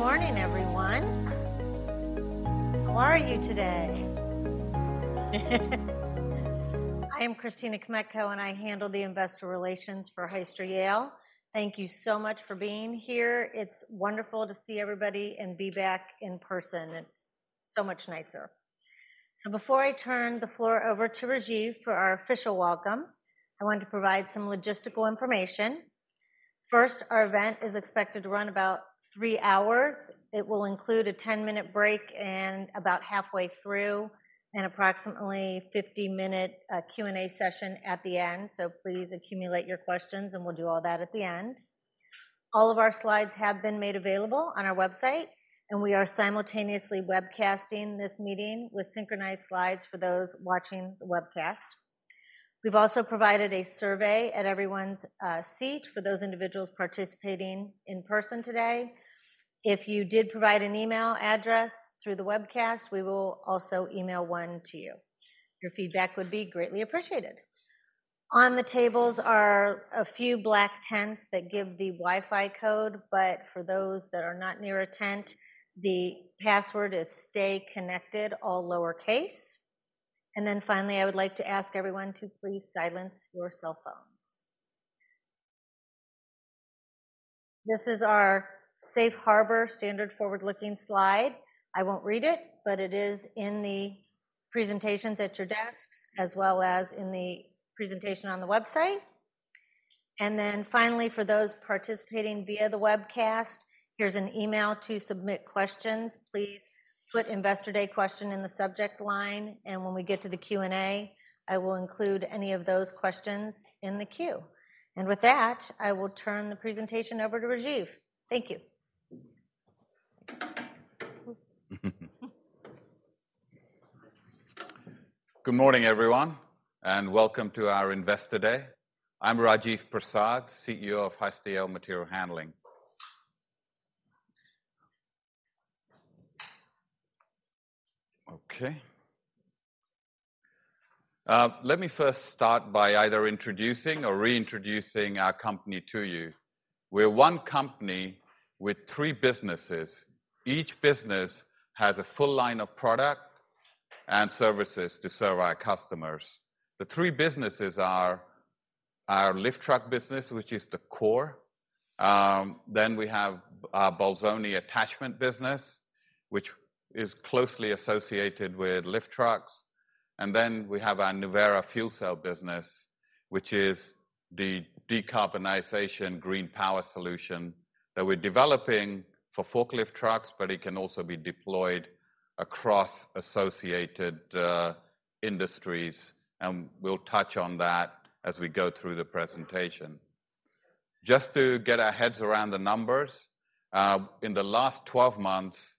Good morning, everyone. How are you today? I am Christina Kmetko, and I handle the Investor Relations for Hyster-Yale. Thank you so much for being here. It's wonderful to see everybody and be back in person. It's so much nicer. So before I turn the floor over to Rajiv for our official welcome, I want to provide some logistical information. First, our event is expected to run about three hours. It will include a 10-minute break and about halfway through, an approximately 50-minute Q&A session at the end. So please accumulate your questions, and we'll do all that at the end. All of our slides have been made available on our website, and we are simultaneously webcasting this meeting with synchronized slides for those watching the webcast. We've also provided a survey at everyone's seat for those individuals participating in person today. If you did provide an email address through the webcast, we will also email one to you. Your feedback would be greatly appreciated. On the tables are a few black tents that give the Wi-Fi code, but for those that are not near a tent, the password is, "stayconnected," all lowercase. And then finally, I would like to ask everyone to please silence your cell phones. This is our safe harbor standard forward-looking slide. I won't read it, but it is in the presentations at your desks, as well as in the presentation on the website. And then finally, for those participating via the webcast, here's an email to submit questions. Please put Investor Day Question in the subject line, and when we get to the Q&A, I will include any of those questions in the queue. And with that, I will turn the presentation over to Rajiv. Thank you. Good morning, everyone, and welcome to our Investor Day. I'm Rajiv Prasad, CEO of Hyster-Yale Materials Handling. Okay. Let me first start by either introducing or reintroducing our company to you. We're one company with three businesses. Each business has a full line of product and services to serve our customers. The three businesses are our lift truck business, which is the core. Then we have our Bolzoni attachment business, which is closely associated with lift trucks. And then we have our Nuvera fuel cell business, which is the decarbonization green power solution that we're developing for forklift trucks, but it can also be deployed across associated industries, and we'll touch on that as we go through the presentation. Just to get our heads around the numbers, in the last 12 months,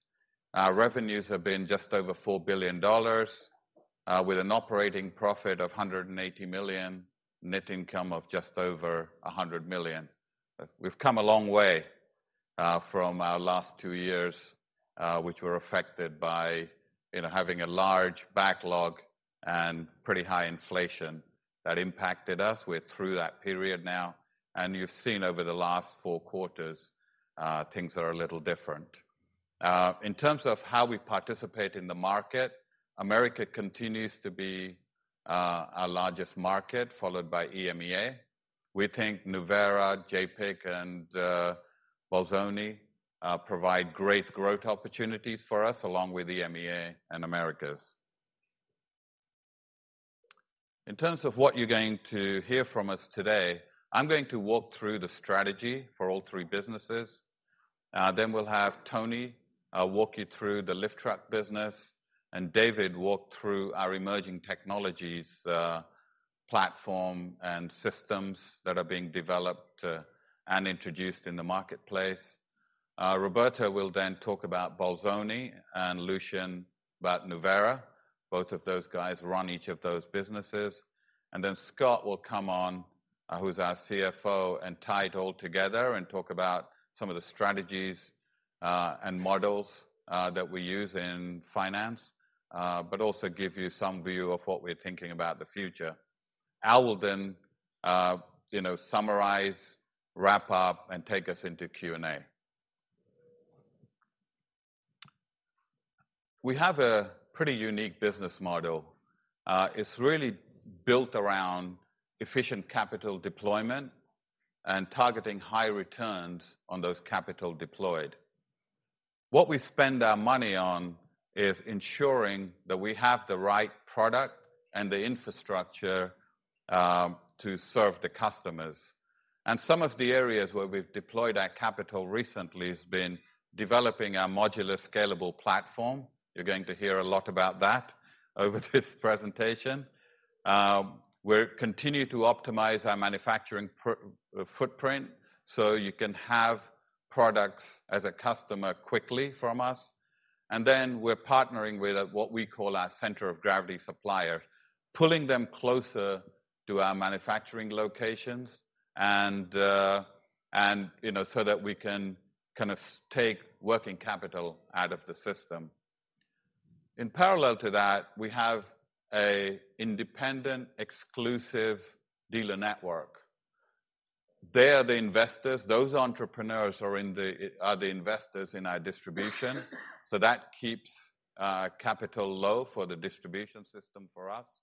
our revenues have been just over $4 billion, with an operating profit of $180 million, net income of just over $100 million. We've come a long way, from our last two years, which were affected by, you know, having a large backlog and pretty high inflation that impacted us. We're through that period now, and you've seen over the last four quarters, things are a little different. In terms of how we participate in the market, Americas continues to be our largest market, followed by EMEA. We think Nuvera, JAPIC, and Bolzoni provide great growth opportunities for us, along with EMEA and Americas. In terms of what you're going to hear from us today, I'm going to walk through the strategy for all three businesses. Then we'll have Tony walk you through the lift truck business, and David walk through our emerging technologies platform and systems that are being developed and introduced in the marketplace. Roberto will then talk about Bolzoni and Lucien about Nuvera. Both of those guys run each of those businesses. And then Scott will come on, who's our CFO, and tie it all together and talk about some of the strategies and models that we use in finance, but also give you some view of what we're thinking about the future. Al will then, you know, summarize, wrap up, and take us into Q&A. We have a pretty unique business model. It's really built around efficient capital deployment and targeting high returns on those capital deployed. What we spend our money on is ensuring that we have the right product and the infrastructure to serve the customers. And some of the areas where we've deployed our capital recently has been developing our modular, scalable platform. You're going to hear a lot about that over this presentation. We're continue to optimize our manufacturing footprint, so you can have products as a customer quickly from us. And then we're partnering with what we call our center of gravity supplier, pulling them closer to our manufacturing locations and, you know, so that we can kind of take working capital out of the system. In parallel to that, we have a independent, exclusive dealer network. They are the investors. Those entrepreneurs are the investors in our distribution, so that keeps capital low for the distribution system for us.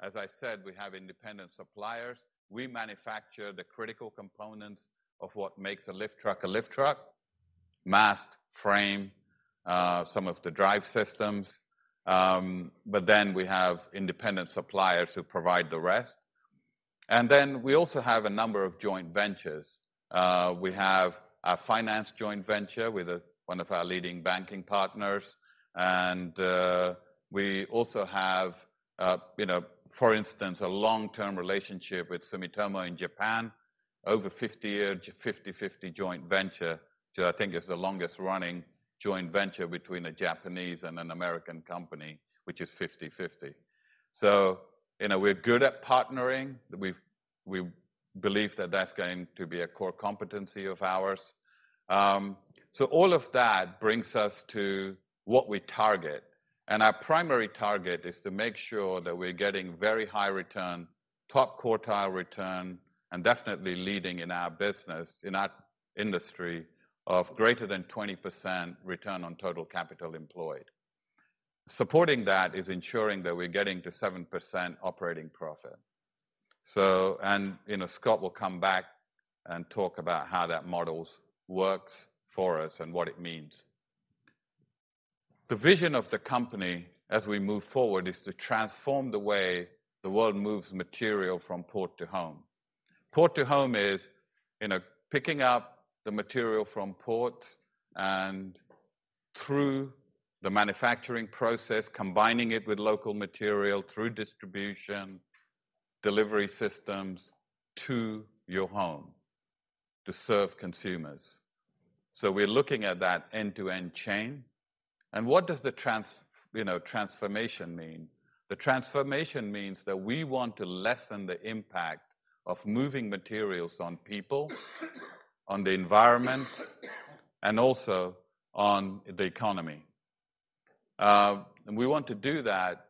As I said, we have independent suppliers. We manufacture the critical components of what makes a lift truck a lift truck: mast, frame, some of the drive systems. But then we have independent suppliers who provide the rest. And then we also have a number of joint ventures. We have a finance joint venture with one of our leading banking partners, and we also have, you know, for instance, a long-term relationship with Sumitomo in Japan, over 50-year, 50/50 joint venture, which I think is the longest-running joint venture between a Japanese and an American company, which is 50/50. So, you know, we're good at partnering. We believe that that's going to be a core competency of ours. So all of that brings us to what we target, and our primary target is to make sure that we're getting very high return, top-quartile return, and definitely leading in our business, in our industry, of greater than 20% return on total capital employed. Supporting that is ensuring that we're getting to 7% operating profit. So... And, you know, Scott will come back and talk about how that model works for us and what it means. The vision of the company as we move forward is to transform the way the world moves material from port to home. Port to home is, you know, picking up the material from port and through the manufacturing process, combining it with local material, through distribution, delivery systems, to your home, to serve consumers. So we're looking at that end-to-end chain. And what does the, you know, transformation mean? The transformation means that we want to lessen the impact of moving materials on people, on the environment, and also on the economy. And we want to do that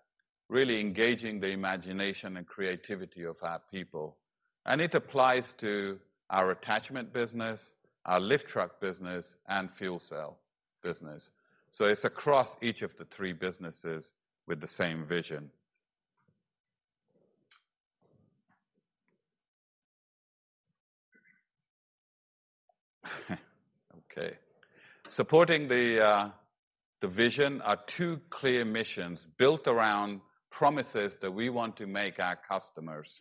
really engaging the imagination and creativity of our people. And it applies to our attachment business, our lift truck business, and fuel cell business. So it's across each of the three businesses with the same vision. Okay. Supporting the vision are two clear missions built around promises that we want to make our customers,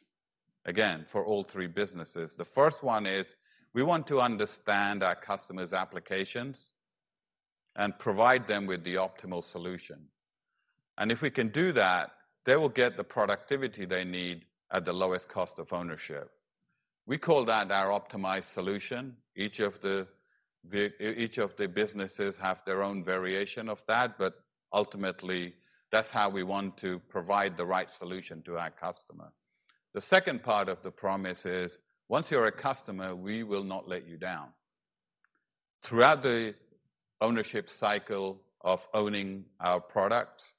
again, for all three businesses. The first one is, we want to understand our customers' applications and provide them with the optimal solution. And if we can do that, they will get the productivity they need at the lowest cost of ownership. We call that our optimized solution. Each of the businesses have their own variation of that, but ultimately, that's how we want to provide the right solution to our customer. The second part of the promise is, once you're a customer, we will not let you down. Throughout the ownership cycle of owning our products,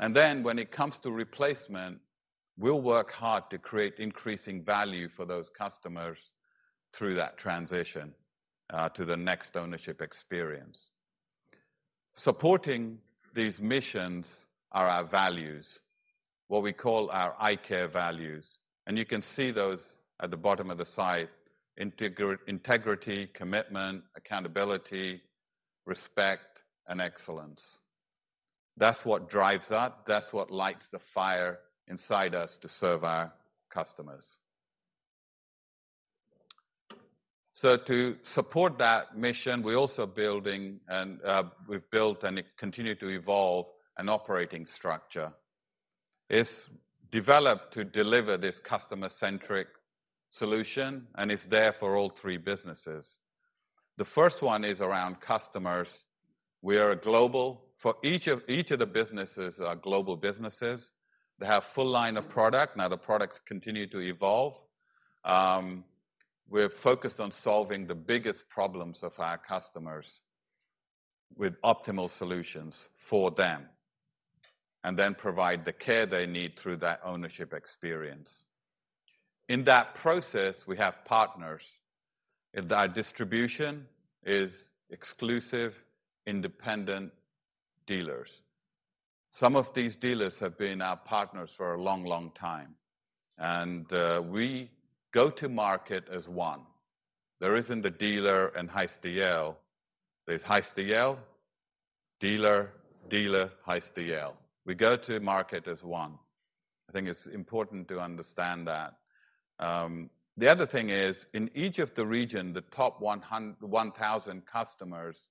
and then when it comes to replacement, we'll work hard to create increasing value for those customers through that transition to the next ownership experience. Supporting these missions are our values, what we call our ICARE values, and you can see those at the bottom of the site: integrity, commitment, accountability, respect, and excellence. That's what drives us. That's what lights the fire inside us to serve our customers. So to support that mission, we're also building and we've built and it continue to evolve an operating structure. It's developed to deliver this customer-centric solution, and it's there for all three businesses. The first one is around customers. We are a global... For each of the businesses are global businesses. They have full line of product. Now, the products continue to evolve. We're focused on solving the biggest problems of our customers with optimal solutions for them, and then provide the care they need through that ownership experience. In that process, we have partners, and our distribution is exclusive, independent dealers. Some of these dealers have been our partners for a long, long time, and we go to market as one. There isn't a dealer and Hyster-Yale. There's Hyster-Yale, dealer, dealer, Hyster-Yale. We go to market as one. I think it's important to understand that. The other thing is, in each of the region, the top 1,000 customers,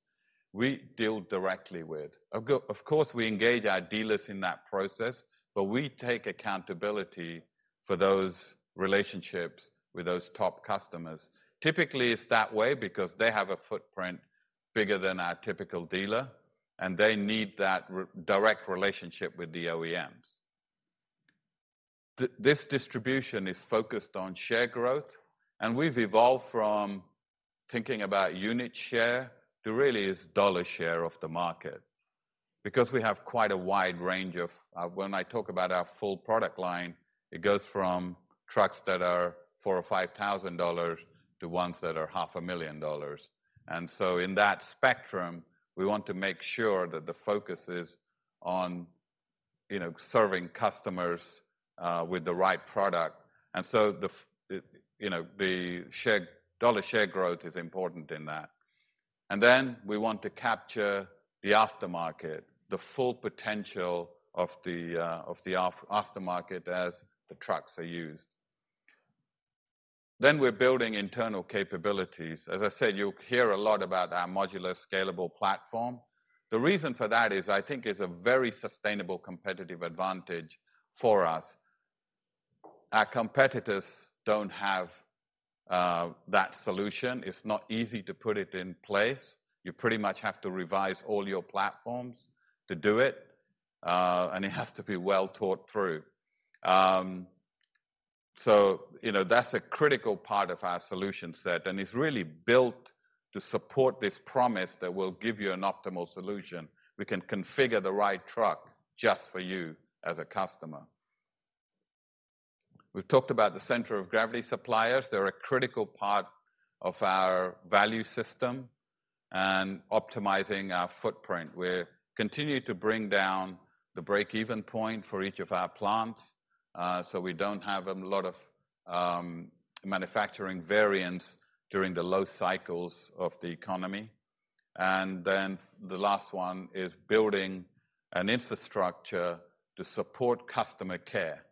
we deal directly with. Of course, we engage our dealers in that process, but we take accountability for those relationships with those top customers. Typically, it's that way because they have a footprint bigger than our typical dealer, and they need that direct relationship with the OEMs. This distribution is focused on share growth, and we've evolved from thinking about unit share to really is dollar share of the market. Because we have quite a wide range of, when I talk about our full product line, it goes from trucks that are $4,000 or $5,000 to ones that are $500,000. And so in that spectrum, we want to make sure that the focus is on, you know, serving customers with the right product. And so the dollar share growth is important in that. And then we want to capture the aftermarket, the full potential of the aftermarket as the trucks are used. Then we're building internal capabilities. As I said, you'll hear a lot about our modular, scalable platform. The reason for that is I think it's a very sustainable competitive advantage for us. Our competitors don't have that solution. It's not easy to put it in place. You pretty much have to revise all your platforms to do it, and it has to be well thought through. So, you know, that's a critical part of our solution set, and it's really built to support this promise that we'll give you an optimal solution. We can configure the right truck just for you as a customer. We've talked about the center of gravity suppliers. They're a critical part of our value system and optimizing our footprint. We're continuing to bring down the break-even point for each of our plants, so we don't have a lot of manufacturing variance during the low cycles of the economy. And then the last one is building an infrastructure to support customer care.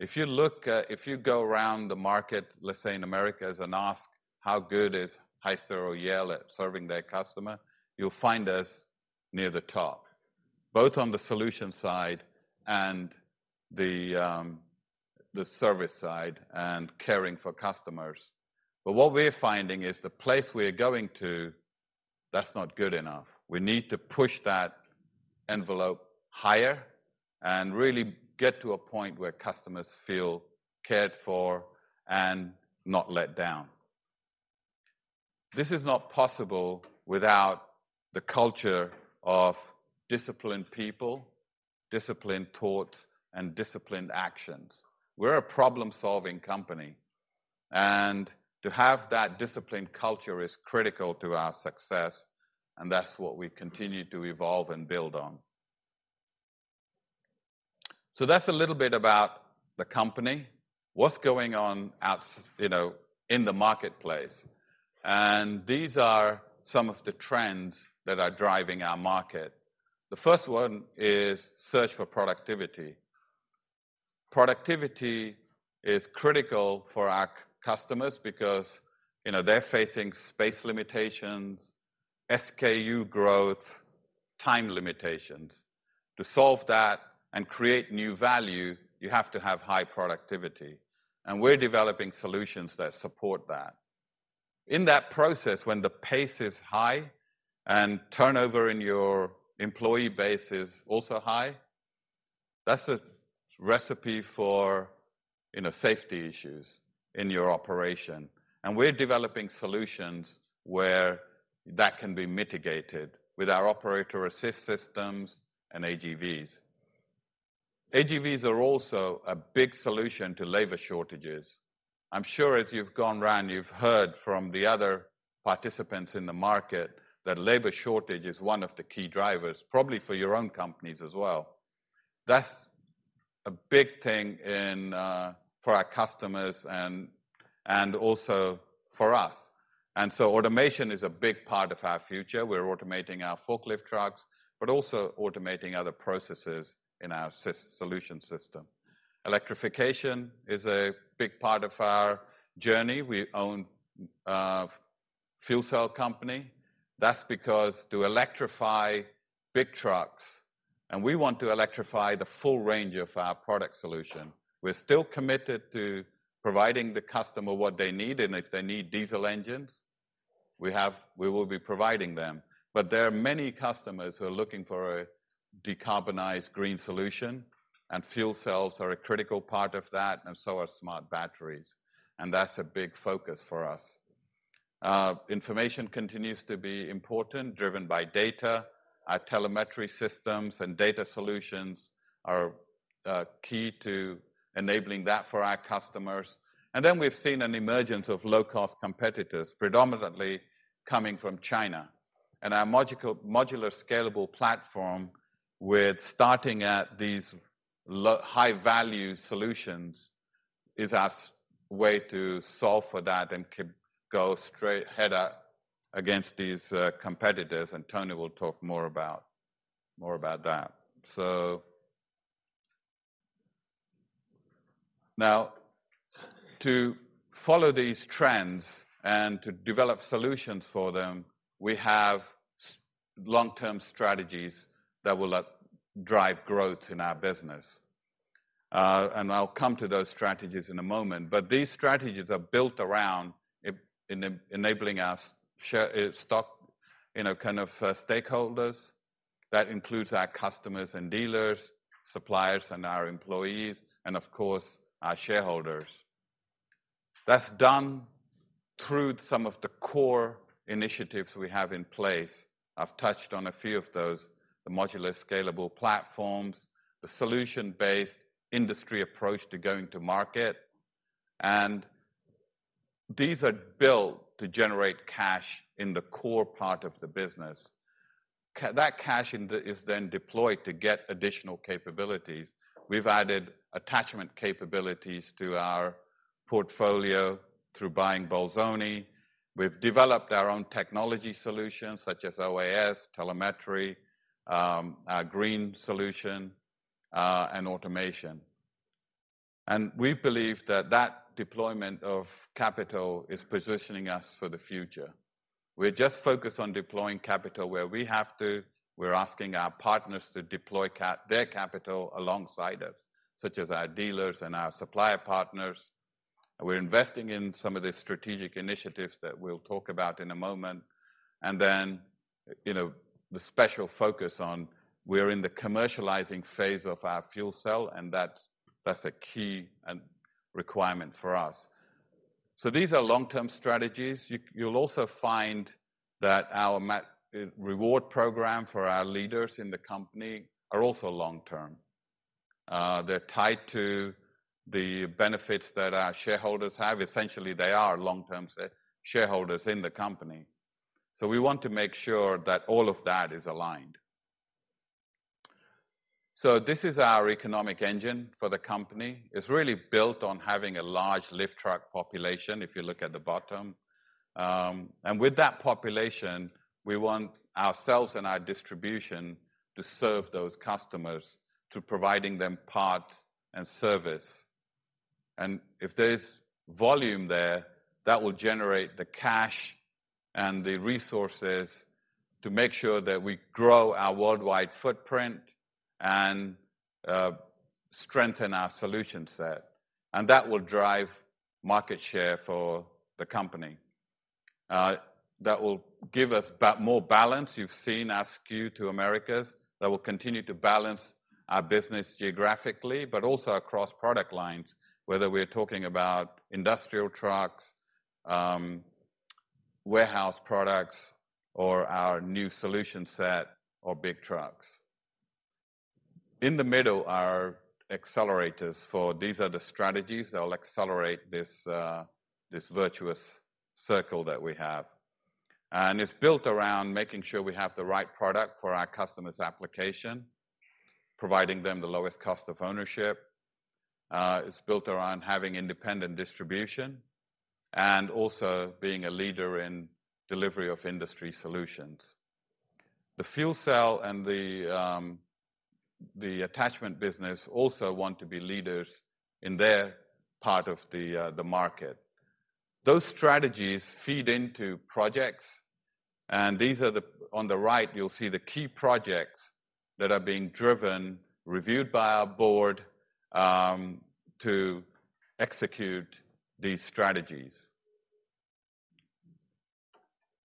If you go around the market, let's say in Americas, and ask, "How good is Hyster or Yale at serving their customer?" You'll find us near the top, both on the solution side and the service side and caring for customers. But what we're finding is the place we're going to, that's not good enough. We need to push that envelope higher and really get to a point where customers feel cared for and not let down. This is not possible without the culture of disciplined people, disciplined thoughts, and disciplined actions. We're a problem-solving company, and to have that disciplined culture is critical to our success, and that's what we continue to evolve and build on. So that's a little bit about the company. What's going on, you know, in the marketplace, and these are some of the trends that are driving our market. The first one is search for productivity. Productivity is critical for our customers because, you know, they're facing space limitations, SKU growth, time limitations. To solve that and create new value, you have to have high productivity, and we're developing solutions that support that. In that process, when the pace is high and turnover in your employee base is also high, that's a recipe for, you know, safety issues in your operation, and we're developing solutions where that can be mitigated with our operator assist systems and AGVs. AGVs are also a big solution to labor shortages. I'm sure as you've gone around, you've heard from the other participants in the market that labor shortage is one of the key drivers, probably for your own companies as well. That's a big thing in for our customers and also for us. And so automation is a big part of our future. We're automating our forklift trucks, but also automating other processes in our solution system. Electrification is a big part of our journey. We own a fuel cell company. That's because to electrify big trucks, and we want to electrify the full range of our product solution. We're still committed to providing the customer what they need, and if they need diesel engines, we have—we will be providing them. But there are many customers who are looking for a decarbonized green solution, and fuel cells are a critical part of that, and so are smart batteries. And that's a big focus for us. Information continues to be important, driven by data. Our telemetry systems and data solutions are key to enabling that for our customers. And then we've seen an emergence of low-cost competitors, predominantly coming from China. Our modular scalable platform, starting at these low- to high-value solutions, is our way to solve for that and go straight head-to-head against these competitors, and Tony will talk more about that. Now, to follow these trends and to develop solutions for them, we have long-term strategies that will help drive growth in our business. And I'll come to those strategies in a moment, but these strategies are built around enabling us, you know, kind of, stakeholders. That includes our customers and dealers, suppliers, and our employees, and of course, our shareholders. That's done through some of the core initiatives we have in place. I've touched on a few of those: the modular, scalable platforms, the solution-based industry approach to going to market, and these are built to generate cash in the core part of the business. That cash in the, is then deployed to get additional capabilities. We've added attachment capabilities to our portfolio through buying Bolzoni. We've developed our own technology solutions, such as OAS, telemetry, our green solution, and automation. And we believe that that deployment of capital is positioning us for the future. We're just focused on deploying capital where we have to. We're asking our partners to deploy their capital alongside us, such as our dealers and our supplier partners. We're investing in some of the strategic initiatives that we'll talk about in a moment, and then, you know, the special focus on we're in the commercializing phase of our fuel cell, and that's a key requirement for us. So these are long-term strategies. You'll also find that our management reward program for our leaders in the company are also long-term. They're tied to the benefits that our shareholders have. Essentially, they are long-term shareholders in the company, so we want to make sure that all of that is aligned. So this is our economic engine for the company. It's really built on having a large lift truck population, if you look at the bottom. And with that population, we want ourselves and our distribution to serve those customers, to providing them parts and service. If there's volume there, that will generate the cash and the resources to make sure that we grow our worldwide footprint and strengthen our solution set, and that will drive market share for the company. That will give us more balance. You've seen our skew to Americas. That will continue to balance our business geographically, but also across product lines, whether we're talking about industrial trucks, warehouse products, or our new solution set, or big trucks. In the middle are accelerators, for these are the strategies that will accelerate this this virtuous circle that we have. It's built around making sure we have the right product for our customer's application, providing them the lowest cost of ownership. It's built around having independent distribution and also being a leader in delivery of industry solutions. The fuel cell and the attachment business also want to be leaders in their part of the market. Those strategies feed into projects, and these are the... On the right, you'll see the key projects that are being driven, reviewed by our board, to execute these strategies.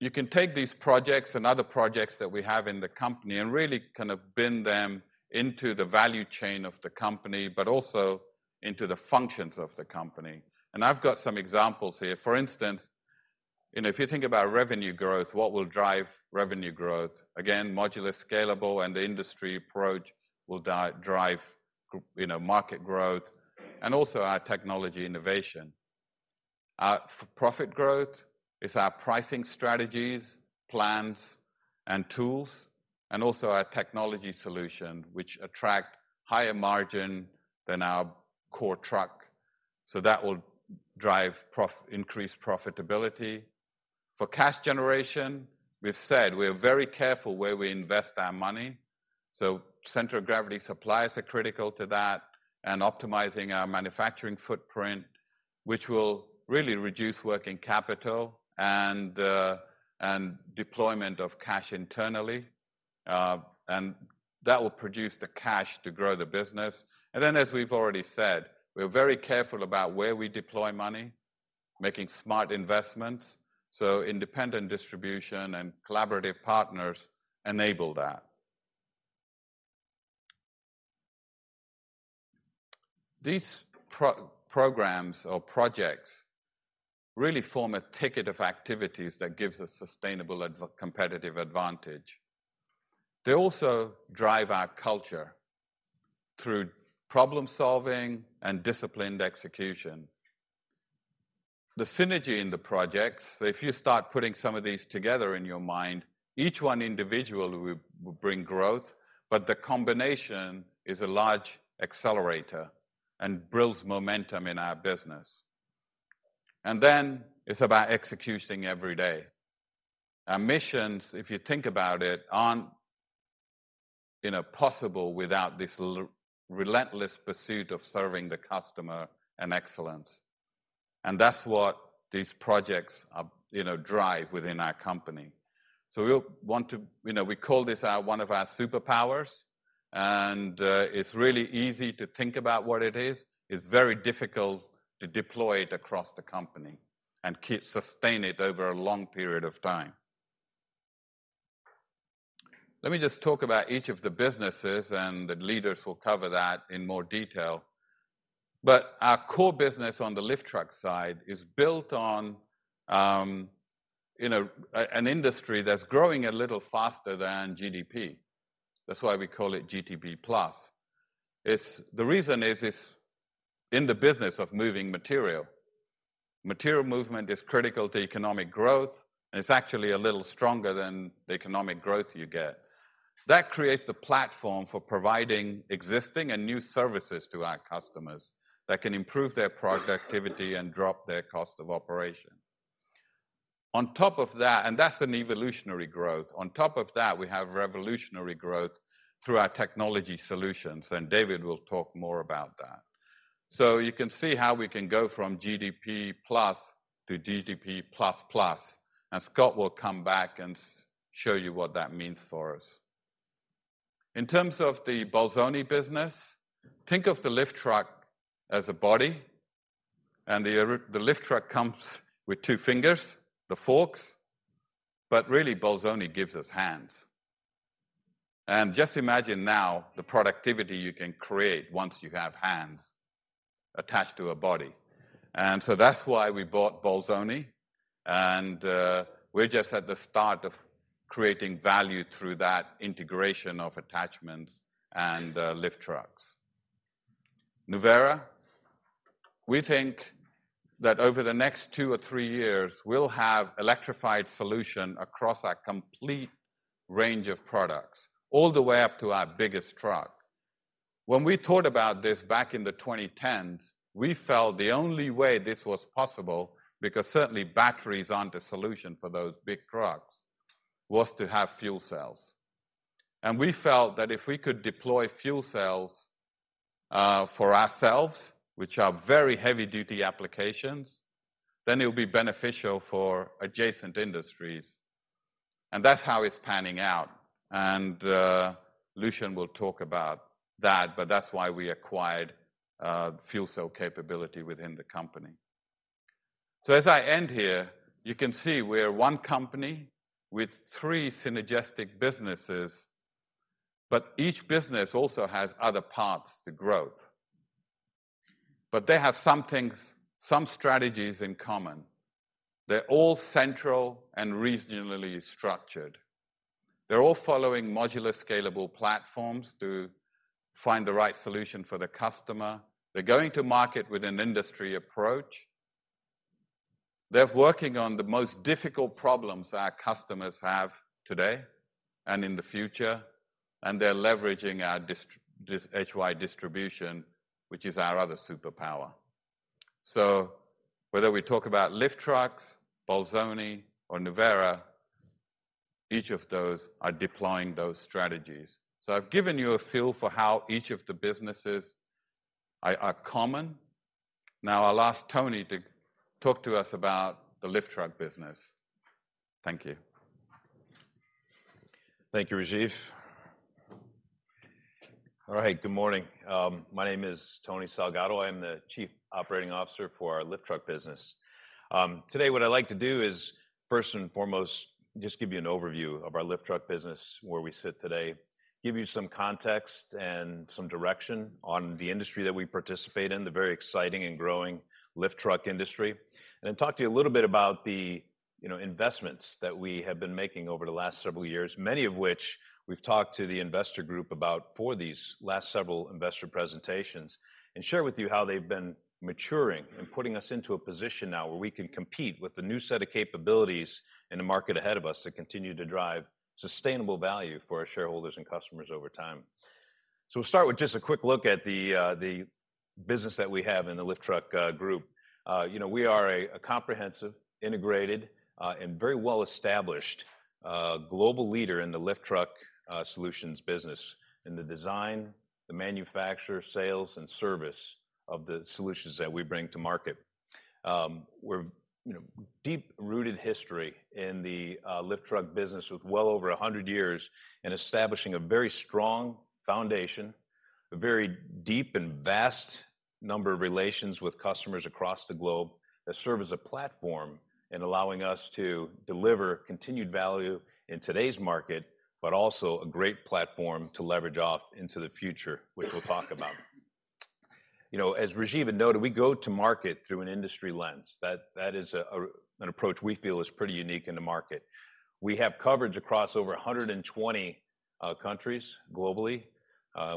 You can take these projects and other projects that we have in the company and really kind of bin them into the value chain of the company, but also into the functions of the company. And I've got some examples here. For instance, you know, if you think about revenue growth, what will drive revenue growth? Again, modular, scalable, and the industry approach will drive growth, you know, market growth, and also our technology innovation. Our for profit growth is our pricing strategies, plans, and tools, and also our technology solution, which attract higher margin than our core truck. So that will drive increase profitability. For cash generation, we've said we're very careful where we invest our money, so center of gravity suppliers are critical to that and optimizing our manufacturing footprint, which will really reduce working capital and deployment of cash internally. And that will produce the cash to grow the business. And then, as we've already said, we're very careful about where we deploy money, making smart investments, so independent distribution and collaborative partners enable that. These programs or projects really form a ticket of activities that gives us sustainable competitive advantage. They also drive our culture through problem-solving and disciplined execution. The synergy in the projects, so if you start putting some of these together in your mind, each one individually will, will bring growth, but the combination is a large accelerator and builds momentum in our business. And then it's about executing every day. Our missions, if you think about it, aren't, you know, possible without this relentless pursuit of serving the customer and excellence, and that's what these projects are, you know, drive within our company. So we'll want to, you know, we call this our, one of our superpowers... and it's really easy to think about what it is. It's very difficult to deploy it across the company and keep, sustain it over a long period of time. Let me just talk about each of the businesses, and the leaders will cover that in more detail. But our core business on the lift truck side is built on, you know, an industry that's growing a little faster than GDP. That's why we call it GDP+. The reason is, it's in the business of moving material. Material movement is critical to economic growth, and it's actually a little stronger than the economic growth you get. That creates the platform for providing existing and new services to our customers that can improve their productivity and drop their cost of operation. On top of that... that's an evolutionary growth. On top of that, we have revolutionary growth through our technology solutions, and David will talk more about that. So you can see how we can go from GDP+ to GDP++, and Scott will come back and show you what that means for us. In terms of the Bolzoni business, think of the lift truck as a body, and the lift truck comes with two fingers, the forks, but really, Bolzoni gives us hands. And just imagine now the productivity you can create once you have hands attached to a body. And so that's why we bought Bolzoni, and we're just at the start of creating value through that integration of attachments and lift trucks. Nuvera, we think that over the next two or three years, we'll have electrified solution across our complete range of products, all the way up to our biggest truck. When we thought about this back in the twenty tens, we felt the only way this was possible, because certainly batteries aren't a solution for those big trucks, was to have fuel cells. And we felt that if we could deploy fuel cells for ourselves, which are very heavy-duty applications, then it would be beneficial for adjacent industries, and that's how it's panning out. Lucien will talk about that, but that's why we acquired fuel cell capability within the company. So as I end here, you can see we're one company with three synergistic businesses, but each business also has other paths to growth. But they have some things, some strategies in common. They're all central and regionally structured. They're all following modular, scalable platforms to find the right solution for the customer. They're going to market with an industry approach. They're working on the most difficult problems our customers have today and in the future, and they're leveraging our distribution, this HY distribution, which is our other superpower. So whether we talk about lift trucks, Bolzoni, or Nuvera, each of those are deploying those strategies. So I've given you a feel for how each of the businesses are common. Now, I'll ask Tony to talk to us about the lift truck business. Thank you. Thank you, Rajiv. All right. Good morning. My name is Tony Salgado. I'm the Chief Operating Officer for our lift truck business. Today, what I'd like to do is, first and foremost, just give you an overview of our lift truck business, where we sit today, give you some context and some direction on the industry that we participate in, the very exciting and growing lift truck industry, and then talk to you a little bit about the, you know, investments that we have been making over the last several years, many of which we've talked to the investor group about for these last several investor presentations. Share with you how they've been maturing and putting us into a position now where we can compete with the new set of capabilities in the market ahead of us to continue to drive sustainable value for our shareholders and customers over time. We'll start with just a quick look at the business that we have in the lift truck group. You know, we are a comprehensive, integrated, and very well-established global leader in the lift truck solutions business, in the design, the manufacture, sales, and service of the solutions that we bring to market. We're, you know, deep-rooted history in the lift truck business, with well over 100 years in establishing a very strong foundation, a very deep and vast number of relations with customers across the globe that serve as a platform in allowing us to deliver continued value in today's market, but also a great platform to leverage off into the future, which we'll talk about. You know, as Rajiv had noted, we go to market through an industry lens. That is an approach we feel is pretty unique in the market. We have coverage across over 120 countries globally.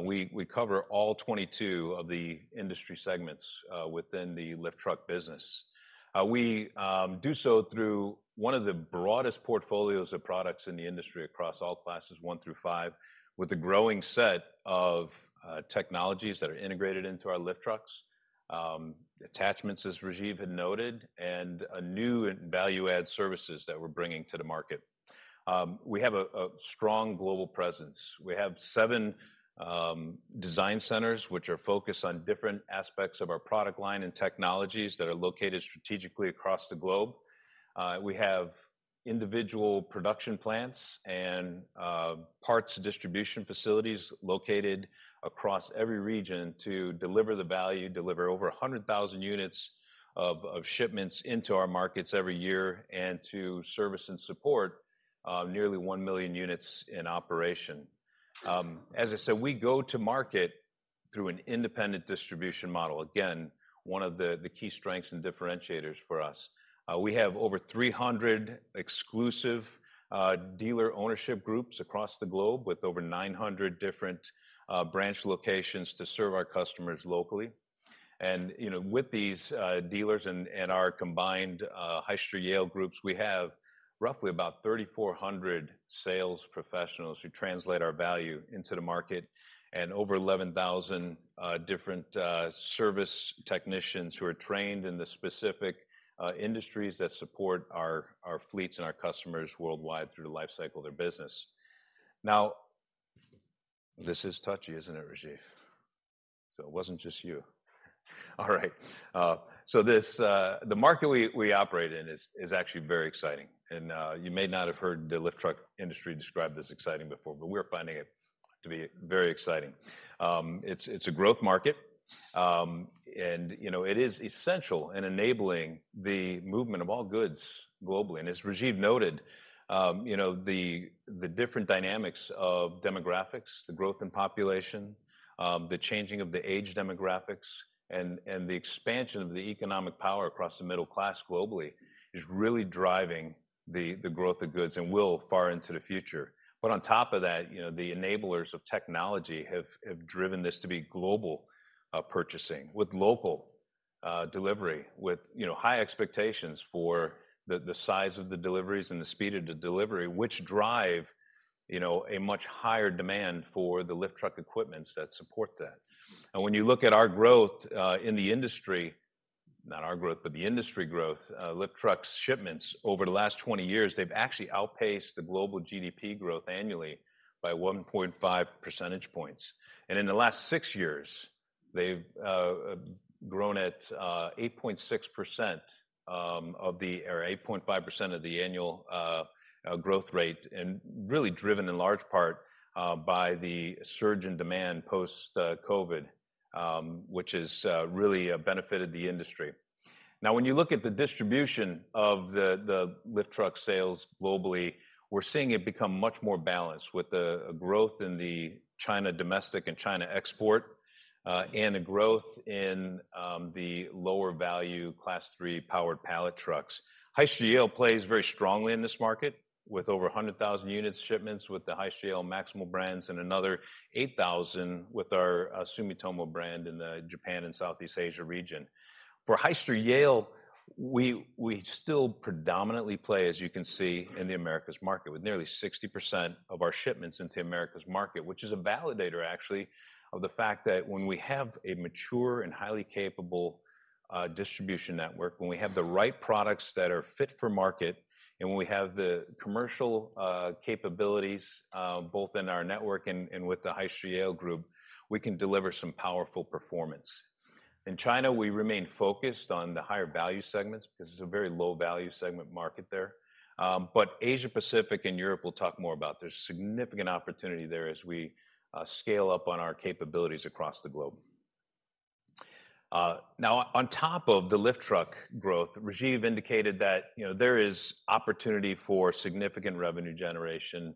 We cover all 22 of the industry segments within the lift truck business. We do so through one of the broadest portfolios of products in the industry across all classes, one through five, with a growing set of technologies that are integrated into our lift trucks, attachments, as Rajiv had noted, and a new and value-add services that we're bringing to the market. We have a strong global presence. We have seven design centers, which are focused on different aspects of our product line and technologies that are located strategically across the globe. We have individual production plants and parts distribution facilities located across every region to deliver the value, deliver over 100,000 units of shipments into our markets every year, and to service and support nearly 1 million units in operation. As I said, we go to market through an independent distribution model. Again, one of the key strengths and differentiators for us. We have over 300 exclusive dealer ownership groups across the globe, with over 900 different branch locations to serve our customers locally. And, you know, with these dealers and our combined Hyster-Yale Group, we have roughly about 3,400 sales professionals who translate our value into the market, and over 11,000 different service technicians who are trained in the specific industries that support our fleets and our customers worldwide through the life cycle of their business. Now, this is touchy, isn't it, Rajiv? So it wasn't just you. All right. So this... The market we operate in is actually very exciting, and you may not have heard the lift truck industry described as exciting before, but we're finding it to be very exciting. It's a growth market, and you know, it is essential in enabling the movement of all goods globally. And as Rajiv noted, you know, the different dynamics of demographics, the growth in population, the changing of the age demographics and the expansion of the economic power across the middle class globally is really driving the growth of goods and will far into the future. But on top of that, you know, the enablers of technology have, have driven this to be global purchasing, with local delivery, with, you know, high expectations for the, the size of the deliveries and the speed of the delivery, which drive, you know, a much higher demand for the lift truck equipments that support that. And when you look at our growth, in the industry, not our growth, but the industry growth, lift trucks shipments over the last 20 years, they've actually outpaced the global GDP growth annually by 1.5 percentage points. In the last six years, they've grown at 8.6% or 8.5% of the annual growth rate, and really driven in large part by the surge in demand post COVID, which has really benefited the industry. Now, when you look at the distribution of the lift truck sales globally, we're seeing it become much more balanced with a growth in the China domestic and China export, and a growth in the lower value Class III powered pallet trucks. Hyster-Yale plays very strongly in this market, with over 100,000 units shipments with the Hyster-Yale Maximal brands and another 8,000 with our Sumitomo brand in the Japan and Southeast Asia region. For Hyster-Yale, we still predominantly play, as you can see, in the Americas market, with nearly 60% of our shipments into Americas market, which is a validator, actually, of the fact that when we have a mature and highly capable distribution network, when we have the right products that are fit for market, and when we have the commercial capabilities, both in our network and with the Hyster-Yale Group, we can deliver some powerful performance. In China, we remain focused on the higher value segments because it's a very low value segment market there. But Asia Pacific and Europe, we'll talk more about. There's significant opportunity there as we scale up on our capabilities across the globe. Now, on top of the lift truck growth, Rajiv indicated that, you know, there is opportunity for significant revenue generation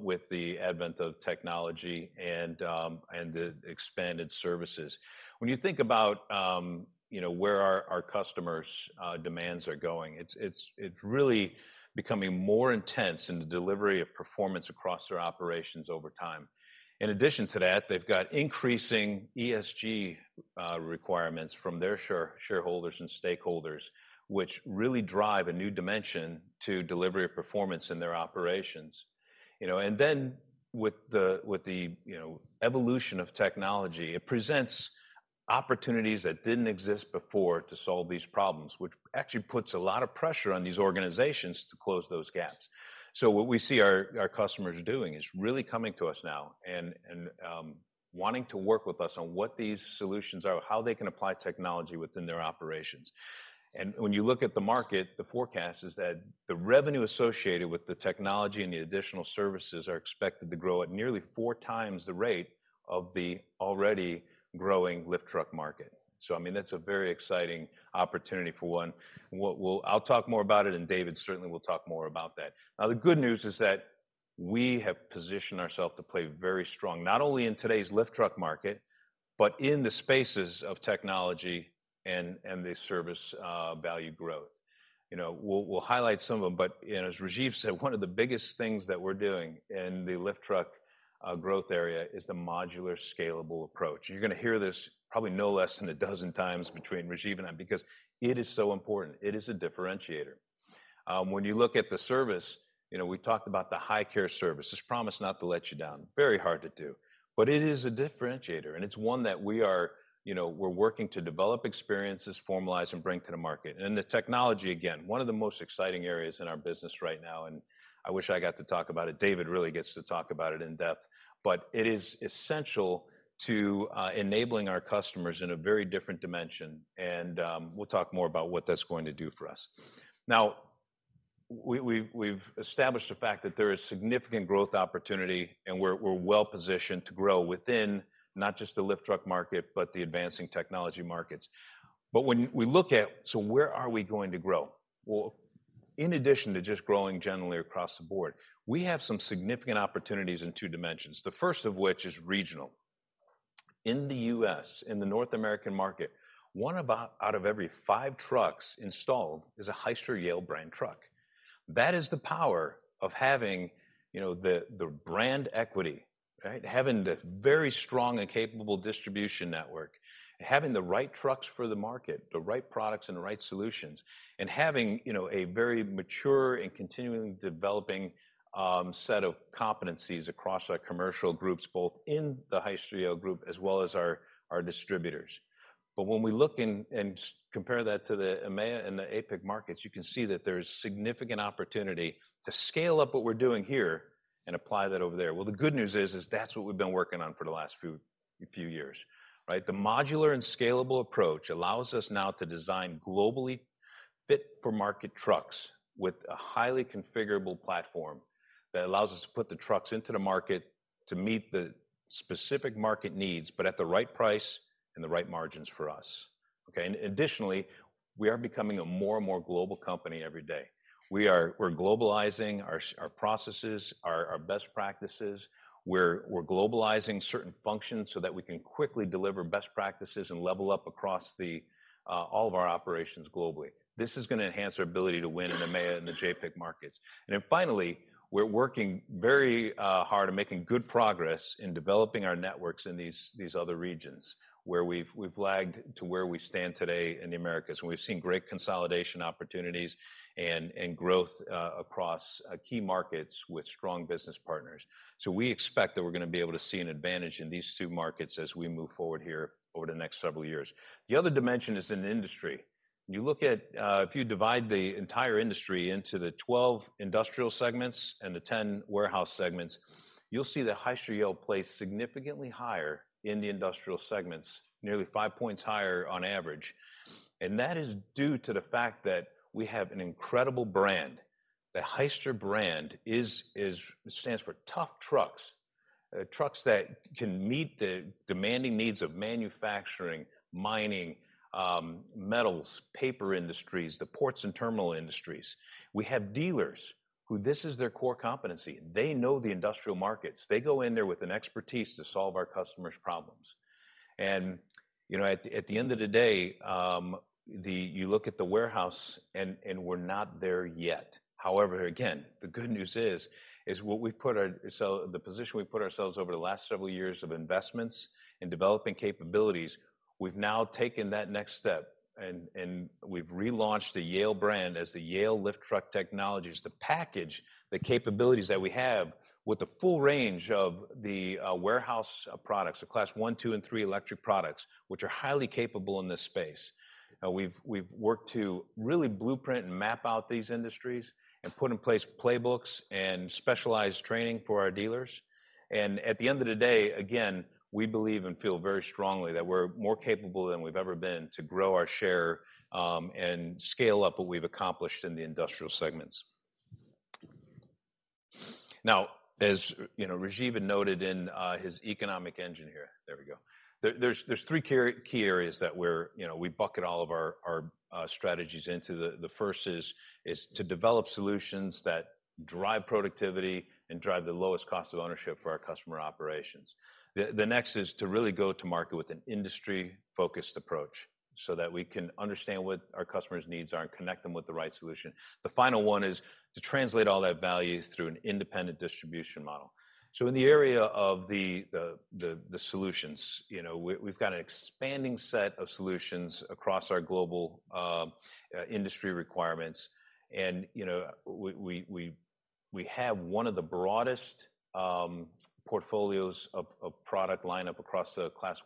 with the advent of technology and the expanded services. When you think about, you know, where our customers' demands are going, it's really becoming more intense in the delivery of performance across their operations over time. In addition to that, they've got increasing ESG requirements from their shareholders and stakeholders, which really drive a new dimension to delivery of performance in their operations. You know, and then with the evolution of technology, it presents opportunities that didn't exist before to solve these problems, which actually puts a lot of pressure on these organizations to close those gaps. So what we see our customers doing is really coming to us now and wanting to work with us on what these solutions are, how they can apply technology within their operations. And when you look at the market, the forecast is that the revenue associated with the technology and the additional services are expected to grow at nearly four times the rate of the already growing lift truck market. So, I mean, that's a very exciting opportunity for one. What we'll—I'll talk more about it, and David certainly will talk more about that. Now, the good news is that we have positioned ourselves to play very strong, not only in today's lift truck market, but in the spaces of technology and the service value growth. You know, we'll, we'll highlight some of them, but, and as Rajiv said, one of the biggest things that we're doing in the lift truck growth area is the modular, scalable approach. You're gonna hear this probably no less than a dozen times between Rajiv and I, because it is so important. It is a differentiator. When you look at the service, you know, we talked about the Hy-Care service, this promise not to let you down. Very hard to do, but it is a differentiator, and it's one that we are, you know, we're working to develop experiences, formalize, and bring to the market. And the technology, again, one of the most exciting areas in our business right now, and I wish I got to talk about it. David really gets to talk about it in depth, but it is essential to enabling our customers in a very different dimension, and we'll talk more about what that's going to do for us. Now, we've established the fact that there is significant growth opportunity, and we're well positioned to grow within not just the lift truck market, but the advancing technology markets. But when we look at, so where are we going to grow? Well, in addition to just growing generally across the board, we have some significant opportunities in two dimensions, the first of which is regional. In the U.S., in the North American market, one out of every five trucks installed is a Hyster-Yale brand truck. That is the power of having, you know, the brand equity, right? Having the very strong and capable distribution network, having the right trucks for the market, the right products and the right solutions, and having, you know, a very mature and continually developing set of competencies across our commercial groups, both in the Hyster-Yale Group as well as our distributors. But when we look and compare that to the EMEA and the APAC markets, you can see that there's significant opportunity to scale up what we're doing here and apply that over there. Well, the good news is that's what we've been working on for the last few years, right? The modular and scalable approach allows us now to design globally fit-for-market trucks with a highly configurable platform that allows us to put the trucks into the market to meet the specific market needs, but at the right price and the right margins for us, okay? And additionally, we are becoming a more and more global company every day. We are globalizing our processes, our best practices. We're globalizing certain functions so that we can quickly deliver best practices and level up across all of our operations globally. This is gonna enhance our ability to win in the EMEA and the JAPIC markets. And then finally, we're working very hard and making good progress in developing our networks in these other regions, where we've lagged to where we stand today in the Americas, and we've seen great consolidation opportunities and growth across key markets with strong business partners. So we expect that we're gonna be able to see an advantage in these two markets as we move forward here over the next several years. The other dimension is in industry. You look at, if you divide the entire industry into the 12 industrial segments and the 10 warehouse segments, you'll see that Hyster-Yale plays significantly higher in the industrial segments, nearly five points higher on average, and that is due to the fact that we have an incredible brand. The Hyster brand stands for tough trucks, trucks that can meet the demanding needs of manufacturing, mining, metals, paper industries, the ports and terminal industries. We have dealers who this is their core competency. They know the industrial markets. They go in there with an expertise to solve our customers' problems. And, you know, at the end of the day, you look at the warehouse and we're not there yet. However, again, the good news is so the position we've put ourselves over the last several years of investments in developing capabilities, we've now taken that next step and we've relaunched the Yale brand as the Yale Lift Truck Technologies to package the capabilities that we have with the full range of the warehouse products, the Class I, II, and III electric products, which are highly capable in this space. We've worked to really blueprint and map out these industries and put in place playbooks and specialized training for our dealers. And at the end of the day, again, we believe and feel very strongly that we're more capable than we've ever been to grow our share and scale up what we've accomplished in the industrial segments. Now, as you know, Rajiv noted in his economic engine here... There we go. There are three key areas that we're, you know, we bucket all of our strategies into. The first is to develop solutions that drive productivity and drive the lowest cost of ownership for our customer operations. The next is to really go to market with an industry-focused approach so that we can understand what our customer's needs are and connect them with the right solution. The final one is to translate all that value through an independent distribution model. So in the area of the solutions, you know, we've got an expanding set of solutions across our global industry requirements, and, you know, we have one of the broadest portfolios of product lineup across the Class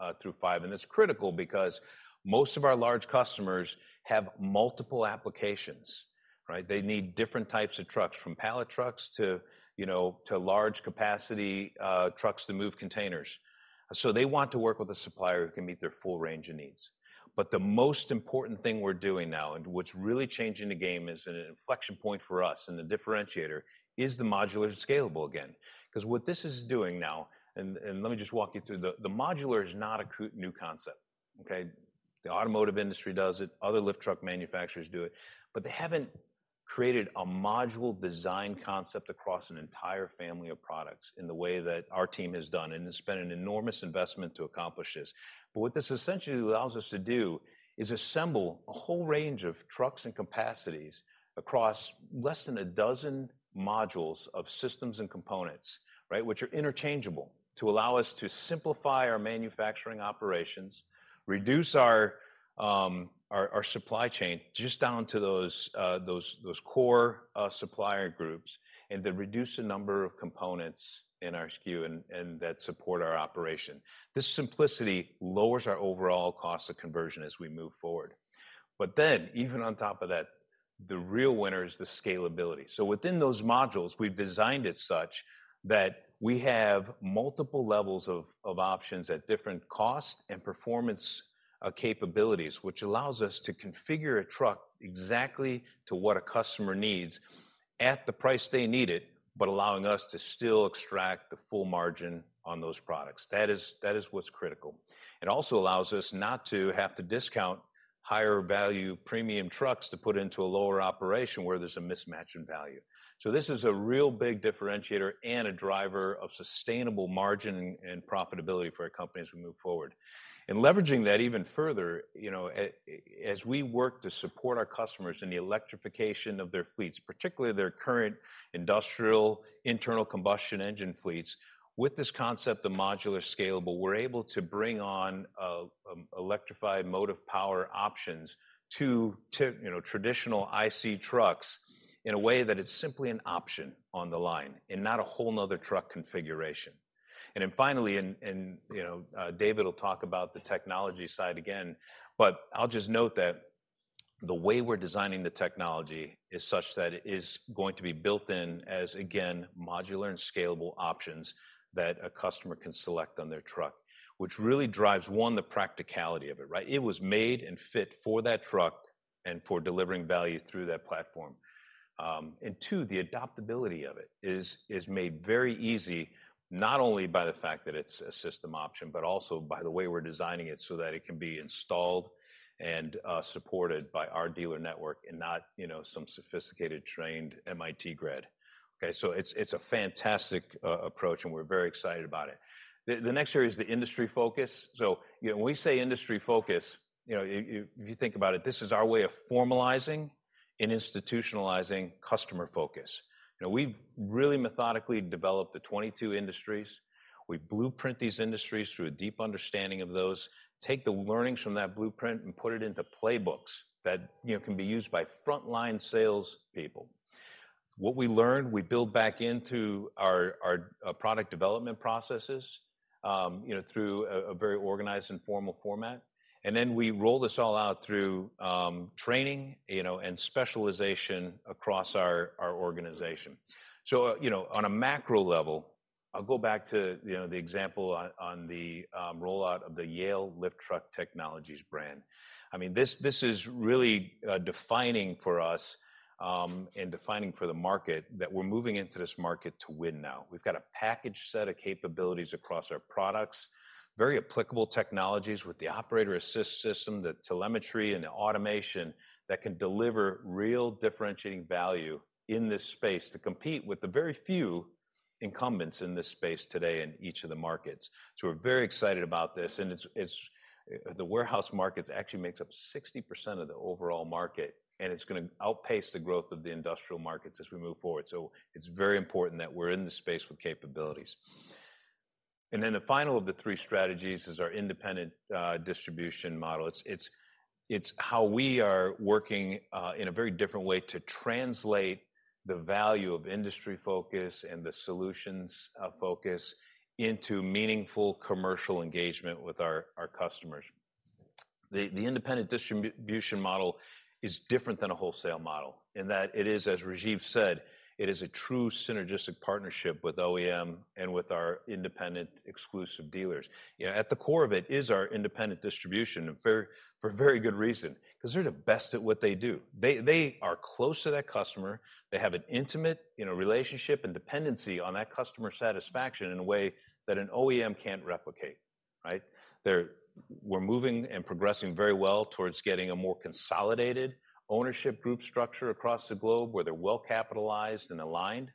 I through V. And it's critical because most of our large customers have multiple applications, right? They need different types of trucks, from pallet trucks to, you know, to large capacity trucks to move containers. So they want to work with a supplier who can meet their full range of needs. But the most important thing we're doing now, and what's really changing the game is an inflection point for us, and the differentiator is the modular and scalable again, 'cause what this is doing now, and let me just walk you through the... The modular is not a new concept, okay? The automotive industry does it, other lift truck manufacturers do it, but they haven't created a module design concept across an entire family of products in the way that our team has done, and it's been an enormous investment to accomplish this. But what this essentially allows us to do is assemble a whole range of trucks and capacities across less than a dozen modules of systems and components, right? Which are interchangeable, to allow us to simplify our manufacturing operations, reduce our supply chain just down to those core supplier groups, and then reduce the number of components in our SKU and that support our operation. This simplicity lowers our overall cost of conversion as we move forward. But then, even on top of that, the real winner is the scalability. So within those modules, we've designed it such that we have multiple levels of options at different cost and performance capabilities, which allows us to configure a truck exactly to what a customer needs at the price they need it, but allowing us to still extract the full margin on those products. That is what's critical. It also allows us not to have to discount higher value premium trucks to put into a lower operation where there's a mismatch in value. So this is a real big differentiator and a driver of sustainable margin and profitability for our company as we move forward. And leveraging that even further, you know, as we work to support our customers in the electrification of their fleets, particularly their current industrial internal combustion engine fleets, with this concept of modular scalable, we're able to bring on electrified mode of power options to, you know, traditional IC trucks in a way that it's simply an option on the line and not a whole another truck configuration. And then finally, David will talk about the technology side again, but I'll just note that the way we're designing the technology is such that it is going to be built in as, again, modular and scalable options that a customer can select on their truck, which really drives, one, the practicality of it, right? It was made and fit for that truck and for delivering value through that platform. And two, the adaptability of it is made very easy, not only by the fact that it's a system option, but also by the way we're designing it so that it can be installed and supported by our dealer network and not, you know, some sophisticated, trained MIT grad. Okay, so it's a fantastic approach, and we're very excited about it. The next area is the industry focus. So, you know, when we say industry focus, you know, if you think about it, this is our way of formalizing and institutionalizing customer focus. You know, we've really methodically developed the 22 industries. We blueprint these industries through a deep understanding of those, take the learnings from that blueprint and put it into playbooks that, you know, can be used by frontline salespeople. What we learn, we build back into our product development processes, you know, through a very organized and formal format, and then we roll this all out through training, you know, and specialization across our organization. So, you know, on a macro level, I'll go back to, you know, the example of the rollout of the Yale Lift Truck Technologies brand. I mean, this is really defining for us, and defining for the market that we're moving into this market to win now. We've got a package set of capabilities across our products, very applicable technologies with the operator assist system, the telemetry, and the automation that can deliver real differentiating value in this space to compete with the very few incumbents in this space today in each of the markets. So we're very excited about this, and it's – the warehouse markets actually makes up 60% of the overall market, and it's gonna outpace the growth of the industrial markets as we move forward. So it's very important that we're in the space with capabilities. And then the final of the three strategies is our independent distribution model. It's how we are working in a very different way to translate the value of industry focus and the solutions focus into meaningful commercial engagement with our customers. The independent distribution model is different than a wholesale model, in that it is, as Rajiv said, it is a true synergistic partnership with OEM and with our independent exclusive dealers. You know, at the core of it is our independent distribution, and very, for very good reason, 'cause they're the best at what they do. They, they are close to that customer. They have an intimate, you know, relationship and dependency on that customer satisfaction in a way that an OEM can't replicate, right? They're, we're moving and progressing very well towards getting a more consolidated ownership group structure across the globe, where they're well-capitalized and aligned.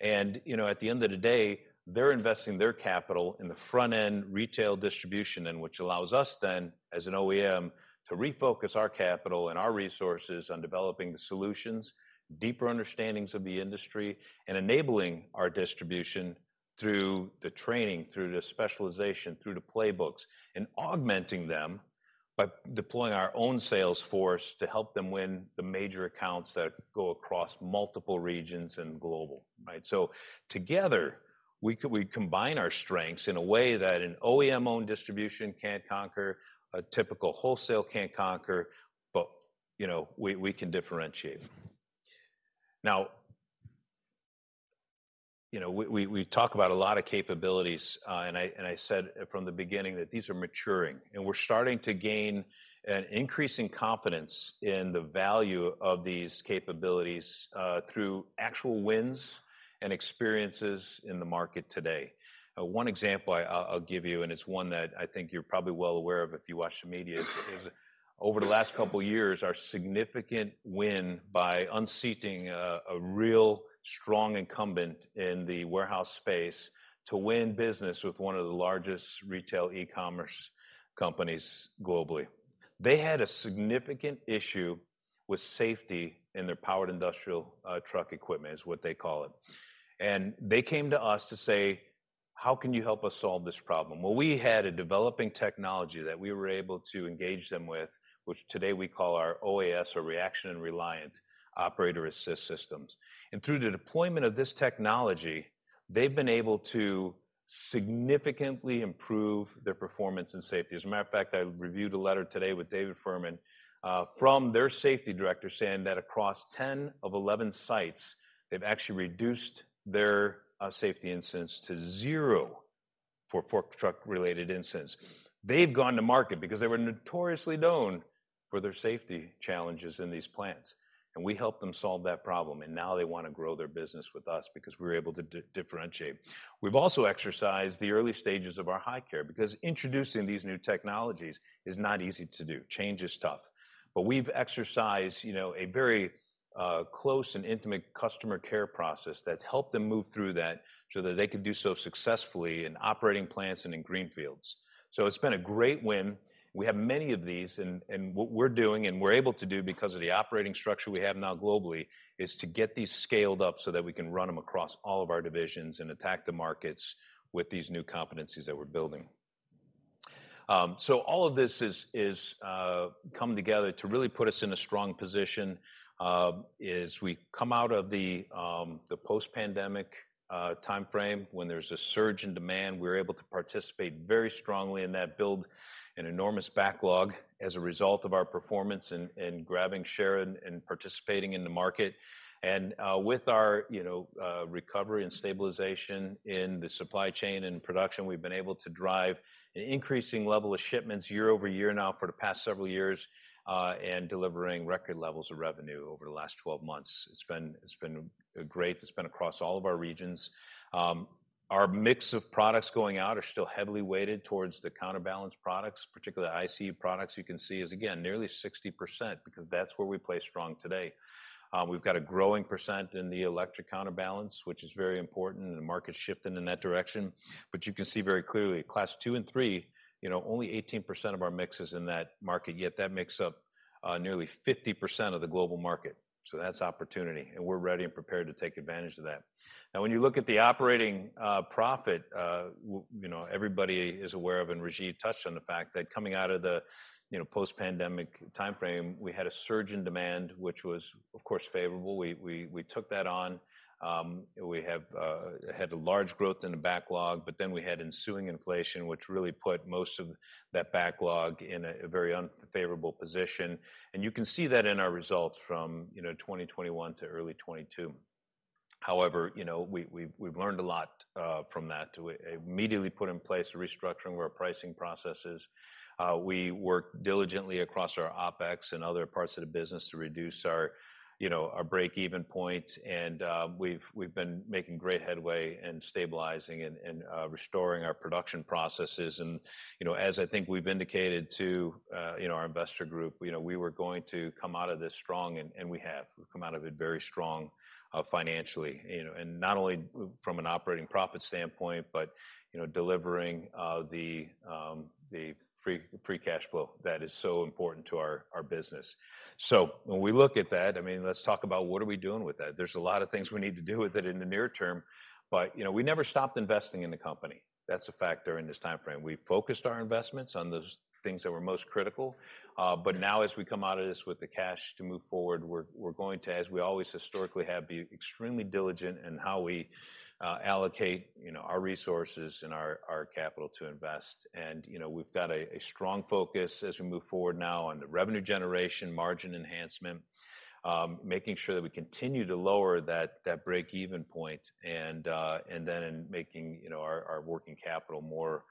And, you know, at the end of the day, they're investing their capital in the front-end retail distribution, and which allows us then, as an OEM, to refocus our capital and our resources on developing the solutions, deeper understandings of the industry, and enabling our distribution through the training, through the specialization, through the playbooks, and augmenting them by deploying our own sales force to help them win the major accounts that go across multiple regions and global, right? So together, we combine our strengths in a way that an OEM-owned distribution can't conquer, a typical wholesale can't conquer, but, you know, we can differentiate. Now, you know, we talk about a lot of capabilities, and I said from the beginning that these are maturing, and we're starting to gain an increasing confidence in the value of these capabilities, through actual wins and experiences in the market today. One example I'll give you, and it's one that I think you're probably well aware of if you watch the media, is over the last couple of years, our significant win by unseating a real strong incumbent in the warehouse space to win business with one of the largest retail e-commerce companies globally. They had a significant issue with safety in their powered industrial truck equipment, is what they call it. They came to us to say how can you help us solve this problem? Well, we had a developing technology that we were able to engage them with, which today we call our OAS, or Reaction and Reliant Operator Assist Systems. Through the deployment of this technology, they've been able to significantly improve their performance and safety. As a matter of fact, I reviewed a letter today with David Furman from their safety director, saying that across 10 of 11 sites, they've actually reduced their safety incidents to zero for fork truck-related incidents. They've gone to market because they were notoriously known for their safety challenges in these plants, and we helped them solve that problem, and now they want to grow their business with us because we're able to differentiate. We've also exercised the early stages of our Hy-Care, because introducing these new technologies is not easy to do. Change is tough. But we've exercised, you know, a very close and intimate customer care process that's helped them move through that so that they could do so successfully in operating plants and in greenfields. So it's been a great win. We have many of these, and what we're doing, and we're able to do because of the operating structure we have now globally, is to get these scaled up so that we can run them across all of our divisions and attack the markets with these new competencies that we're building. So all of this is come together to really put us in a strong position, as we come out of the post-pandemic timeframe, when there's a surge in demand, we're able to participate very strongly in that build, an enormous backlog as a result of our performance and grabbing share and participating in the market. And, with our, you know, recovery and stabilization in the supply chain and production, we've been able to drive an increasing level of shipments year-over-year now for the past several years, and delivering record levels of revenue over the last 12 months. It's been, it's been great. It's been across all of our regions. Our mix of products going out are still heavily weighted towards the counterbalance products, particularly ICE products, you can see is again, nearly 60% because that's where we play strong today. We've got a growing percent in the electric counterbalance, which is very important, and the market's shifting in that direction. But you can see very clearly, Class II and III, you know, only 18% of our mix is in that market, yet that makes up, nearly 50% of the global market. So that's opportunity, and we're ready and prepared to take advantage of that. Now, when you look at the operating profit, you know, everybody is aware of, and Rajiv touched on the fact that coming out of the, you know, post-pandemic timeframe, we had a surge in demand, which was, of course, favorable. We took that on. We have had a large growth in the backlog, but then we had ensuing inflation, which really put most of that backlog in a very unfavorable position. You can see that in our results from, you know, 2021 to early 2022. However, you know, we've learned a lot from that to immediately put in place a restructuring of our pricing processes. We worked diligently across our OpEx and other parts of the business to reduce our, you know, our break-even point, and we've been making great headway in stabilizing and restoring our production processes. You know, as I think we've indicated to you know, our investor group, you know, we were going to come out of this strong and we have. We've come out of it very strong, financially, you know, and not only from an operating profit standpoint, but, you know, delivering the free, free cash flow that is so important to our business. So when we look at that, I mean, let's talk about what are we doing with that? There's a lot of things we need to do with it in the near term, but, you know, we never stopped investing in the company. That's a factor in this timeframe. We focused our investments on those things that were most critical, but now as we come out of this with the cash to move forward, we're going to, as we always historically have, be extremely diligent in how we allocate, you know, our resources and our capital to invest. And, you know, we've got a strong focus as we move forward now on the revenue generation, margin enhancement, making sure that we continue to lower that break-even point, and then in making, you know, our working capital more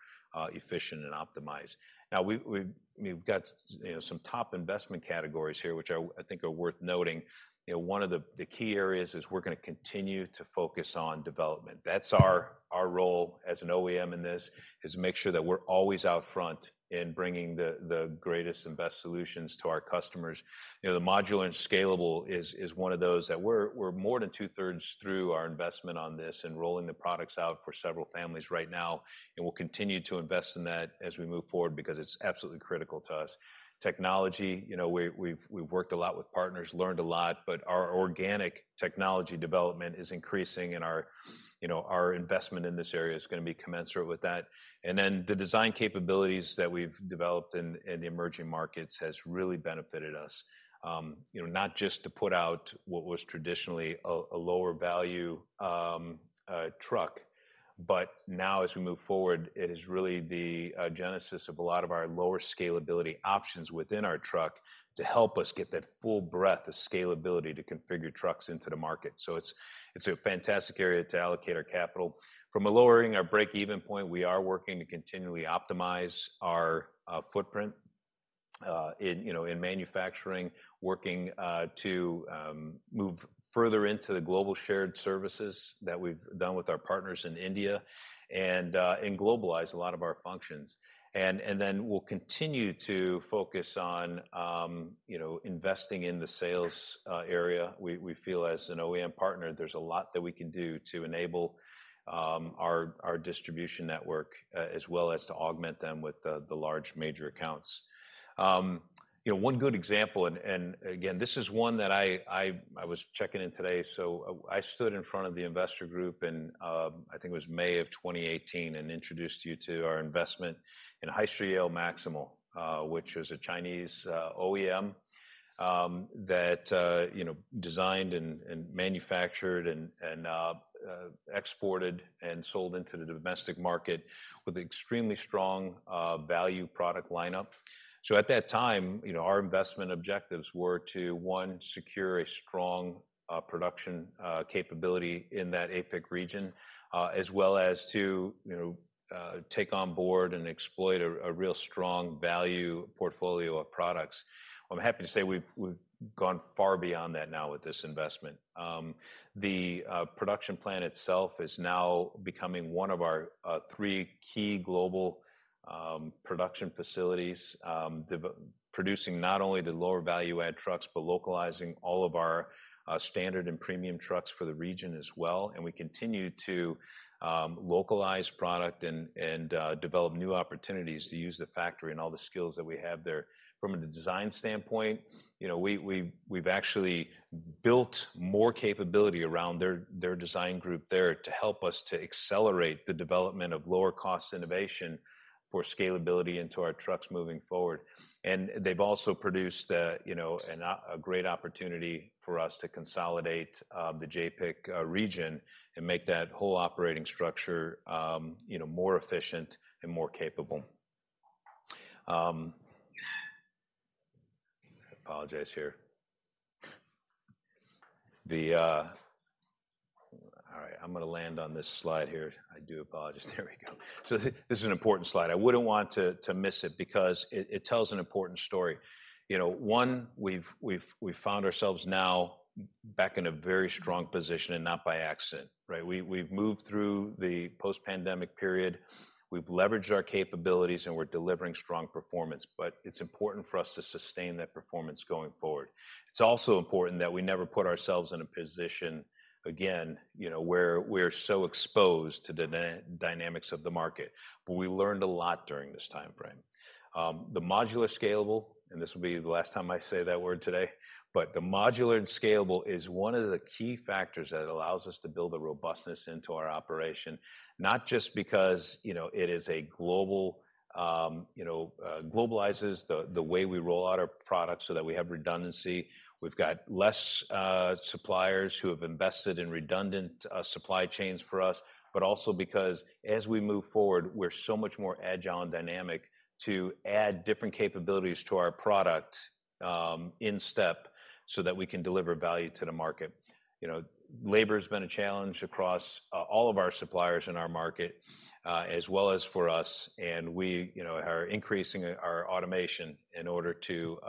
efficient and optimized. Now, we've got, you know, some top investment categories here, which I think are worth noting. You know, one of the key areas is we're gonna continue to focus on development. That's our role as an OEM in this, is make sure that we're always out front in bringing the greatest and best solutions to our customers. You know, the modular and scalable is one of those that we're more than two-thirds through our investment on this and rolling the products out for several families right now, and we'll continue to invest in that as we move forward because it's absolutely critical to us. Technology, you know, we've worked a lot with partners, learned a lot, but our organic technology development is increasing and our investment in this area is gonna be commensurate with that. And then the design capabilities that we've developed in the emerging markets has really benefited us, you know, not just to put out what was traditionally a lower value truck, but now as we move forward, it is really the genesis of a lot of our lower scalability options within our truck to help us get that full breadth of scalability to configure trucks into the market. So it's a fantastic area to allocate our capital. From lowering our break-even point, we are working to continually optimize our footprint in manufacturing, working to move further into the global shared services that we've done with our partners in India, and globalize a lot of our functions. Then we'll continue to focus on, you know, investing in the sales area. We feel as an OEM partner, there's a lot that we can do to enable our distribution network, as well as to augment them with the large major accounts. You know, one good example, and again, this is one that I was checking in today, so I stood in front of the investor group in, I think it was May of 2018, and introduced you to our investment in Hyster-Yale Maximal, which is a Chinese OEM that you know, designed and manufactured and exported and sold into the domestic market with extremely strong value product lineup. So at that time, you know, our investment objectives were to, one, secure a strong production capability in that APAC region, as well as to, you know, take on board and exploit a, a real strong value portfolio of products. I'm happy to say we've gone far beyond that now with this investment. The production plan itself is now becoming one of our three key global production facilities, producing not only the lower value add trucks, but localizing all of our standard and premium trucks for the region as well. And we continue to localize product and develop new opportunities to use the factory and all the skills that we have there. From a design standpoint, you know, we've actually built more capability around their design group there to help us to accelerate the development of lower-cost innovation for scalability into our trucks moving forward. And they've also produced, you know, a great opportunity for us to consolidate the JAPIC region and make that whole operating structure, you know, more efficient and more capable. I apologize here. All right, I'm gonna land on this slide here. I do apologize. There we go. So this is an important slide. I wouldn't want to miss it because it tells an important story. You know, we've found ourselves now back in a very strong position, and not by accident, right? We've moved through the post-pandemic period, we've leveraged our capabilities, and we're delivering strong performance, but it's important for us to sustain that performance going forward. It's also important that we never put ourselves in a position again, you know, where we're so exposed to the dynamics of the market. But we learned a lot during this time frame. The modular scalable, and this will be the last time I say that word today, but the modular and scalable is one of the key factors that allows us to build a robustness into our operation. Not just because, you know, it is a global, you know, globalizes the way we roll out our products so that we have redundancy. We've got less suppliers who have invested in redundant supply chains for us, but also because as we move forward, we're so much more agile and dynamic to add different capabilities to our product in step so that we can deliver value to the market. You know, labor has been a challenge across all of our suppliers in our market as well as for us, and we, you know, are increasing our automation in order to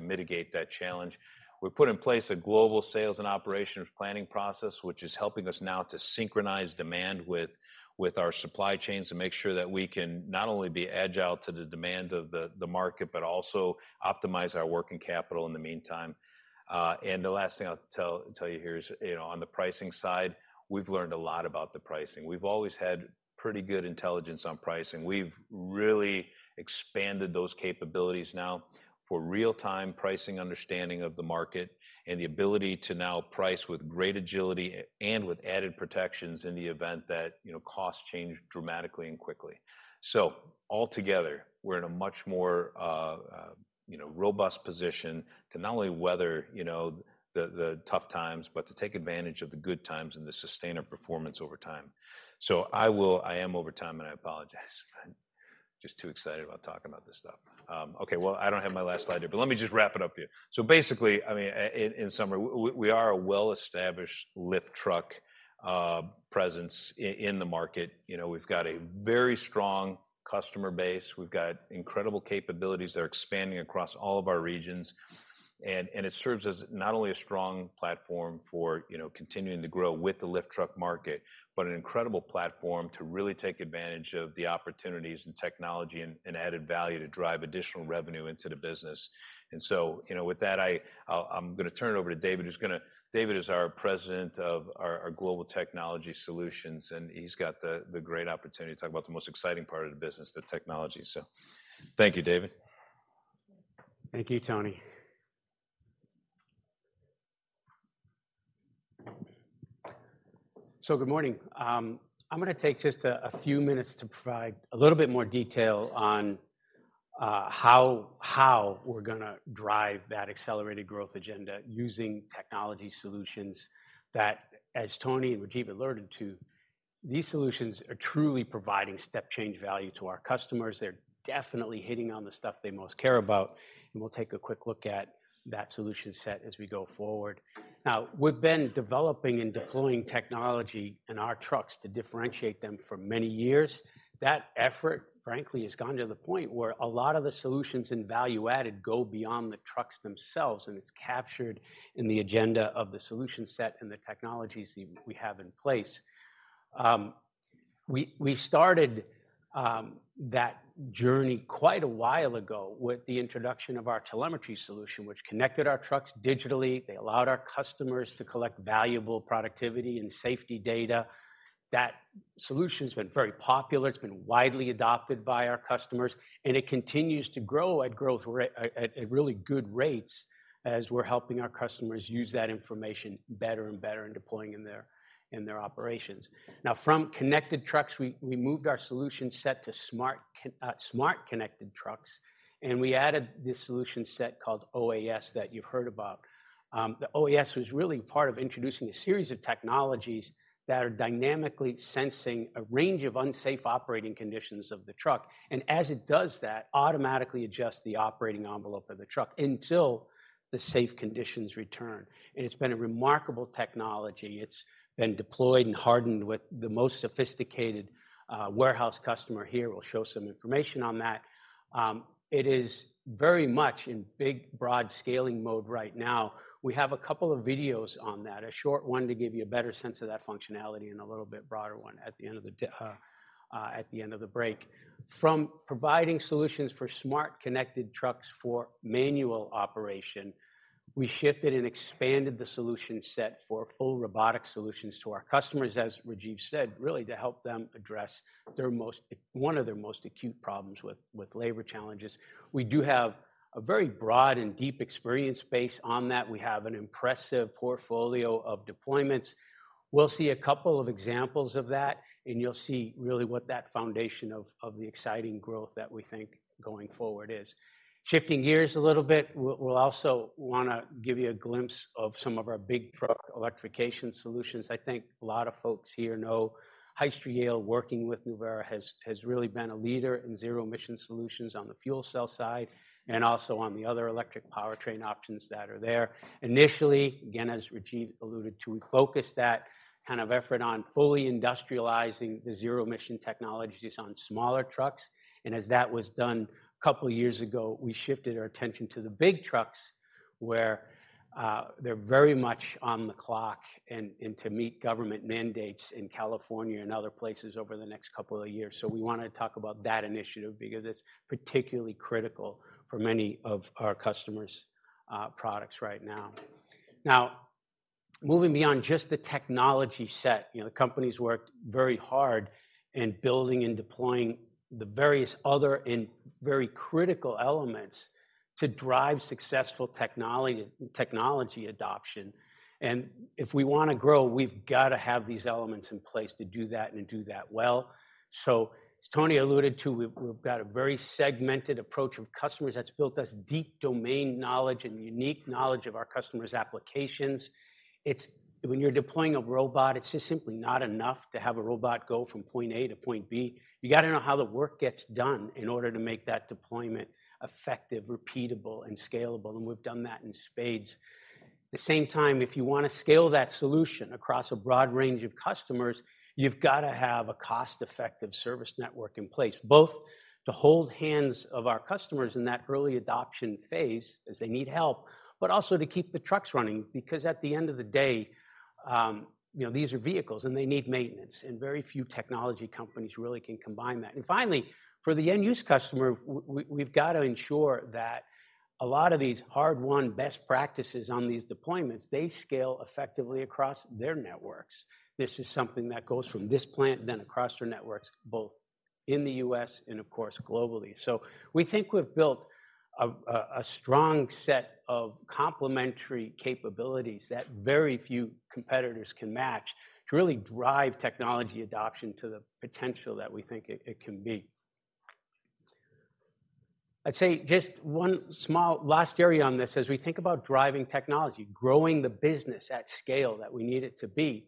mitigate that challenge. We've put in place a global sales and operations planning process, which is helping us now to synchronize demand with our supply chains and make sure that we can not only be agile to the demand of the market, but also optimize our working capital in the meantime. And the last thing I'll tell you here is, you know, on the pricing side, we've learned a lot about the pricing. We've always had pretty good intelligence on pricing. We've really expanded those capabilities now for real-time pricing, understanding of the market, and the ability to now price with great agility and with added protections in the event that, you know, costs change dramatically and quickly. So altogether, we're in a much more, you know, robust position to not only weather, you know, the tough times, but to take advantage of the good times and to sustain our performance over time. So I will. I am over time, and I apologize. I'm just too excited about talking about this stuff. Okay, well, I don't have my last slide here, but let me just wrap it up for you. So basically, I mean, in summary, we are a well-established lift truck presence in the market. You know, we've got a very strong customer base. We've got incredible capabilities that are expanding across all of our regions. And it serves as not only a strong platform for, you know, continuing to grow with the lift truck market, but an incredible platform to really take advantage of the opportunities and technology and added value to drive additional revenue into the business. And so, you know, with that, I'll turn it over to David, who's gonna... David is our president of our Global Technology Solutions, and he's got the great opportunity to talk about the most exciting part of the business, the technology. So thank you, David. Thank you, Tony. So good morning. I'm gonna take just a few minutes to provide a little bit more detail on how we're gonna drive that accelerated growth agenda using technology solutions that, as Tony and Rajeev alerted to, these solutions are truly providing step-change value to our customers. They're definitely hitting on the stuff they most care about, and we'll take a quick look at that solution set as we go forward. Now, we've been developing and deploying technology in our trucks to differentiate them for many years. That effort, frankly, has gone to the point where a lot of the solutions and value added go beyond the trucks themselves, and it's captured in the agenda of the solution set and the technologies that we have in place. We started that journey quite a while ago with the introduction of our telemetry solution, which connected our trucks digitally. They allowed our customers to collect valuable productivity and safety data. That solution's been very popular, it's been widely adopted by our customers, and it continues to grow at really good rates as we're helping our customers use that information better and better in deploying in their operations. Now, from connected trucks, we moved our solution set to smart connected trucks, and we added this solution set called OAS, that you've heard about. The OAS was really part of introducing a series of technologies that are dynamically sensing a range of unsafe operating conditions of the truck, and as it does that, automatically adjusts the operating envelope of the truck until the safe conditions return. And it's been a remarkable technology. It's been deployed and hardened with the most sophisticated warehouse customer here. We'll show some information on that. It is very much in big, broad scaling mode right now. We have a couple of videos on that, a short one to give you a better sense of that functionality, and a little bit broader one at the end of the break. From providing solutions for smart connected trucks for manual operation, we shifted and expanded the solution set for full robotic solutions to our customers, as Rajiv said, really to help them address one of their most acute problems with labor challenges. We do have a very broad and deep experience base on that. We have an impressive portfolio of deployments. We'll see a couple of examples of that, and you'll see really what that foundation of the exciting growth that we think going forward is. Shifting gears a little bit, we'll also wanna give you a glimpse of some of our big truck electrification solutions. I think a lot of folks here know Hyster-Yale, working with Nuvera, has really been a leader in zero-emission solutions on the fuel cell side, and also on the other electric powertrain options that are there. Initially, again, as Rajiv alluded to, we focused that kind of effort on fully industrializing the zero-emission technologies on smaller trucks, and as that was done a couple of years ago, we shifted our attention to the big trucks, where they're very much on the clock, and to meet government mandates in California and other places over the next couple of years. So we wanna talk about that initiative because it's particularly critical for many of our customers' products right now. Now, moving beyond just the technology set, you know, the company's worked very hard in building and deploying the various other and very critical elements to drive successful technology, technology adoption. And if we wanna grow, we've got to have these elements in place to do that and do that well. So as Tony alluded to, we've got a very segmented approach of customers that's built us deep domain knowledge and unique knowledge of our customers' applications. It's when you're deploying a robot, it's just simply not enough to have a robot go from point A to point B. You gotta know how the work gets done in order to make that deployment effective, repeatable, and scalable, and we've done that in spades. At the same time, if you wanna scale that solution across a broad range of customers, you've got to have a cost-effective service network in place, both to hold hands of our customers in that early adoption phase, as they need help, but also to keep the trucks running. Because at the end of the day, you know, these are vehicles, and they need maintenance, and very few technology companies really can combine that. And finally, for the end-use customer, we've got to ensure that a lot of these hard-won best practices on these deployments, they scale effectively across their networks. This is something that goes from this plant, then across their networks, both in the U.S. and, of course, globally. So we think we've built a strong set of complementary capabilities that very few competitors can match to really drive technology adoption to the potential that we think it can be. I'd say just one small last area on this, as we think about driving technology, growing the business at scale that we need it to be,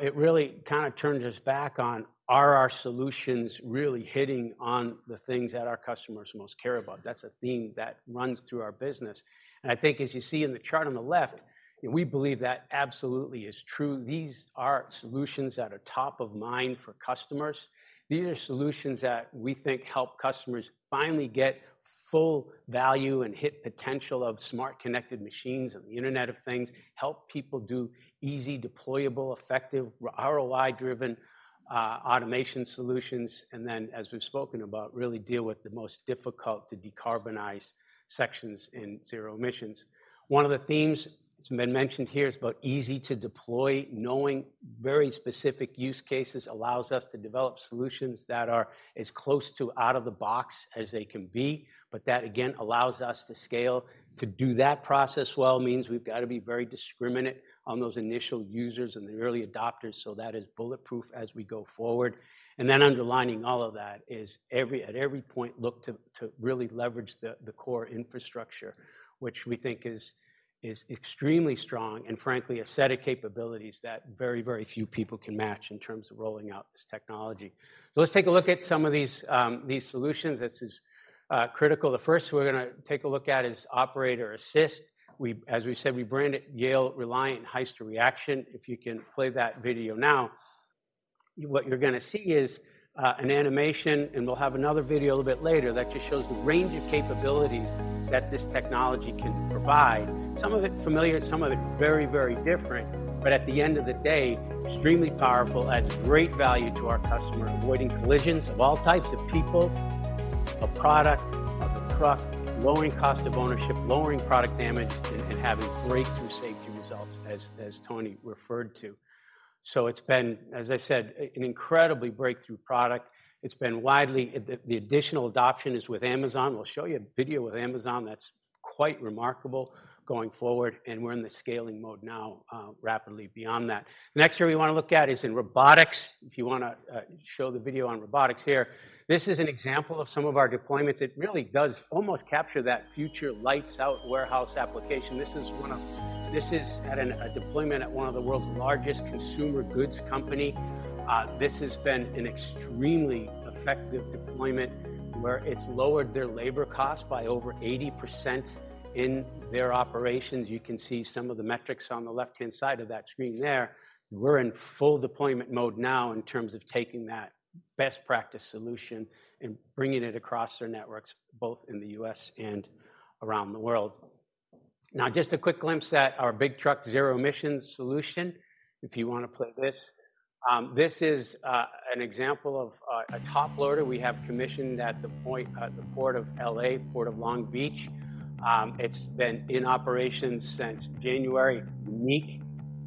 it really kind of turns us back on: Are our solutions really hitting on the things that our customers most care about? That's a theme that runs through our business. I think, as you see in the chart on the left, we believe that absolutely is true. These are solutions that are top of mind for customers. These are solutions that we think help customers finally get full value and hit potential of smart, connected machines and the Internet of Things, help people do easy, deployable, effective, ROI-driven, automation solutions, and then, as we've spoken about, really deal with the most difficult to decarbonize sections in zero emissions. One of the themes that's been mentioned here is about easy to deploy. Knowing very specific use cases allows us to develop solutions that are as close to out of the box as they can be, but that, again, allows us to scale. To do that process well means we've got to be very discriminate on those initial users and the early adopters, so that is bulletproof as we go forward. And then underlining all of that is at every point, look to really leverage the core infrastructure, which we think is extremely strong and, frankly, a set of capabilities that very, very few people can match in terms of rolling out this technology. So let's take a look at some of these solutions. This is critical. The first we're gonna take a look at is Operator Assist. As we've said, we brand it Yale Reliant Hyster Reaction. If you can play that video now... what you're gonna see is an animation, and we'll have another video a little bit later that just shows the range of capabilities that this technology can provide. Some of it familiar, some of it very, very different, but at the end of the day, extremely powerful, adds great value to our customer, avoiding collisions of all types, of people, of product, of a truck, lowering cost of ownership, lowering product damage, and having breakthrough safety results, as Tony referred to. So it's been, as I said, an incredibly breakthrough product. It's been widely. The additional adoption is with Amazon. We'll show you a video with Amazon that's quite remarkable going forward, and we're in the scaling mode now, rapidly beyond that. The next area we wanna look at is in robotics. If you wanna show the video on robotics here. This is an example of some of our deployments. It really does almost capture that future lights-out warehouse application. This is a deployment at one of the world's largest consumer goods company. This has been an extremely effective deployment, where it's lowered their labor cost by over 80% in their operations. You can see some of the metrics on the left-hand side of that screen there. We're in full deployment mode now in terms of taking that best practice solution and bringing it across our networks, both in the U.S. and around the world. Now, just a quick glimpse at our big truck zero emissions solution. If you wanna play this. This is an example of a top loader we have commissioned at the Port of L.A., Port of Long Beach. It's been in operation since January. Unique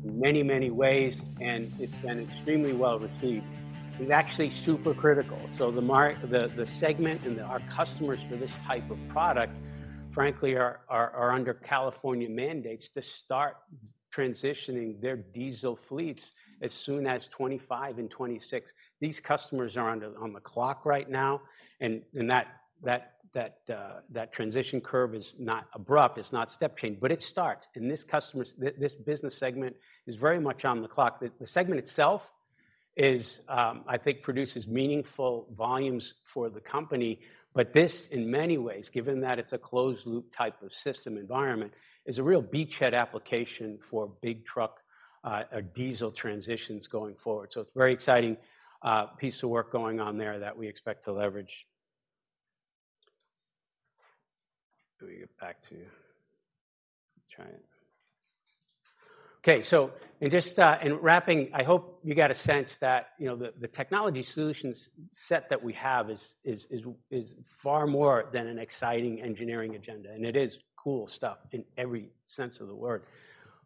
in many, many ways, and it's been extremely well-received. It's actually super critical. So the market—the segment and our customers for this type of product, frankly, are under California mandates to start transitioning their diesel fleets as soon as 2025 and 2026. These customers are on the clock right now, and that transition curve is not abrupt. It's not step change, but it starts, and this business segment is very much on the clock. The segment itself, I think, produces meaningful volumes for the company, but this, in many ways, given that it's a closed-loop type of system environment, is a real beachhead application for big truck diesel transitions going forward. So it's a very exciting piece of work going on there that we expect to leverage. Let me get back to... Try it. Okay, so in just in wrapping, I hope you got a sense that, you know, the technology solutions set that we have is far more than an exciting engineering agenda, and it is cool stuff in every sense of the word.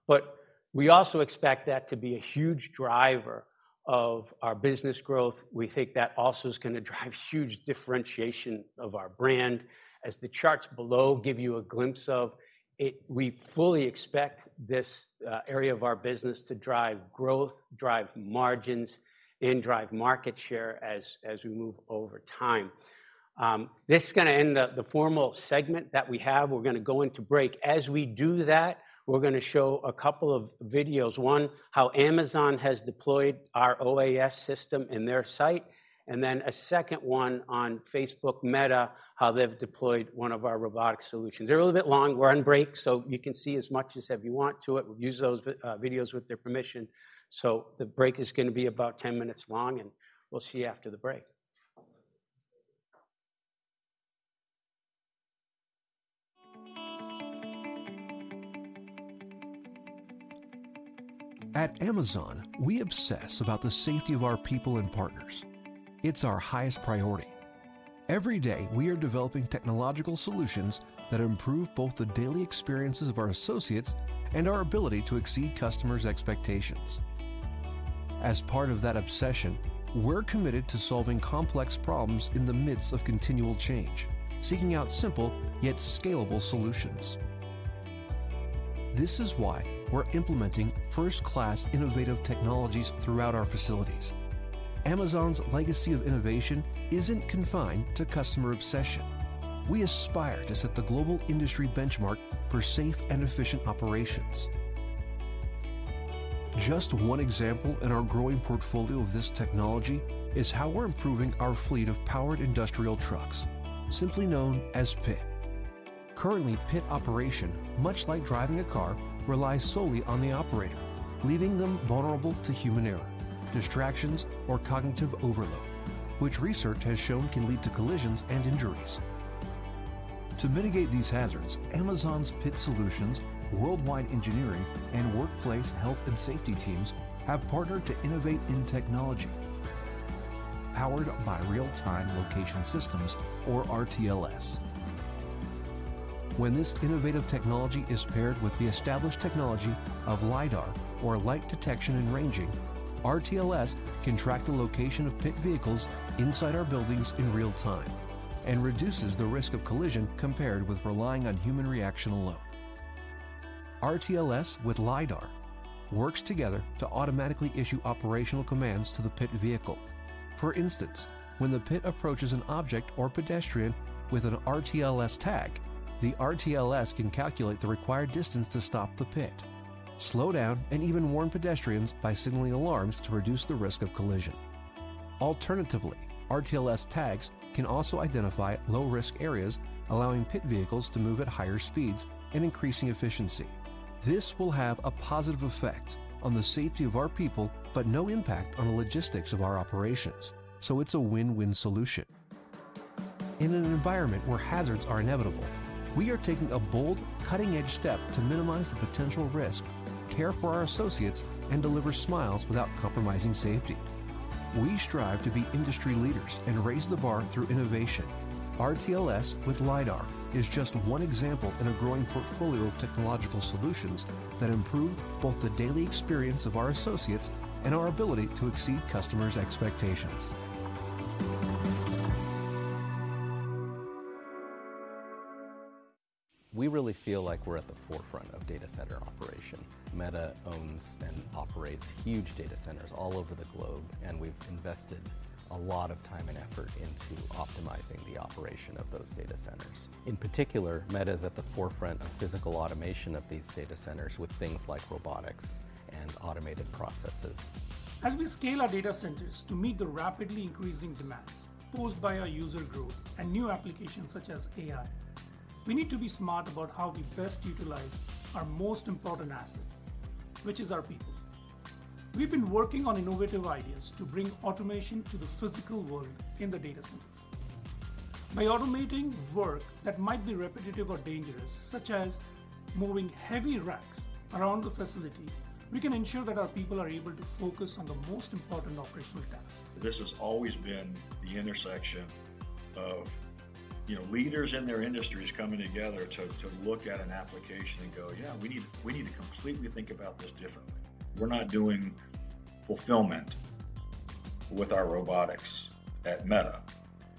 But we also expect that to be a huge driver of our business growth. We think that also is gonna drive huge differentiation of our brand. As the charts below give you a glimpse of, it we fully expect this area of our business to drive growth, drive margins, and drive market share as we move over time. This is gonna end the formal segment that we have. We're gonna go into break. As we do that, we're gonna show a couple of videos. One, how Amazon has deployed our OAS system in their site, and then a second one on Facebook Meta, how they've deployed one of our robotic solutions. They're a little bit long. We're on break, so you can see as much as if you want to. We've used those videos with their permission, so the break is gonna be about 10 minutes long, and we'll see you after the break. At Amazon, we obsess about the safety of our people and partners. It's our highest priority. Every day, we are developing technological solutions that improve both the daily experiences of our associates and our ability to exceed customers' expectations. As part of that obsession, we're committed to solving complex problems in the midst of continual change, seeking out simple yet scalable solutions. This is why we're implementing first-class innovative technologies throughout our facilities. Amazon's legacy of innovation isn't confined to customer obsession. We aspire to set the global industry benchmark for safe and efficient operations. Just one example in our growing portfolio of this technology is how we're improving our fleet of powered industrial trucks, simply known as PIT. Currently, PIT operation, much like driving a car, relies solely on the operator, leaving them vulnerable to human error, distractions, or cognitive overload, which research has shown can lead to collisions and injuries. To mitigate these hazards, Amazon's PIT solutions, worldwide engineering, and workplace health and safety teams have partnered to innovate in technology powered by real-time location systems or RTLS. When this innovative technology is paired with the established technology of LiDAR, or light detection and ranging, RTLS can track the location of PIT vehicles inside our buildings in real time and reduces the risk of collision compared with relying on human reaction alone. RTLS with LiDAR works together to automatically issue operational commands to the PIT vehicle. For instance, when the PIT approaches an object or pedestrian with an RTLS tag, the RTLS can calculate the required distance to stop the PIT, slow down, and even warn pedestrians by signaling alarms to reduce the risk of collision. Alternatively, RTLS tags can also identify low-risk areas, allowing PIT vehicles to move at higher speeds and increasing efficiency. This will have a positive effect on the safety of our people, but no impact on the logistics of our operations, so it's a win-win solution. In an environment where hazards are inevitable, we are taking a bold, cutting-edge step to minimize the potential risk, care for our associates, and deliver smiles without compromising safety. We strive to be industry leaders and raise the bar through innovation. RTLS with LiDAR is just one example in a growing portfolio of technological solutions that improve both the daily experience of our associates and our ability to exceed customers' expectations. We really feel like we're at the forefront of data center operation. Meta owns and operates huge data centers all over the globe, and we've invested a lot of time and effort into optimizing the operation of those data centers. In particular, Meta is at the forefront of physical automation of these data centers with things like robotics and automated processes. As we scale our data centers to meet the rapidly increasing demands posed by our user growth and new applications such as AI, we need to be smart about how we best utilize our most important asset, which is our people. We've been working on innovative ideas to bring automation to the physical world in the data centers. By automating work that might be repetitive or dangerous, such as moving heavy racks around the facility, we can ensure that our people are able to focus on the most important operational tasks. This has always been the intersection of, you know, leaders in their industries coming together to look at an application and go, "Yeah, we need to completely think about this differently." We're not doing fulfillment with our robotics at Meta.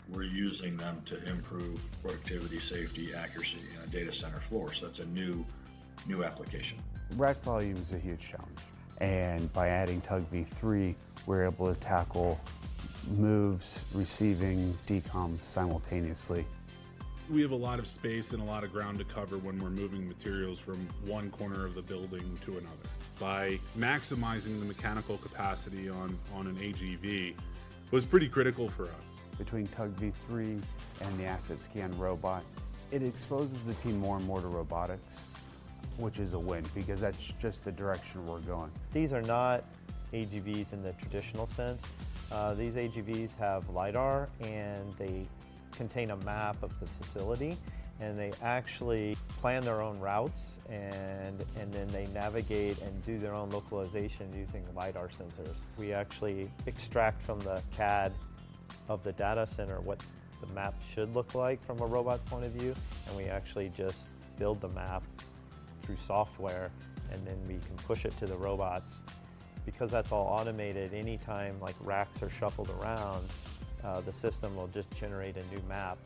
We're using them to improve productivity, safety, accuracy on a data center floor. So that's a new application. Rack volume is a huge challenge, and by adding TUG V3, we're able to tackle moves, receiving, decom simultaneously. We have a lot of space and a lot of ground to cover when we're moving materials from one corner of the building to another. By maximizing the mechanical capacity on an AGV was pretty critical for us. Between TUG V3 and the Asset Scan robot, it exposes the team more and more to robotics, which is a win, because that's just the direction we're going. These are not AGVs in the traditional sense. These AGVs have LiDAR, and they contain a map of the facility, and they actually plan their own routes, and, and then they navigate and do their own localization using the LiDAR sensors. We actually extract from the CAD of the data center what the map should look like from a robot's point of view, and we actually just build the map through software, and then we can push it to the robots. Because that's all automated, anytime like racks are shuffled around, the system will just generate a new map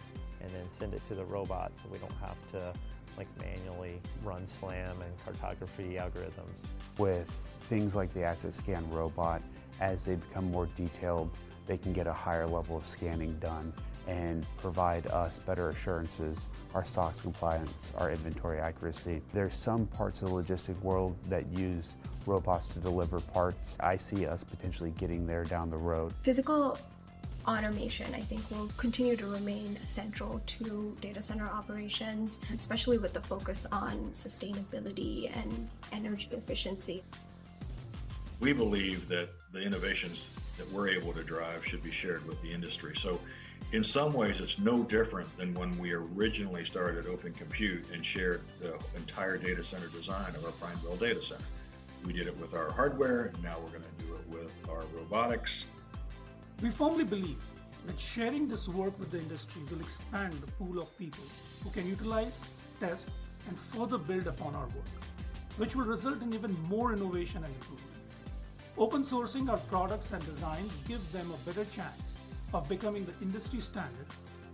and then send it to the robot, so we don't have to, like, manually run SLAM and cartography algorithms. With things like the Asset Scan robot, as they become more detailed, they can get a higher level of scanning done and provide us better assurances, our SOC compliance, our inventory accuracy. There are some parts of the logistics world that use robots to deliver parts. I see us potentially getting there down the road. Physical automation, I think, will continue to remain central to data center operations, especially with the focus on sustainability and energy efficiency. We believe that the innovations that we're able to drive should be shared with the industry. In some ways, it's no different than when we originally started Open Compute and shared the entire data center design of our Prineville data center. We did it with our hardware, and now we're going to do it with our robotics. We firmly believe that sharing this work with the industry will expand the pool of people who can utilize, test, and further build upon our work, which will result in even more innovation and improvement. Open sourcing our products and designs gives them a better chance of becoming the industry standard,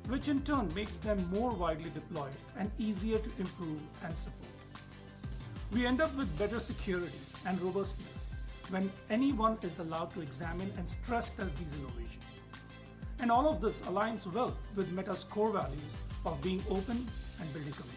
which in turn makes them more widely deployed and easier to improve and support. We end up with better security and robustness when anyone is allowed to examine and stress-test these innovations. And all of this aligns well with Meta's core values of being open and building community.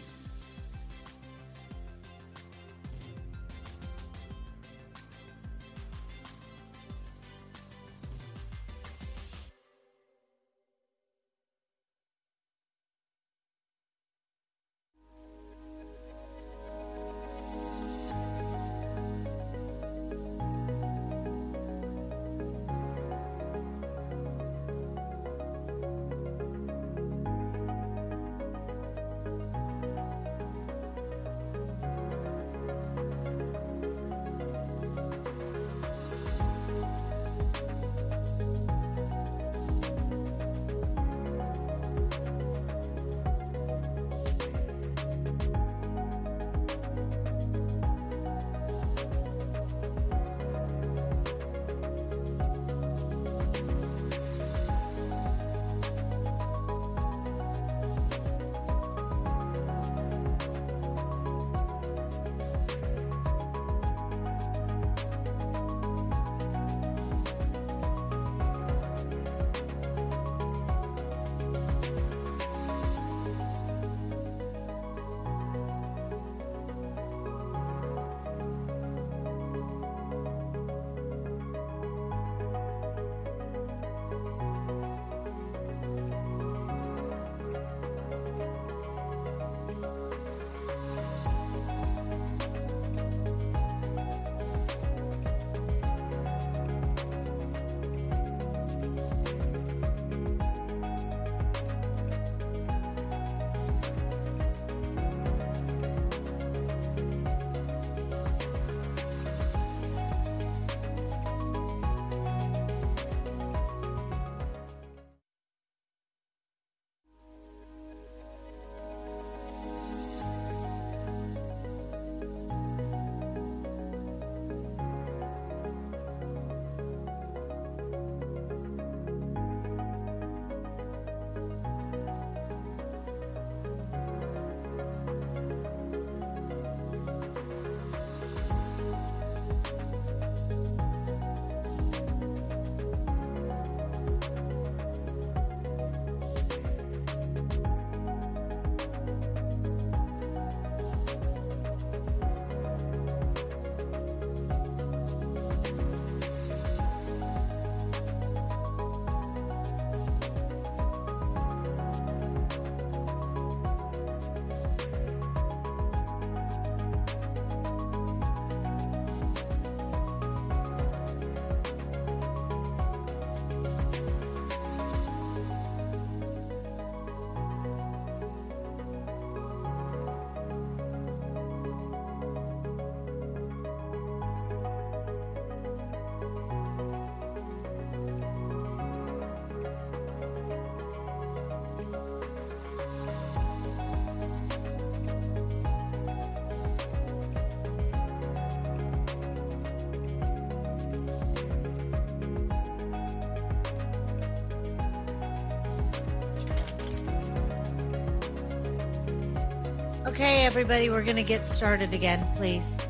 Okay, everybody, we're gonna get started again, please.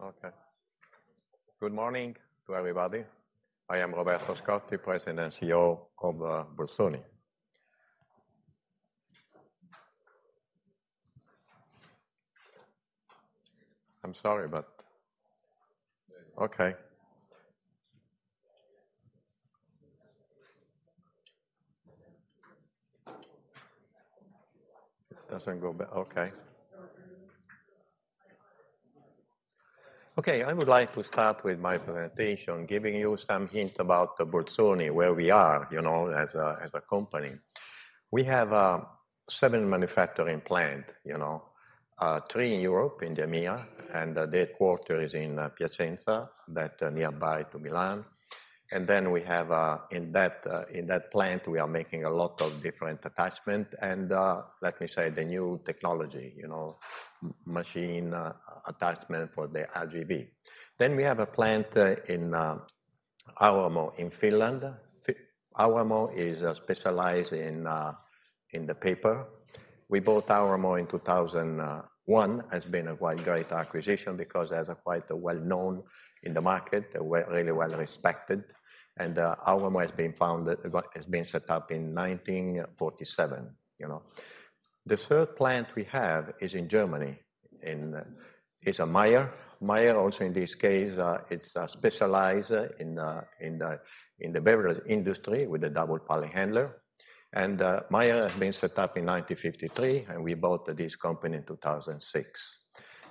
Okay. Good morning to everybody. I am Roberto Scotti, President and CEO of Bolzoni. I'm sorry, but... Okay. It doesn't go back. Okay. Okay, I would like to start with my presentation, giving you some hint about the Bolzoni, where we are, you know, as a company. We have seven manufacturing plant, you know, three in Europe, in the EMEA, and the headquarter is in Piacenza, that nearby to Milan. And then we have in that plant, we are making a lot of different attachment and, let me say, the new technology, you know, machine attachment for the AGV. Then we have a plant in Auramo, in Finland. Auramo is specialized in the paper. We bought Auramo in 2001. Has been a quite great acquisition because it was quite well-known in the market, really well-respected, and, Auramo has been founded, has been set up in 1947, you know. The third plant we have is in Germany, is, Meyer. Meyer also, in this case, it's, specialized in, in the beverage industry with the double pallet handler. And, Meyer has been set up in 1953, and we bought this company in 2006.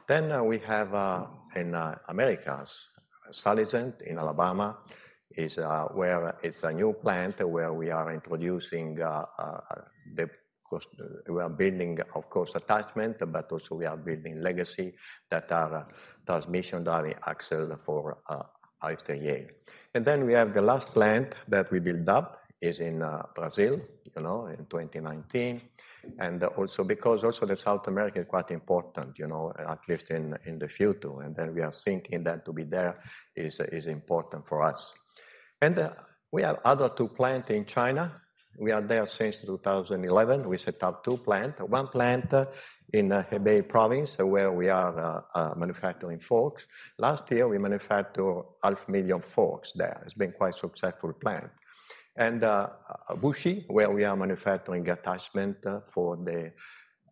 Then, we have, in, Americas, Sulligent in Alabama, is, where... It's a new plant, where we are introducing, the cost-- We are building, of course, attachment, but also we are building legacy that are transmission drive axle for, aftermarket. Then we have the last plant that we build up is in Brazil, you know, in 2019, and also because also the South America is quite important, you know, at least in the future, and then we are thinking that to be there is important for us. And we have other two plant in China. We are there since 2011. We set up two plant. One plant in Hebei Province, where we are manufacturing forks. Last year, we manufacture 500,000 forks there. It's been quite successful plant. And Wuxi, where we are manufacturing attachment for the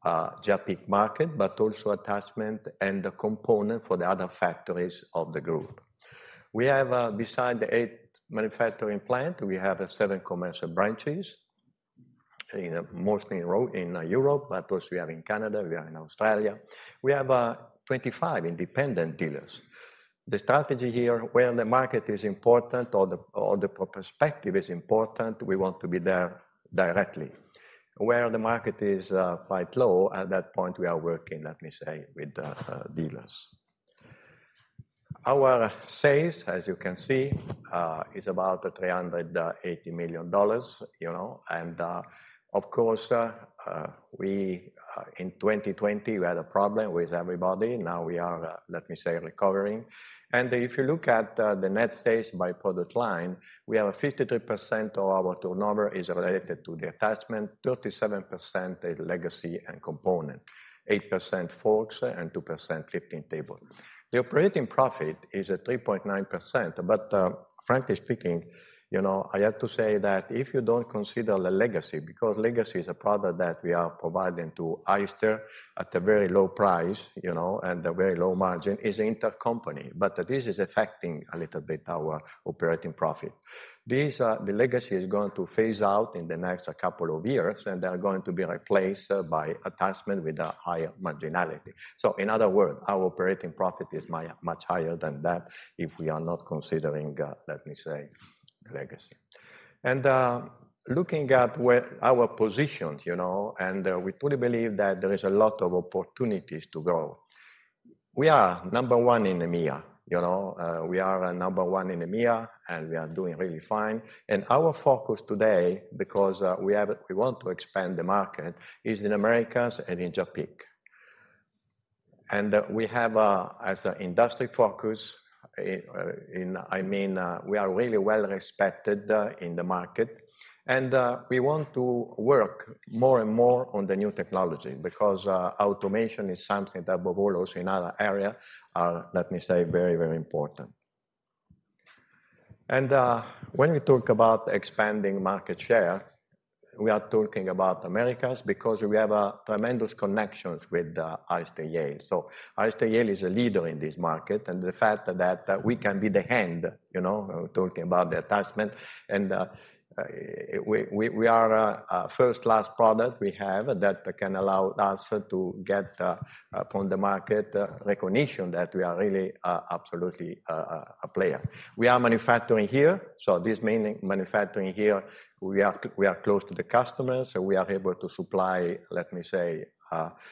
JAPIC market, but also attachment and the component for the other factories of the group. We have, besides the eight manufacturing plant, we have seven commercial branches, mostly in Europe, but also we have in Canada, we have in Australia. We have 25 independent dealers. The strategy here, where the market is important or the perspective is important, we want to be there directly. Where the market is quite low, at that point, we are working, let me say, with dealers. Our sales, as you can see, is about $380 million, you know, and, of course, we in 2020, we had a problem with everybody. Now we are, let me say, recovering. And if you look at the net sales by product line, we have 53% of our turnover is related to the attachment, 37% is legacy and component, 8% forks, and 2% lifting table. The operating profit is at 3.9%, but frankly speaking, you know, I have to say that if you don't consider the legacy, because legacy is a product that we are providing to Hyster at a very low price, you know, and a very low margin, is intercompany, but this is affecting a little bit our operating profit. These, the legacy is going to phase out in the next couple of years, and they are going to be replaced by attachment with a higher marginality. So in other words, our operating profit is much higher than that if we are not considering, let me say, legacy. And, looking at where our position, you know, and, we truly believe that there is a lot of opportunities to grow. We are number one in EMEA, you know? We are at number one in EMEA, and we are doing really fine. And our focus today, because we want to expand the market, is in Americas and in Japan. And, we have, as a industry focus, in I mean, we are really well-respected, in the market, and, we want to work more and more on the new technology, because, automation is something that above all else in other area are, let me say, very, very important. And, when we talk about expanding market share, we are talking about Americas, because we have tremendous connections with Hyster-Yale. So Hyster-Yale is a leader in this market, and the fact that we can be the hand, you know, talking about the attachment, and we are a first-class product we have that can allow us to get from the market recognition that we are really absolutely a player. We are manufacturing here, so this main manufacturing here, we are close to the customers, so we are able to supply, let me say,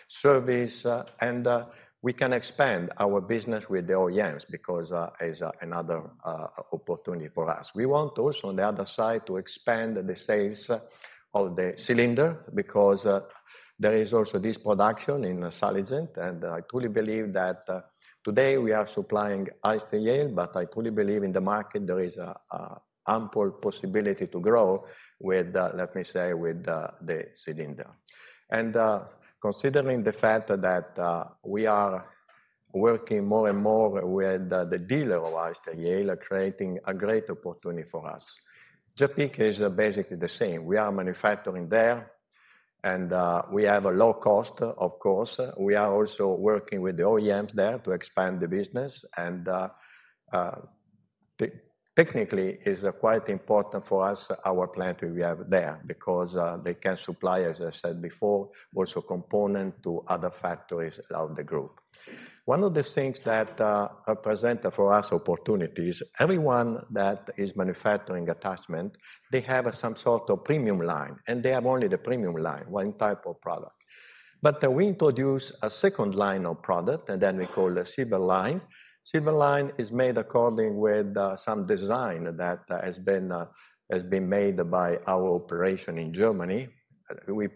service, and we can expand our business with the OEMs because is another opportunity for us. We want also on the other side to expand the sales of the cylinder, because there is also this production in Sulligent, and I truly believe that today we are supplying Hyster-Yale, but I truly believe in the market there is an ample possibility to grow with, let me say, with the cylinder. And considering the fact that we are working more and more with the dealer of Hyster-Yale, creating a great opportunity for us. Japan is basically the same. We are manufacturing there, and we have a low cost, of course. We are also working with the OEMs there to expand the business, and technically it is quite important for us, our plant we have there, because they can supply, as I said before, also component to other factories around the group. One of the things that represent for us opportunities, everyone that is manufacturing attachments, they have some sort of premium line, and they have only the premium line, one type of product. But we introduce a second line of product, and then we call the Silver Line. Silver Line is made according with some design that has been made by our operation in Germany. We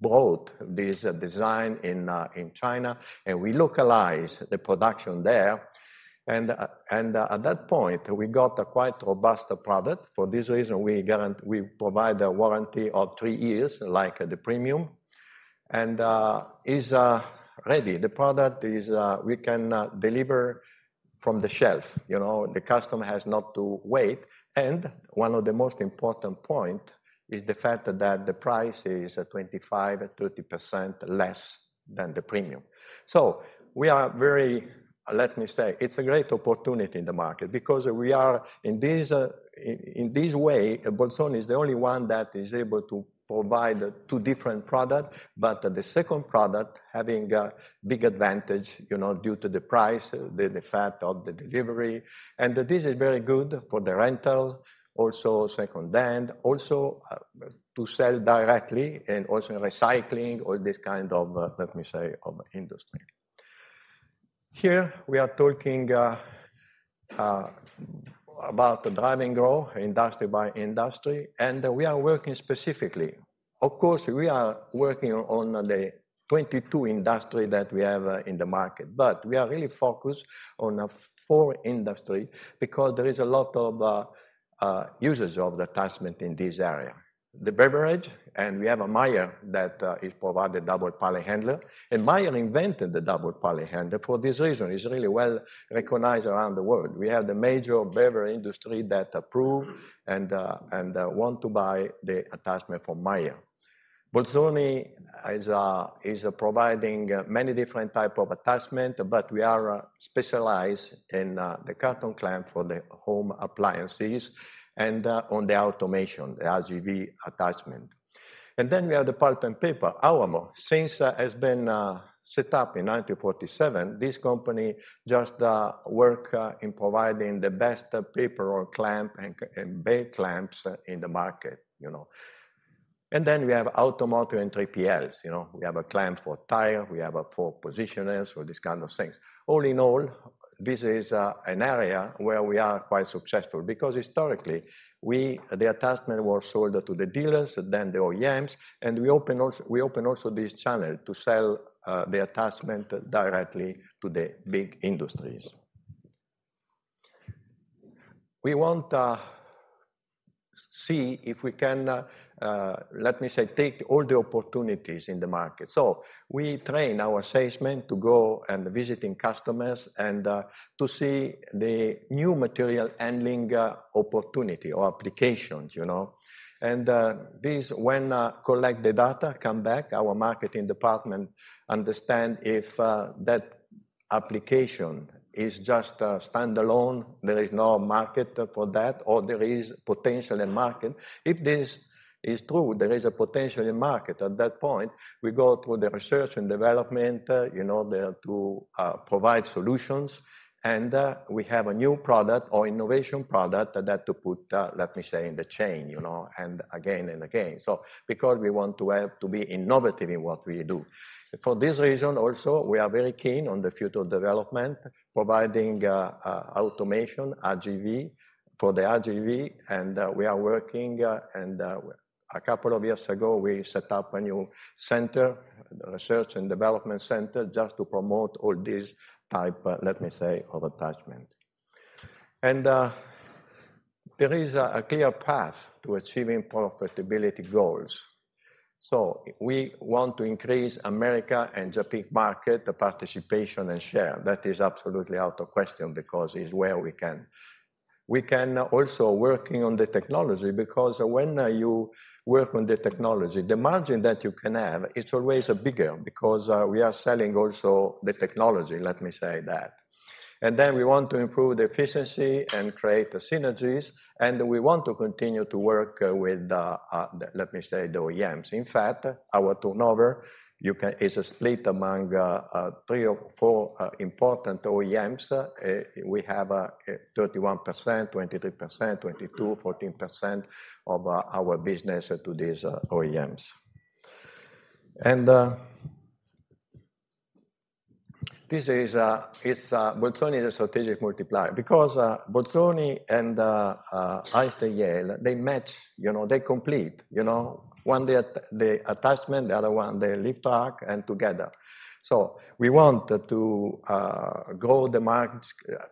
bought this design in China, and we localize the production there. And at that point, we got a quite robust product. For this reason, we provide a warranty of three years, like the premium, and is ready. The product is... we can deliver from the shelf, you know? The customer has not to wait. One of the most important point is the fact that the price is 25%-30% less than the premium. So we are very, let me say, it's a great opportunity in the market, because we are in this way, Bolzoni is the only one that is able to provide two different product, but the second product having a big advantage, you know, due to the price, the fact of the delivery. And this is very good for the rental, also second-hand, also to sell directly and also recycling, all this kind of, let me say, of industry. Here we are talking about the driving growth, industry by industry, and we are working specifically. Of course, we are working on the 22 industries that we have in the market, but we are really focused on four industries, because there is a lot of users of the attachment in this area. The beverage, and we have a Meyer that is provided double pallet handler, and Meyer invented the double pallet handler. For this reason, it's really well-recognized around the world. We have the major beverage industry that approve and want to buy the attachment from Meyer. Bolzoni is providing many different type of attachment, but we are specialized in the carton clamp for the home appliances and on the automation, the AGV attachment. And then we have the pulp and paper. Auramo, since it has been set up in 1947, this company just works in providing the best paper or clamp and bale clamps in the market, you know? And then we have automotive and 3PLs. You know, we have a client for tire, we have for positioners or these kind of things. All in all, this is an area where we are quite successful, because historically, we, the attachment was sold to the dealers and then the OEMs, and we open also, we open also this channel to sell the attachment directly to the big industries. We want to see if we can, let me say, take all the opportunities in the market. So we train our salesmen to go and visiting customers and to see the new material handling opportunity or applications, you know. This, when collect the data, come back, our marketing department understand if that application is just standalone, there is no market for that, or there is potential in market. If this is true, there is a potential in market, at that point, we go to the research and development, you know, there to provide solutions, and we have a new product or innovation product that to put, let me say, in the chain, you know, and again and again. So because we want to have to be innovative in what we do. For this reason also, we are very keen on the future development, providing automation, AGV. For the RGV, we are working, a couple of years ago, we set up a new center, research and development center, just to promote all this type, let me say, of attachment. There is a clear path to achieving profitability goals. So we want to increase America and Japan market, the participation and share. That is absolutely out of question, because it's where we can. We can also working on the technology, because when you work on the technology, the margin that you can have is always bigger, because we are selling also the technology, let me say that. And then we want to improve the efficiency and create synergies, and we want to continue to work with, let me say, the OEMs. In fact, our turnover is split among three or four important OEMs. We have 31%, 23%, 22%, 14% of our business to these OEMs. And this is Bolzoni is a strategic multiplier, because Bolzoni and Hyster-Yale, they match, you know, they complete, you know? One, the attachment, the other one, the lift truck, and together. So we want to grow the margin,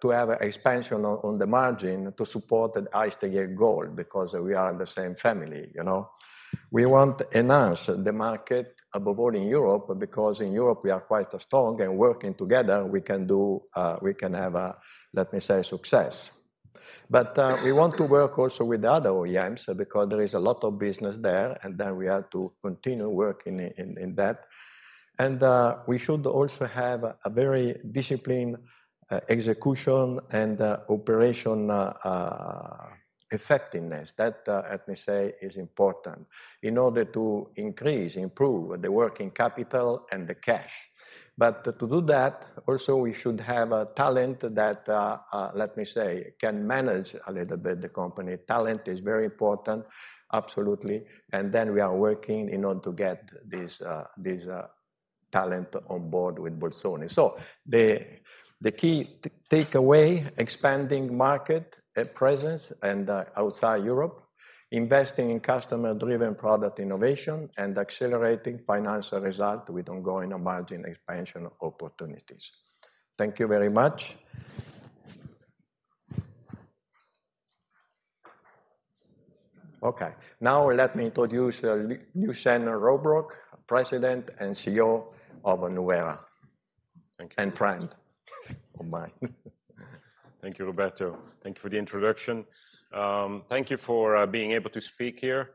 to have expansion on the margin to support the Hyster-Yale goal, because we are the same family, you know? We want enhance the market, above all in Europe, because in Europe, we are quite strong, and working together, we can do, we can have a, let me say, success. But we want to work also with the other OEMs because there is a lot of business there, and then we have to continue working in that. And we should also have a very disciplined execution and operation effectiveness. That, let me say, is important in order to increase, improve the working capital and the cash. But to do that, also, we should have a talent that, let me say, can manage a little bit the company. Talent is very important, absolutely, and then we are working in order to get this talent on board with Bolzoni. So the key takeaway, expanding market presence and outside Europe, investing in customer-driven product innovation, and accelerating financial result with ongoing margin expansion opportunities. Thank you very much. Okay, now let me introduce Lucien Robroek, President and CEO of Nuvera. Thank you. And friend of mine. Thank you, Roberto. Thank you for the introduction. Thank you for being able to speak here.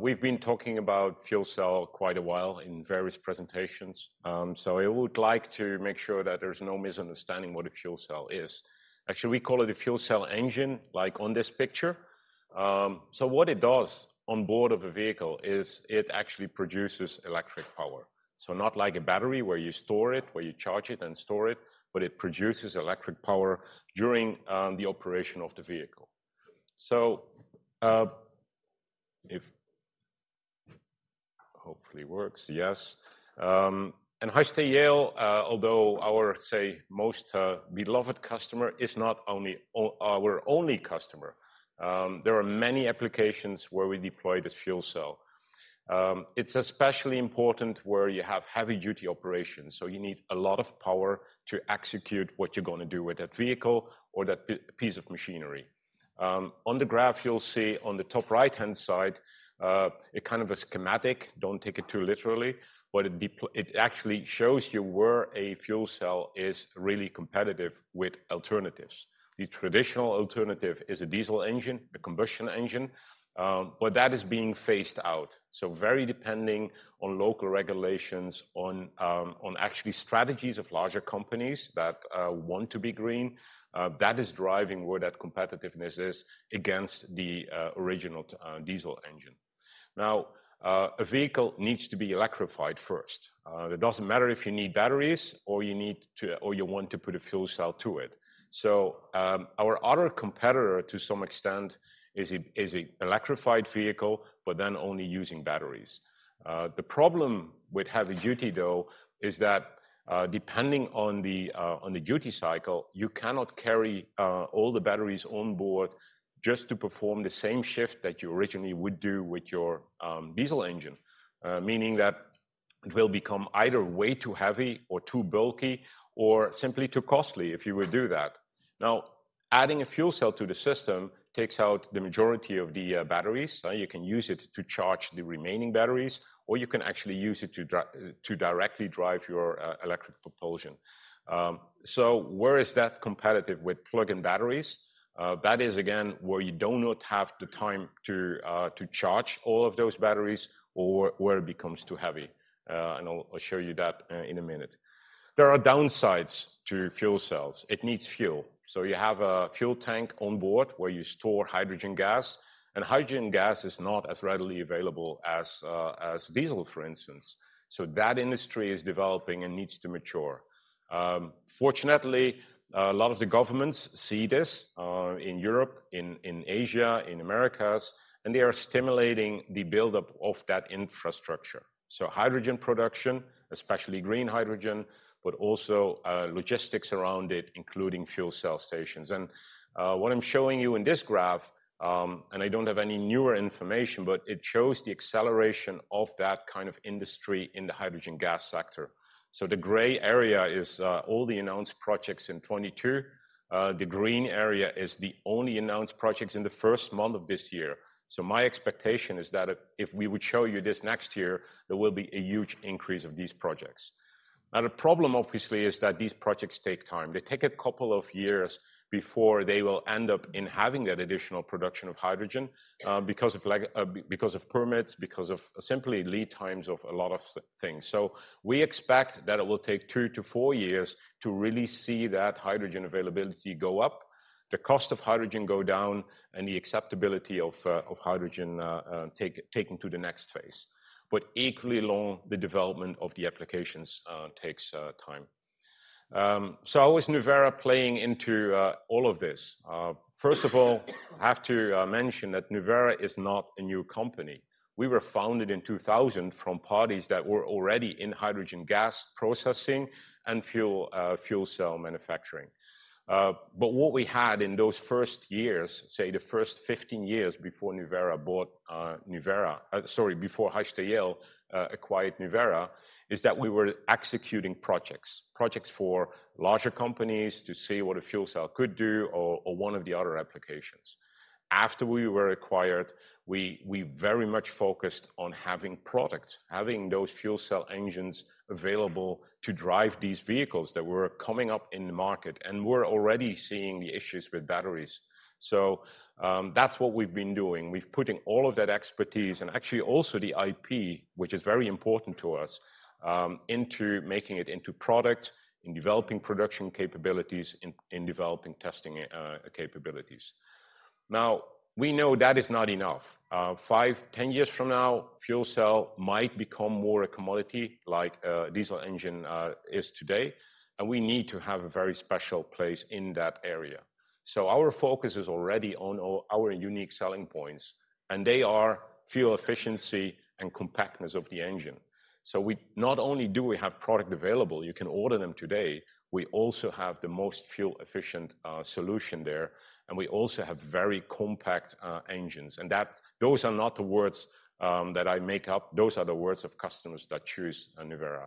We've been talking about fuel cell quite a while in various presentations, so I would like to make sure that there's no misunderstanding what a fuel cell is. Actually, we call it a fuel cell engine, like on this picture. So what it does on board of a vehicle is it actually produces electric power. So not like a battery, where you store it, where you charge it and store it, but it produces electric power during the operation of the vehicle. Hopefully, it works. Yes. And Hyster-Yale, although our, say, most beloved customer, is not only our only customer, there are many applications where we deploy this fuel cell. It's especially important where you have heavy-duty operations, so you need a lot of power to execute what you're going to do with that vehicle or that piece of machinery. On the graph, you'll see on the top right-hand side, a kind of a schematic. Don't take it too literally, but it actually shows you where a fuel cell is really competitive with alternatives. The traditional alternative is a diesel engine, a combustion engine, but that is being phased out. So very depending on local regulations, on actually strategies of larger companies that want to be green, that is driving where that competitiveness is against the original diesel engine. Now, a vehicle needs to be electrified first. It doesn't matter if you need batteries or you want to put a fuel cell to it. So, our other competitor, to some extent, is an electrified vehicle, but then only using batteries. The problem with heavy duty, though, is that, depending on the duty cycle, you cannot carry all the batteries on board just to perform the same shift that you originally would do with your diesel engine. Meaning that it will become either way too heavy or too bulky or simply too costly if you would do that. Now, adding a fuel cell to the system takes out the majority of the batteries. You can use it to charge the remaining batteries, or you can actually use it to directly drive your electric propulsion. So where is that competitive with plug-in batteries? That is, again, where you do not have the time to charge all of those batteries or where it becomes too heavy. And I'll show you that in a minute. There are downsides to fuel cells. It needs fuel. So you have a fuel tank on board where you store hydrogen gas, and hydrogen gas is not as readily available as diesel, for instance. So that industry is developing and needs to mature. Fortunately, a lot of the governments see this in Europe, in Asia, in the Americas, and they are stimulating the build-up of that infrastructure. So hydrogen production, especially green hydrogen, but also logistics around it, including fuel cell stations. And, what I'm showing you in this graph, and I don't have any newer information, but it shows the acceleration of that kind of industry in the hydrogen gas sector. So the gray area is, all the announced projects in 2022. The green area is the only announced projects in the first month of this year. So my expectation is that if, if we would show you this next year, there will be a huge increase of these projects. Now, the problem, obviously, is that these projects take time. They take a couple of years before they will end up in having that additional production of hydrogen, because of lags, because of permits, because of simply lead times of a lot of things. So we expect that it will take two-four years to really see that hydrogen availability go up, the cost of hydrogen go down, and the acceptability of hydrogen taken to the next phase. But equally long, the development of the applications takes time. So how is Nuvera playing into all of this? First of all, I have to mention that Nuvera is not a new company. We were founded in 2000 from parties that were already in hydrogen gas processing and fuel cell manufacturing. But what we had in those first years, say, the first 15 years before Nuvera bought Nuvera, sorry, before Hyster-Yale acquired Nuvera, is that we were executing projects. Projects for larger companies to see what a fuel cell could do or one of the other applications. After we were acquired, we very much focused on having product, having those fuel cell engines available to drive these vehicles that were coming up in the market, and we're already seeing the issues with batteries. So, that's what we've been doing. We've putting all of that expertise, and actually, also the IP, which is very important to us, into making it into product, in developing production capabilities, in developing testing capabilities. Now, we know that is not enough. Five, 10 years from now, fuel cell might become more a commodity like a diesel engine is today, and we need to have a very special place in that area. So our focus is already on our unique selling points, and they are fuel efficiency and compactness of the engine. So we not only have product available, you can order them today, we also have the most fuel-efficient solution there, and we also have very compact engines. And those are not the words that I make up. Those are the words of customers that choose Nuvera.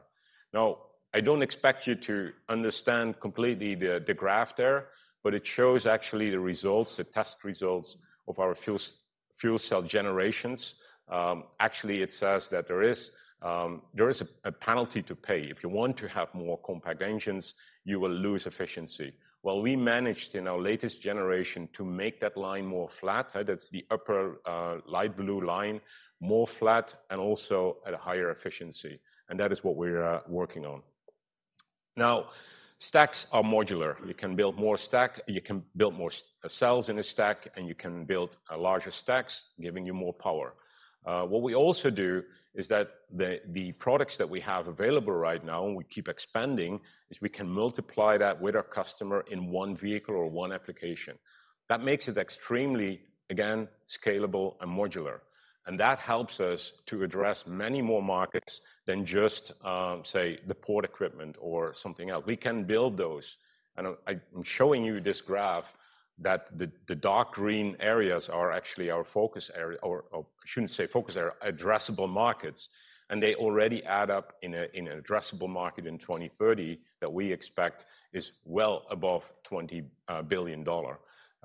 Now, I don't expect you to understand completely the graph there, but it shows actually the results, the test results of our fuel cell generations. Actually, it says that there is a penalty to pay. If you want to have more compact engines, you will lose efficiency. Well, we managed, in our latest generation, to make that line more flat, that's the upper, light blue line, more flat and also at a higher efficiency, and that is what we're working on. Now, stacks are modular. You can build more stack, you can build more cells in a stack, and you can build larger stacks, giving you more power. What we also do is that the products that we have available right now, and we keep expanding, is we can multiply that with our customer in one vehicle or one application. That makes it extremely, again, scalable and modular, and that helps us to address many more markets than just, say, the port equipment or something else. We can build those, and I'm showing you this graph that the dark green areas are actually our focus area, or I shouldn't say focus area, addressable markets, and they already add up in an addressable market in 2030 that we expect is well above $20 billion.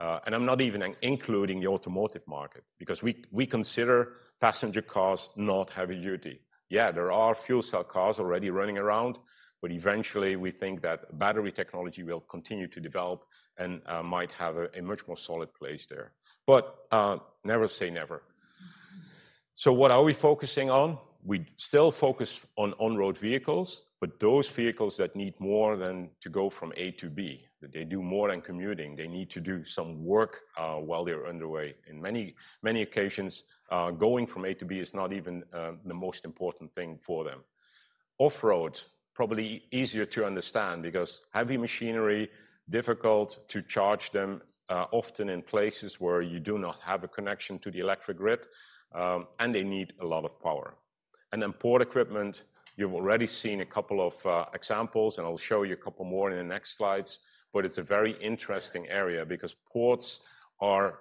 And I'm not even including the automotive market, because we consider passenger cars not heavy duty. Yeah, there are fuel cell cars already running around, but eventually, we think that battery technology will continue to develop and might have a much more solid place there. But never say never. So what are we focusing on? We still focus on on-road vehicles, but those vehicles that need more than to go from A to B, that they do more than commuting, they need to do some work while they're underway. In many, many occasions, going from A to B is not even the most important thing for them. Off-road, probably easier to understand because heavy machinery, difficult to charge them, often in places where you do not have a connection to the electric grid, and they need a lot of power. And then port equipment, you've already seen a couple of examples, and I'll show you a couple more in the next slides. But it's a very interesting area because ports are,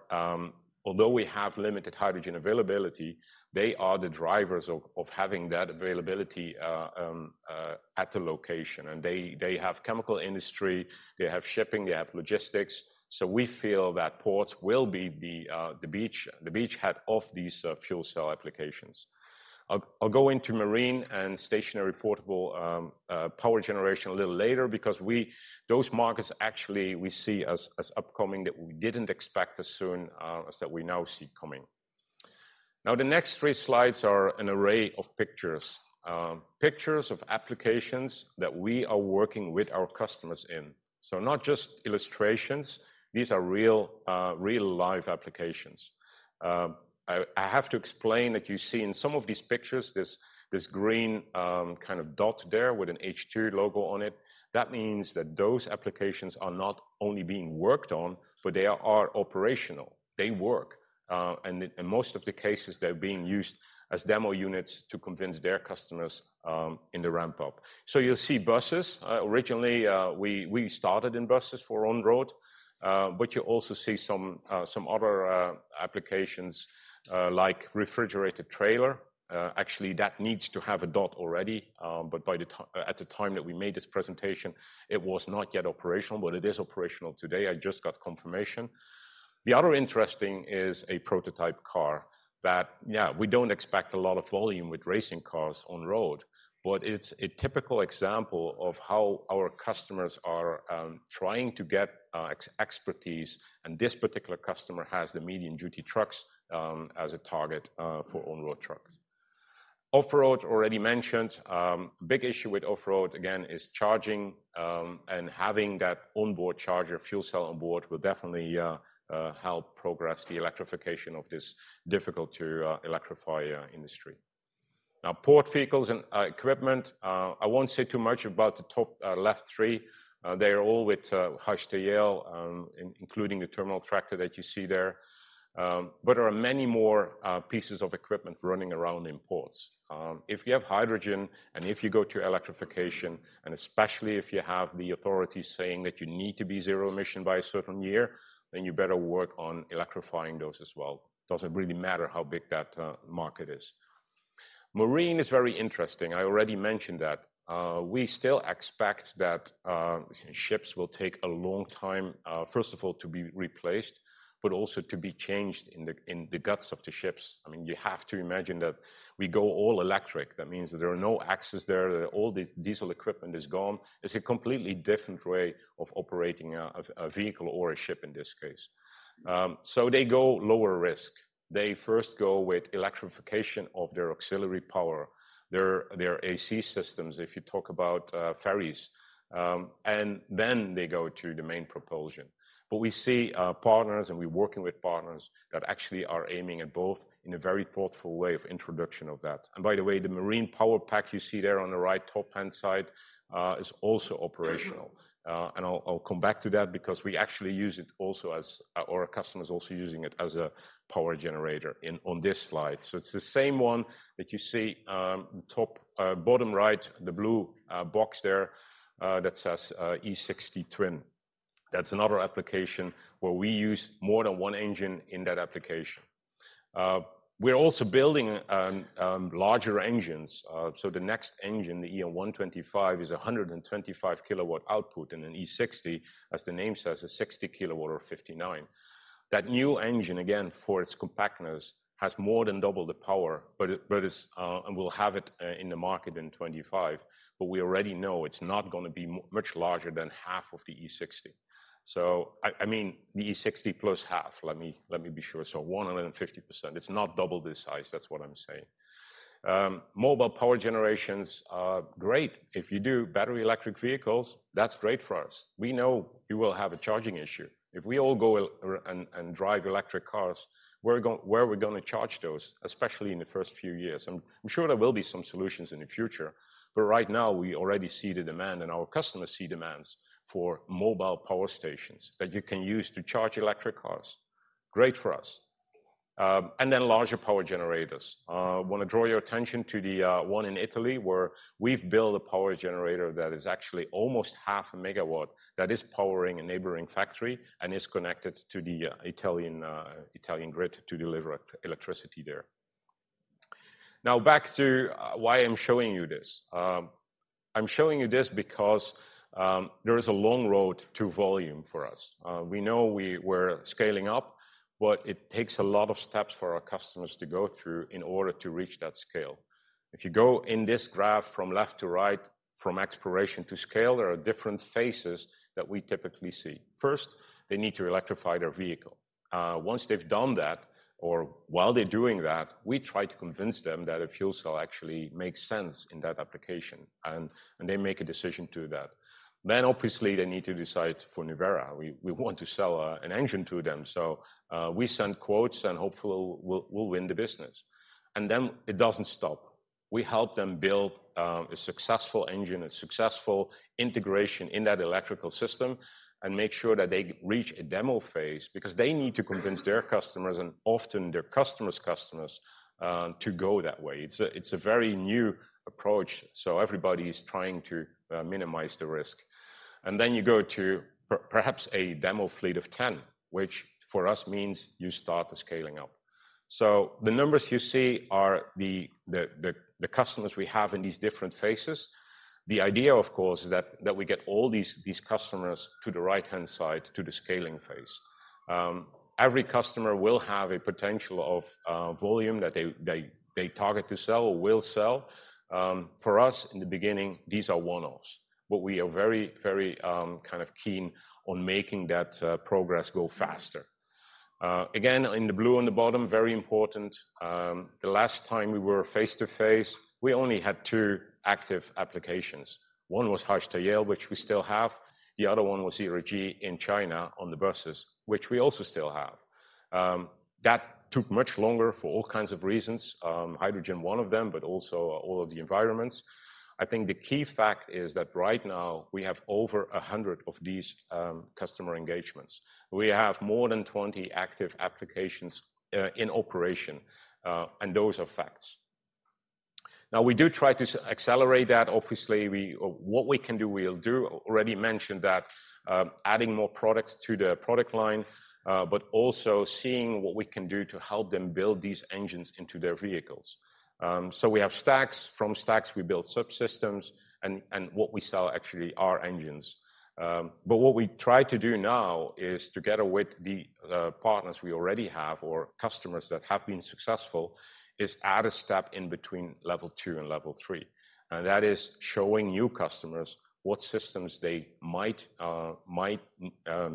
although we have limited hydrogen availability, they are the drivers of having that availability at the location. They have chemical industry, they have shipping, they have logistics. So we feel that ports will be the beachhead of these fuel cell applications. I'll go into marine and stationary portable power generation a little later because we those markets, actually, we see as upcoming, that we didn't expect as soon as that we now see coming. Now, the next three slides are an array of pictures. Pictures of applications that we are working with our customers in. So not just illustrations, these are real, live applications. I have to explain that you see in some of these pictures, this green kind of dot there with an H2 logo on it. That means that those applications are not only being worked on, but they are operational. They work. And in most of the cases, they're being used as demo units to convince their customers in the ramp-up. So you'll see buses. Originally, we started in buses for on-road, but you also see some other applications, like refrigerated trailer. Actually, that needs to have a dot already, but by the time that we made this presentation, it was not yet operational, but it is operational today. I just got confirmation. The other interesting is a prototype car that, yeah, we don't expect a lot of volume with racing cars on-road, but it's a typical example of how our customers are trying to get expertise, and this particular customer has the medium-duty trucks as a target for on-road trucks. Off-road, already mentioned. Big issue with off-road, again, is charging, and having that on-board charger, fuel cell on board, will definitely help progress the electrification of this difficult to electrify industry. Now, port vehicles and equipment, I won't say too much about the top left three. They are all with Hyster, including the terminal tractor that you see there. But there are many more pieces of equipment running around in ports. If you have hydrogen, and if you go to electrification, and especially if you have the authorities saying that you need to be zero-emission by a certain year, then you better work on electrifying those as well. Doesn't really matter how big that market is. Marine is very interesting. I already mentioned that. We still expect that ships will take a long time, first of all, to be replaced, but also to be changed in the guts of the ships. I mean, you have to imagine that we go all electric. That means that there are no axles there, that all the diesel equipment is gone. It's a completely different way of operating a vehicle or a ship, in this case. So they go lower risk. They first go with electrification of their auxiliary power, their AC systems, if you talk about ferries, and then they go to the main propulsion. But we see partners, and we're working with partners that actually are aiming at both in a very thoughtful way of introduction of that. By the way, the marine power pack you see there on the right top-hand side is also operational. And I'll, I'll come back to that because we actually use it also as—or a customer is also using it as a power generator in, on this slide. So it's the same one that you see, top, bottom right, the blue box there that says E-60 Twin. That's another application where we use more than one engine in that application. We're also building larger engines. So the next engine, the E-125, is 125 kW output, and an E-60, as the name says, is 60 kW or 59. That new engine, again, for its compactness, has more than double the power, but it, but it's. We'll have it in the market in 2025, but we already know it's not gonna be much larger than half of the E-60. So I mean, the E-60 plus half, let me be sure. So 150%. It's not double this size. That's what I'm saying. Mobile power generations are great. If you do battery electric vehicles, that's great for us. We know you will have a charging issue. If we all go and drive electric cars, where are we gonna charge those, especially in the first few years? I'm sure there will be some solutions in the future, but right now, we already see the demand, and our customers see demands for mobile power stations that you can use to charge electric cars. Great for us. And then larger power generators. Wanna draw your attention to the one in Italy, where we've built a power generator that is actually almost half a megawatt, that is powering a neighboring factory and is connected to the Italian grid to deliver electricity there. Now, back to why I'm showing you this. I'm showing you this because there is a long road to volume for us. We know we're scaling up, but it takes a lot of steps for our customers to go through in order to reach that scale. If you go in this graph from left to right, from exploration to scale, there are different phases that we typically see. First, they need to electrify their vehicle.... Once they've done that, or while they're doing that, we try to convince them that a fuel cell actually makes sense in that application, and they make a decision to do that. Then, obviously, they need to decide for Nuvera. We want to sell an engine to them, so we send quotes, and hopefully, we'll win the business. And then it doesn't stop. We help them build a successful engine, a successful integration in that electrical system, and make sure that they reach a demo phase, because they need to convince their customers, and often their customers' customers, to go that way. It's a very new approach, so everybody is trying to minimize the risk. And then you go to perhaps a demo fleet of 10, which, for us, means you start the scaling up. So the numbers you see are the customers we have in these different phases. The idea, of course, is that we get all these customers to the right-hand side, to the scaling phase. Every customer will have a potential of volume that they target to sell or will sell. For us, in the beginning, these are one-offs, but we are very, very kind of keen on making that progress go faster. Again, in the blue on the bottom, very important, the last time we were face-to-face, we only had two active applications. One was Hyster-Yale, which we still have. The other one was Zero-G in China on the buses, which we also still have. That took much longer for all kinds of reasons, hydrogen one of them, but also all of the environments. I think the key fact is that right now, we have over 100 of these, customer engagements. We have more than 20 active applications, in operation, and those are facts. Now, we do try to accelerate that. Obviously, what we can do, we'll do. Already mentioned that, adding more products to the product line, but also seeing what we can do to help them build these engines into their vehicles. So we have stacks. From stacks, we build subsystems, and what we sell actually are engines. But what we try to do now is, together with the partners we already have or customers that have been successful, add a step in between level two and level three, and that is showing new customers what systems they might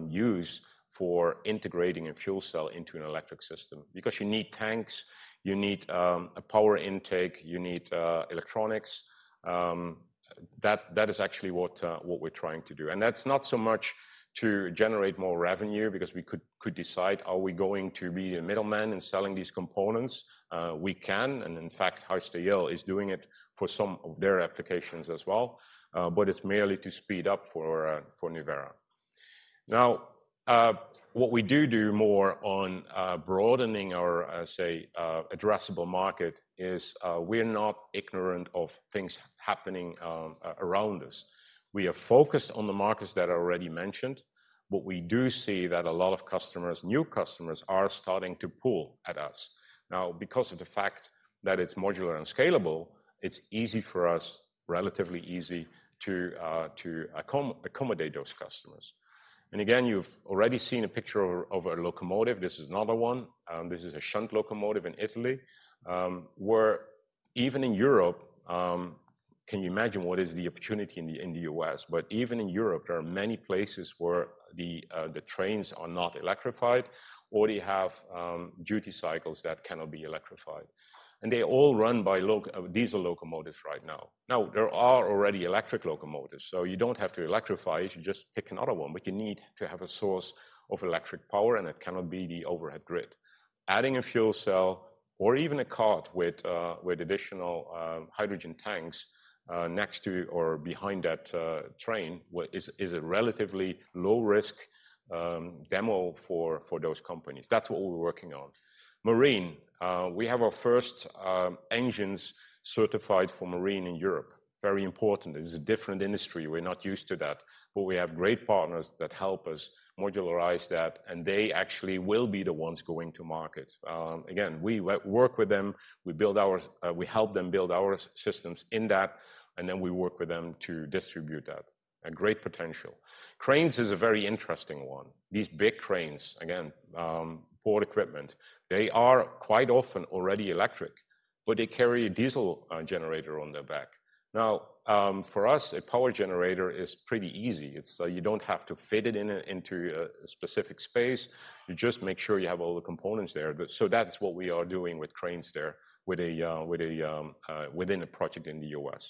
use for integrating a fuel cell into an electric system. Because you need tanks, you need a power intake, you need electronics. That is actually what we're trying to do, and that's not so much to generate more revenue, because we could decide, are we going to be a middleman in selling these components? We can, and in fact, Hyster-Yale is doing it for some of their applications as well, but it's merely to speed up for Nuvera. Now, what we do more on broadening our say addressable market is, we're not ignorant of things happening around us. We are focused on the markets that are already mentioned, but we do see that a lot of customers, new customers, are starting to pull at us. Now, because of the fact that it's modular and scalable, it's easy for us, relatively easy, to accommodate those customers. And again, you've already seen a picture of a locomotive. This is another one. This is a shunt locomotive in Italy, where even in Europe, can you imagine what is the opportunity in the U.S.? But even in Europe, there are many places where the trains are not electrified or you have duty cycles that cannot be electrified, and they all run by diesel locomotives right now. Now, there are already electric locomotives, so you don't have to electrify it, you just pick another one, but you need to have a source of electric power, and it cannot be the overhead grid. Adding a fuel cell or even a cart with additional hydrogen tanks next to or behind that train is a relatively low-risk demo for those companies. That's what we're working on. Marine. We have our first engines certified for marine in Europe. Very important. This is a different industry. We're not used to that, but we have great partners that help us modularize that, and they actually will be the ones going to market. Again, we work with them. We help them build our systems in that, and then we work with them to distribute that. A great potential. Cranes is a very interesting one. These big cranes, again, port equipment, they are quite often already electric, but they carry a diesel generator on their back. Now, for us, a power generator is pretty easy. It's, you don't have to fit it in, into a specific space. You just make sure you have all the components there. So that's what we are doing with cranes there, within a project in the U.S.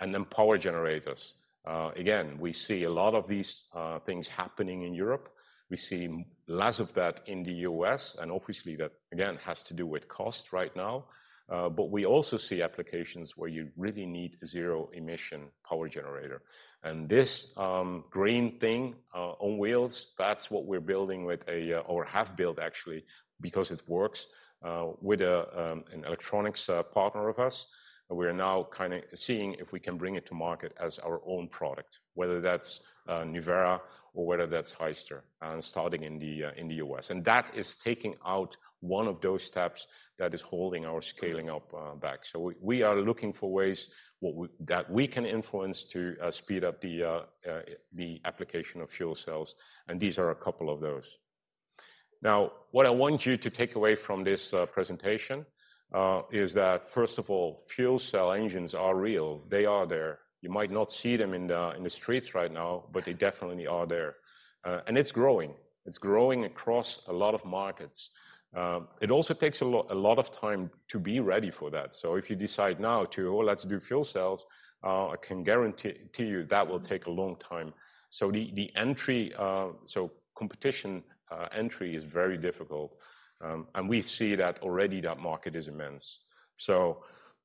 And then power generators. Again, we see a lot of these things happening in Europe. We see less of that in the U.S., and obviously, that, again, has to do with cost right now. But we also see applications where you really need zero-emission power generator, and this green thing on wheels, that's what we're building with a, or have built, actually, because it works with a an electronics partner of ours. We are now kind of seeing if we can bring it to market as our own product, whether that's Nuvera or whether that's Hyster, and starting in the in the U.S. And that is taking out one of those steps that is holding our scaling up back. So we are looking for ways that we can influence to speed up the application of fuel cells, and these are a couple of those. Now, what I want you to take away from this presentation is that, first of all, fuel cell engines are real. They are there. You might not see them in the streets right now, but they definitely are there. And it's growing. It's growing across a lot of markets. It also takes a lot, a lot of time to be ready for that. So if you decide now to, "Oh, let's do fuel cells," I can guarantee to you that will take a long time. So the entry so competition entry is very difficult, and we see that already that market is immense. So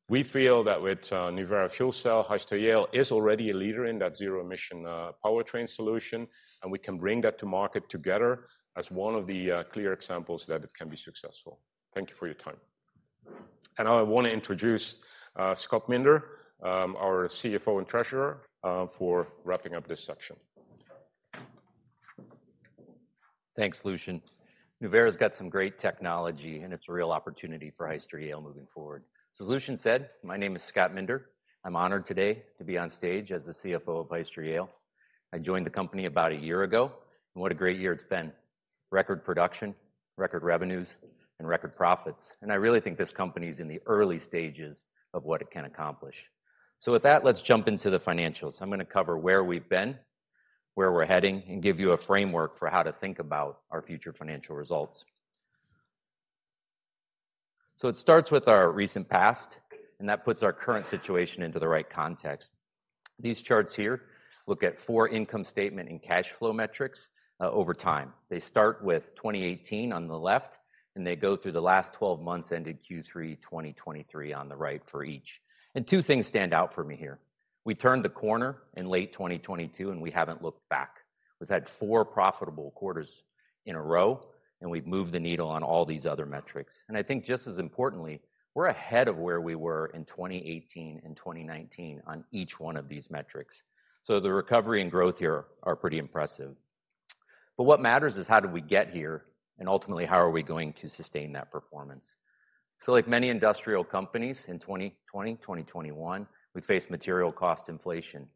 we feel that with Nuvera Fuel Cells, Hyster-Yale is already a leader in that zero emission powertrain solution, and we can bring that to market together as one of the clear examples that it can be successful. Thank you for your time. And now I want to introduce Scott Minder, our CFO and Treasurer, for wrapping up this section. Thanks, Lucien. Nuvera's got some great technology, and it's a real opportunity for Hyster-Yale moving forward. So Lucien said, my name is Scott Minder. I'm honored today to be on stage as the CFO of Hyster-Yale. I joined the company about a year ago, and what a great year it's been. Record production, record revenues, and record profits, and I really think this company is in the early stages of what it can accomplish. So with that, let's jump into the financials. I'm gonna cover where we've been, where we're heading, and give you a framework for how to think about our future financial results. So it starts with our recent past, and that puts our current situation into the right context. These charts here look at four income statement and cash flow metrics over time. They start with 2018 on the left, and they go through the last 12 months, ending Q3 2023 on the right for each. Two things stand out for me here. We turned the corner in late 2022, and we haven't looked back. We've had four profitable quarters in a row, and we've moved the needle on all these other metrics. I think just as importantly, we're ahead of where we were in 2018 and 2019 on each one of these metrics. So the recovery and growth here are pretty impressive. But what matters is how did we get here? Ultimately, how are we going to sustain that performance? So like many industrial companies in 2020, 2021, we faced material cost inflation.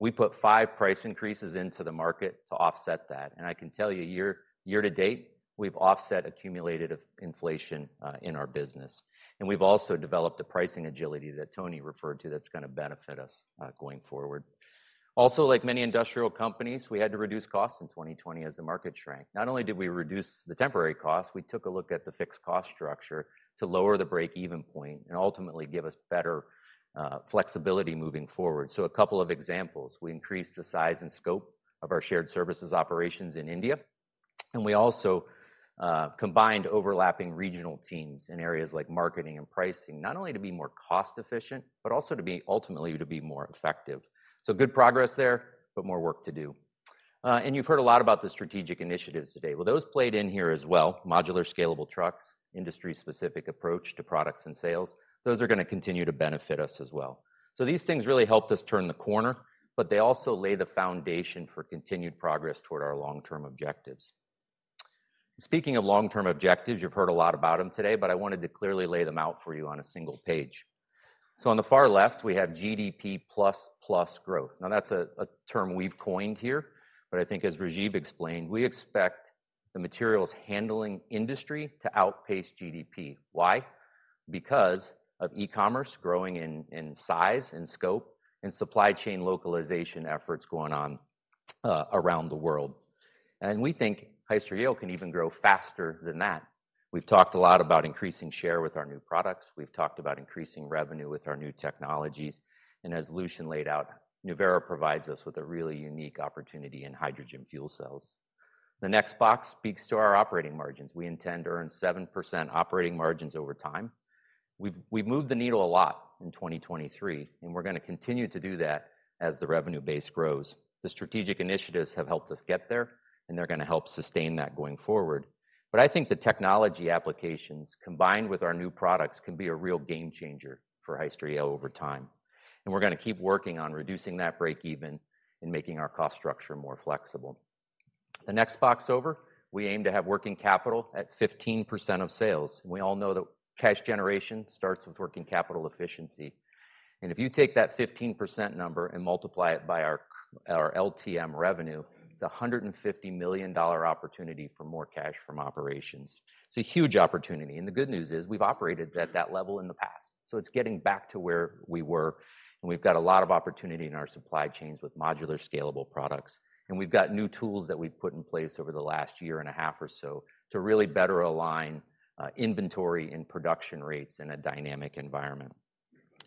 We put five price increases into the market to offset that, and I can tell you, year to date, we've offset accumulated of inflation in our business. We've also developed a pricing agility that Tony referred to, that's gonna benefit us going forward. Also, like many industrial companies, we had to reduce costs in 2020 as the market shrank. Not only did we reduce the temporary costs, we took a look at the fixed cost structure to lower the break-even point and ultimately give us better flexibility moving forward. A couple of examples. We increased the size and scope of our shared services operations in India, and we also combined overlapping regional teams in areas like marketing and pricing, not only to be more cost-efficient, but also to be ultimately to be more effective. Good progress there, but more work to do. You've heard a lot about the strategic initiatives today. Well, those played in here as well. Modular, scalable trucks, industry-specific approach to products and sales. Those are gonna continue to benefit us as well. These things really helped us turn the corner, but they also lay the foundation for continued progress toward our long-term objectives. Speaking of long-term objectives, you've heard a lot about them today, but I wanted to clearly lay them out for you on a single page. On the far left, we have GDP++ growth. Now, that's a term we've coined here, but I think as Rajiv explained, we expect the materials handling industry to outpace GDP. Why? Because of e-commerce growing in size and scope and supply chain localization efforts going on around the world. We think Hyster-Yale can even grow faster than that. We've talked a lot about increasing share with our new products. We've talked about increasing revenue with our new technologies, and as Lucien laid out, Nuvera provides us with a really unique opportunity in hydrogen fuel cells. The next box speaks to our operating margins. We intend to earn 7% operating margins over time. We've, we've moved the needle a lot in 2023, and we're gonna continue to do that as the revenue base grows. The strategic initiatives have helped us get there, and they're gonna help sustain that going forward. But I think the technology applications, combined with our new products, can be a real game changer for Hyster-Yale over time, and we're gonna keep working on reducing that break even and making our cost structure more flexible. The next box over, we aim to have working capital at 15% of sales. We all know that cash generation starts with working capital efficiency, and if you take that 15% number and multiply it by our LTM revenue, it's a $150 million opportunity for more cash from operations. It's a huge opportunity, and the good news is we've operated at that level in the past. So it's getting back to where we were, and we've got a lot of opportunity in our supply chains with modular, scalable products. And we've got new tools that we've put in place over the last year and a half or so, to really better align inventory and production rates in a dynamic environment.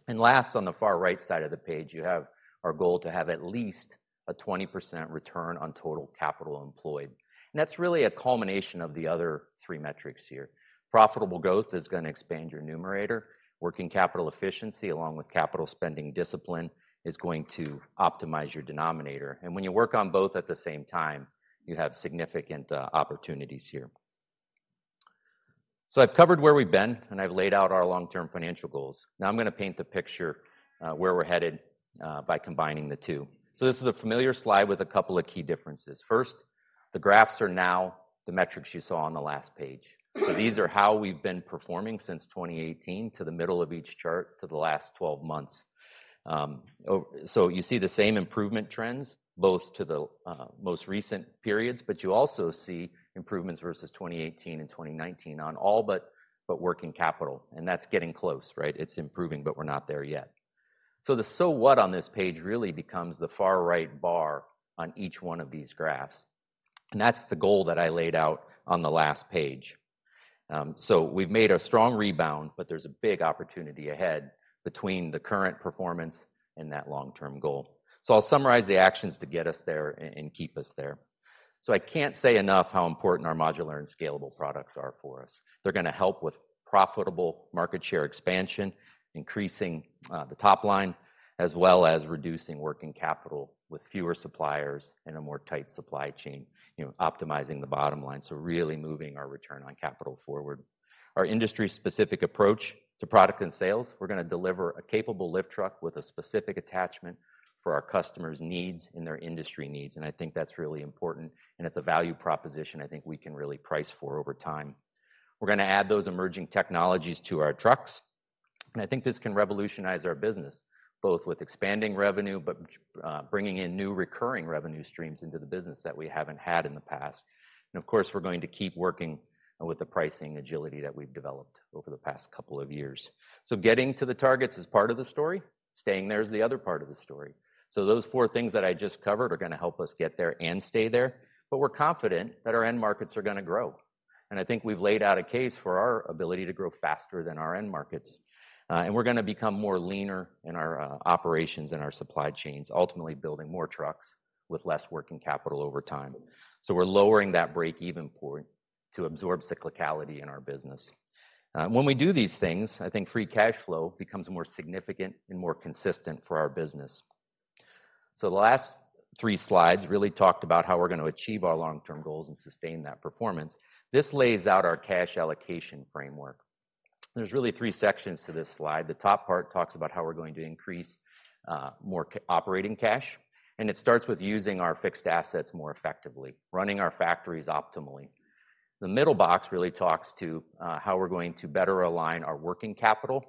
And last, on the far right side of the page, you have our goal to have at least a 20% return on total capital employed. And that's really a culmination of the other three metrics here. Profitable growth is gonna expand your numerator, working capital efficiency, along with capital spending discipline, is going to optimize your denominator. And when you work on both at the same time, you have significant opportunities here. So I've covered where we've been, and I've laid out our long-term financial goals. Now I'm gonna paint the picture where we're headed by combining the two. So this is a familiar slide with a couple of key differences. First, the graphs are now the metrics you saw on the last page. So these are how we've been performing since 2018 to the middle of each chart to the last twelve months. So you see the same improvement trends, both to the most recent periods, but you also see improvements versus 2018 and 2019 on all but working capital, and that's getting close, right? It's improving, but we're not there yet. So the "so what" on this page really becomes the far right bar on each one of these graphs, and that's the goal that I laid out on the last page. So we've made a strong rebound, but there's a big opportunity ahead between the current performance and that long-term goal. So I'll summarize the actions to get us there and keep us there. So I can't say enough how important our modular and scalable products are for us. They're gonna help with profitable market share expansion, increasing the top line, as well as reducing working capital with fewer suppliers and a more tight supply chain, you know, optimizing the bottom line, so really moving our return on capital forward. Our industry-specific approach to product and sales, we're gonna deliver a capable lift truck with a specific attachment for our customers' needs and their industry needs, and I think that's really important, and it's a value proposition I think we can really price for over time. We're gonna add those emerging technologies to our trucks, and I think this can revolutionize our business, both with expanding revenue, but, bringing in new recurring revenue streams into the business that we haven't had in the past. And, of course, we're going to keep working with the pricing agility that we've developed over the past couple of years. So getting to the targets is part of the story. Staying there is the other part of the story. So those four things that I just covered are gonna help us get there and stay there, but we're confident that our end markets are gonna grow. And I think we've laid out a case for our ability to grow faster than our end markets. And we're gonna become more leaner in our operations and our supply chains, ultimately building more trucks with less working capital over time. So we're lowering that break-even point to absorb cyclicality in our business. When we do these things, I think free cash flow becomes more significant and more consistent for our business. So the last three slides really talked about how we're gonna achieve our long-term goals and sustain that performance. This lays out our cash allocation framework. There's really three sections to this slide. The top part talks about how we're going to increase more operating cash, and it starts with using our fixed assets more effectively, running our factories optimally. The middle box really talks to how we're going to better align our working capital,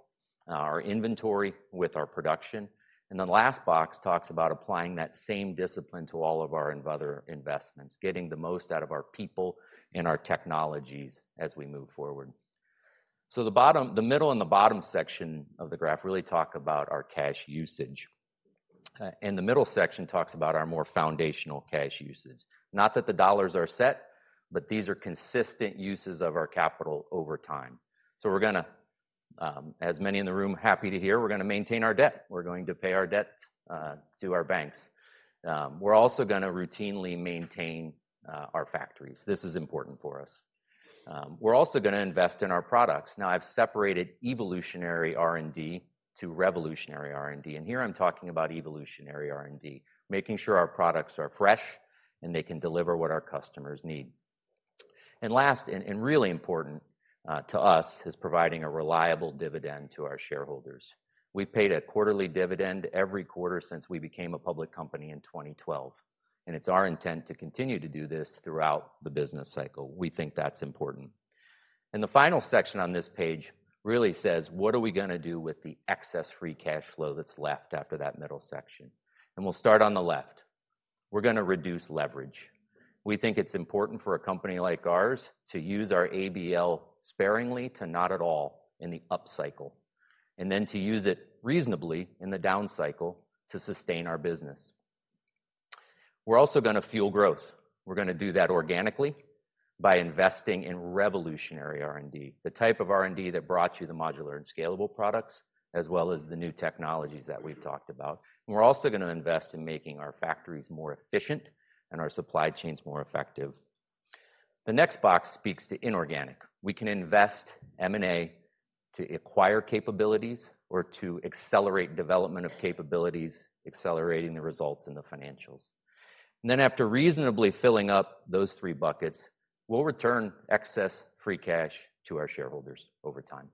our inventory with our production. And the last box talks about applying that same discipline to all of our other investments, getting the most out of our people and our technologies as we move forward. So the bottom... The middle and the bottom section of the graph really talk about our cash usage. And the middle section talks about our more foundational cash usage. Not that the dollars are set, but these are consistent uses of our capital over time. So we're gonna, as many in the room happy to hear, we're gonna maintain our debt. We're going to pay our debt to our banks. We're also gonna routinely maintain our factories. This is important for us. We're also gonna invest in our products. Now, I've separated evolutionary R&D to revolutionary R&D, and here I'm talking about evolutionary R&D, making sure our products are fresh, and they can deliver what our customers need. And last, really important to us is providing a reliable dividend to our shareholders. We've paid a quarterly dividend every quarter since we became a public company in 2012, and it's our intent to continue to do this throughout the business cycle. We think that's important. And the final section on this page really says: What are we gonna do with the excess free cash flow that's left after that middle section? And we'll start on the left. We're gonna reduce leverage. We think it's important for a company like ours to use our ABL sparingly to not at all in the upcycle, and then to use it reasonably in the downcycle to sustain our business. We're also gonna fuel growth. We're gonna do that organically by investing in revolutionary R&D, the type of R&D that brought you the modular and scalable products, as well as the new technologies that we've talked about. And we're also gonna invest in making our factories more efficient and our supply chains more effective. The next box speaks to inorganic. We can invest M&A to acquire capabilities or to accelerate development of capabilities, accelerating the results and the financials. And then, after reasonably filling up those three buckets, we'll return excess free cash to our shareholders over time.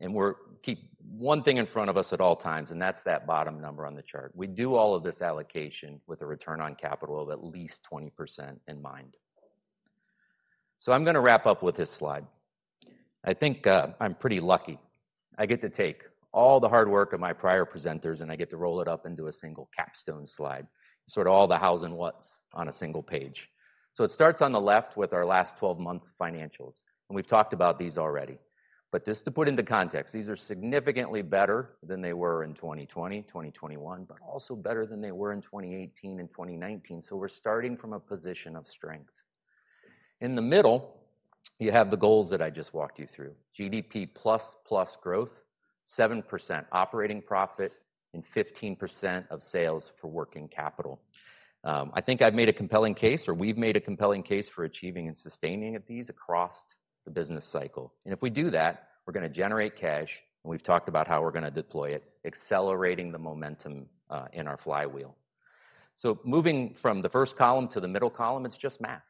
And we're keep one thing in front of us at all times, and that's that bottom number on the chart. We do all of this allocation with a return on capital of at least 20% in mind. So I'm gonna wrap up with this slide. I think, I'm pretty lucky. I get to take all the hard work of my prior presenters, and I get to roll it up into a single capstone slide, sort of all the hows and whats on a single page. So it starts on the left with our last 12 months financials, and we've talked about these already. But just to put into context, these are significantly better than they were in 2020, 2021, but also better than they were in 2018 and 2019, so we're starting from a position of strength. In the middle, you have the goals that I just walked you through: GDP++ growth, 7% operating profit, and 15% of sales for working capital. I think I've made a compelling case, or we've made a compelling case for achieving and sustaining of these across the business cycle. And if we do that, we're gonna generate cash, and we've talked about how we're gonna deploy it, accelerating the momentum in our flywheel. So moving from the first column to the middle column, it's just math....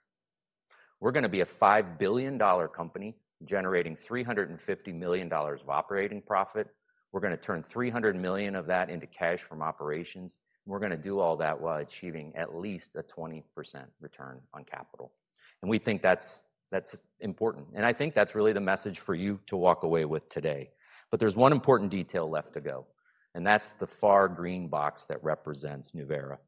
We're gonna be a $5 billion company, generating $350 million of operating profit. We're gonna turn $300 million of that into cash from operations, and we're gonna do all that while achieving at least a 20% return on capital. And we think that's, that's important, and I think that's really the message for you to walk away with today. But there's one important detail left to go, and that's the far green box that represents Nuvera.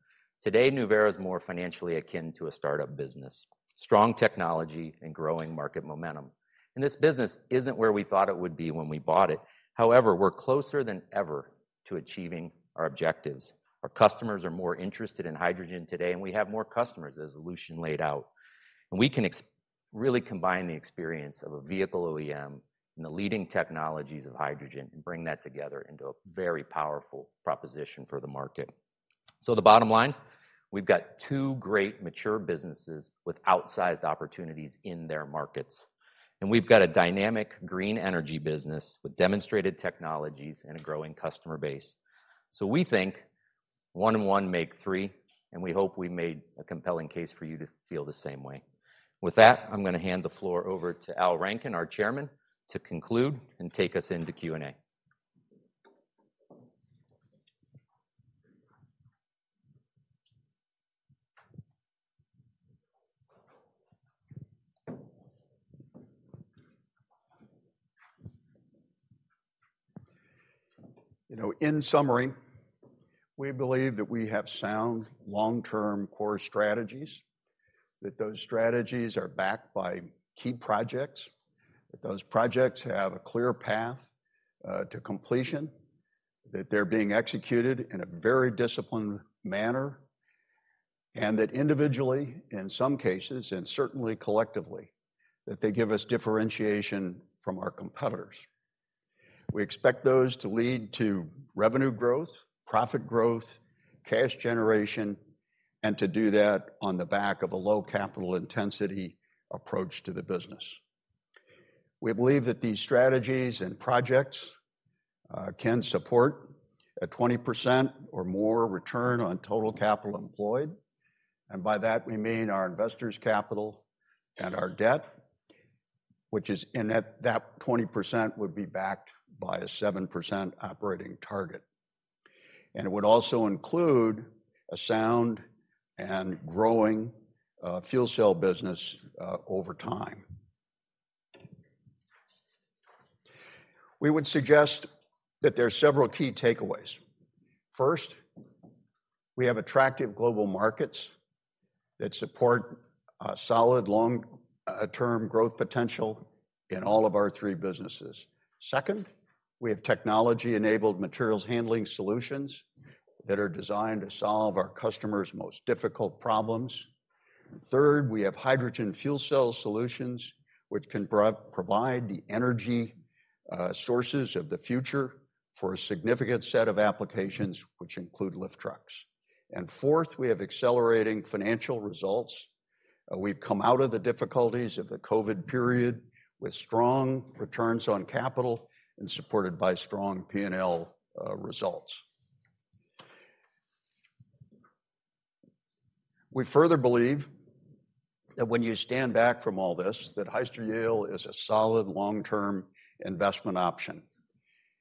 Today, Nuvera is more financially akin to a startup business, strong technology and growing market momentum. And this business isn't where we thought it would be when we bought it. However, we're closer than ever to achieving our objectives. Our customers are more interested in hydrogen today, and we have more customers, as Lucien laid out. And we can really combine the experience of a vehicle OEM and the leading technologies of hydrogen and bring that together into a very powerful proposition for the market. So the bottom line, we've got two great mature businesses with outsized opportunities in their markets, and we've got a dynamic green energy business with demonstrated technologies and a growing customer base. So we think one and one make three, and we hope we made a compelling case for you to feel the same way. With that, I'm gonna hand the floor over to Al Rankin, our Chairman, to conclude and take us into Q&A. You know, in summary, we believe that we have sound, long-term core strategies, that those strategies are backed by key projects, that those projects have a clear path to completion, that they're being executed in a very disciplined manner, and that individually, in some cases, and certainly collectively, that they give us differentiation from our competitors. We expect those to lead to revenue growth, profit growth, cash generation, and to do that on the back of a low capital intensity approach to the business. We believe that these strategies and projects can support a 20% or more return on total capital employed, and by that we mean our investors' capital and our debt, which is... and that, that 20% would be backed by a 7% operating target. And it would also include a sound and growing fuel cell business over time. We would suggest that there are several key takeaways. First, we have attractive global markets that support a solid, long-term growth potential in all of our three businesses. Second, we have technology-enabled materials handling solutions that are designed to solve our customers' most difficult problems. And third, we have hydrogen fuel cell solutions, which can provide the energy sources of the future for a significant set of applications, which include lift trucks. And fourth, we have accelerating financial results. We've come out of the difficulties of the COVID period with strong returns on capital and supported by strong P&L results. We further believe that when you stand back from all this, that Hyster-Yale is a solid long-term investment option.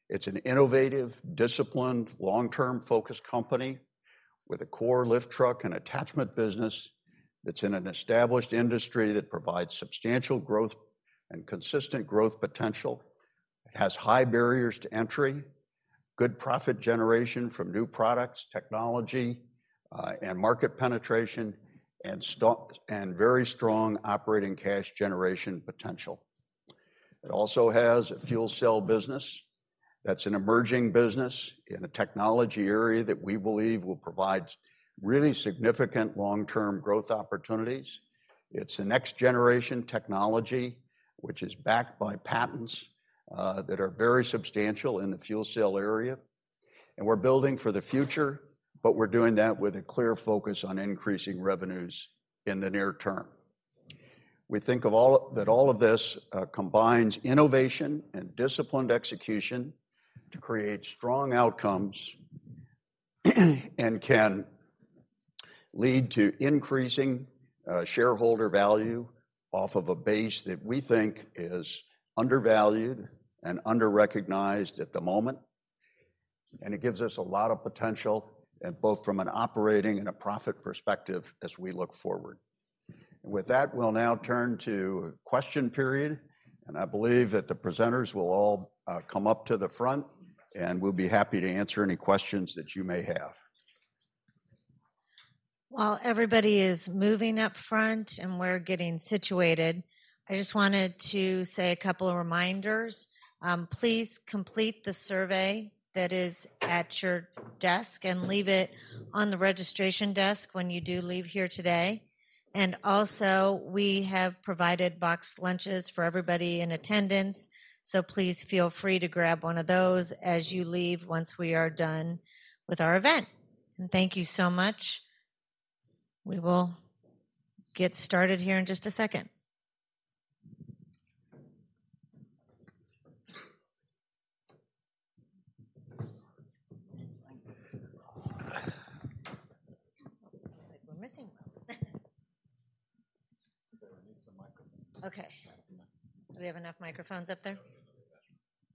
It's an innovative, disciplined, long-term-focused company with a core lift truck and attachment business that's in an established industry that provides substantial growth and consistent growth potential. It has high barriers to entry, good profit generation from new products, technology, and market penetration, and very strong operating cash generation potential. It also has a fuel cell business that's an emerging business in a technology area that we believe will provide really significant long-term growth opportunities. It's a next-generation technology, which is backed by patents, that are very substantial in the fuel cell area, and we're building for the future, but we're doing that with a clear focus on increasing revenues in the near term. We think that all of this combines innovation and disciplined execution to create strong outcomes, and can lead to increasing shareholder value off of a base that we think is undervalued and under-recognized at the moment, and it gives us a lot of potential, and both from an operating and a profit perspective as we look forward. With that, we'll now turn to question period, and I believe that the presenters will all come up to the front, and we'll be happy to answer any questions that you may have. While everybody is moving up front and we're getting situated, I just wanted to say a couple of reminders. Please complete the survey that is at your desk and leave it on the registration desk when you do leave here today. Also, we have provided boxed lunches for everybody in attendance, so please feel free to grab one of those as you leave once we are done with our event. Thank you so much. We will get started here in just a second. ... Looks like we're missing one. We need some microphones. Okay. Do we have enough microphones up there?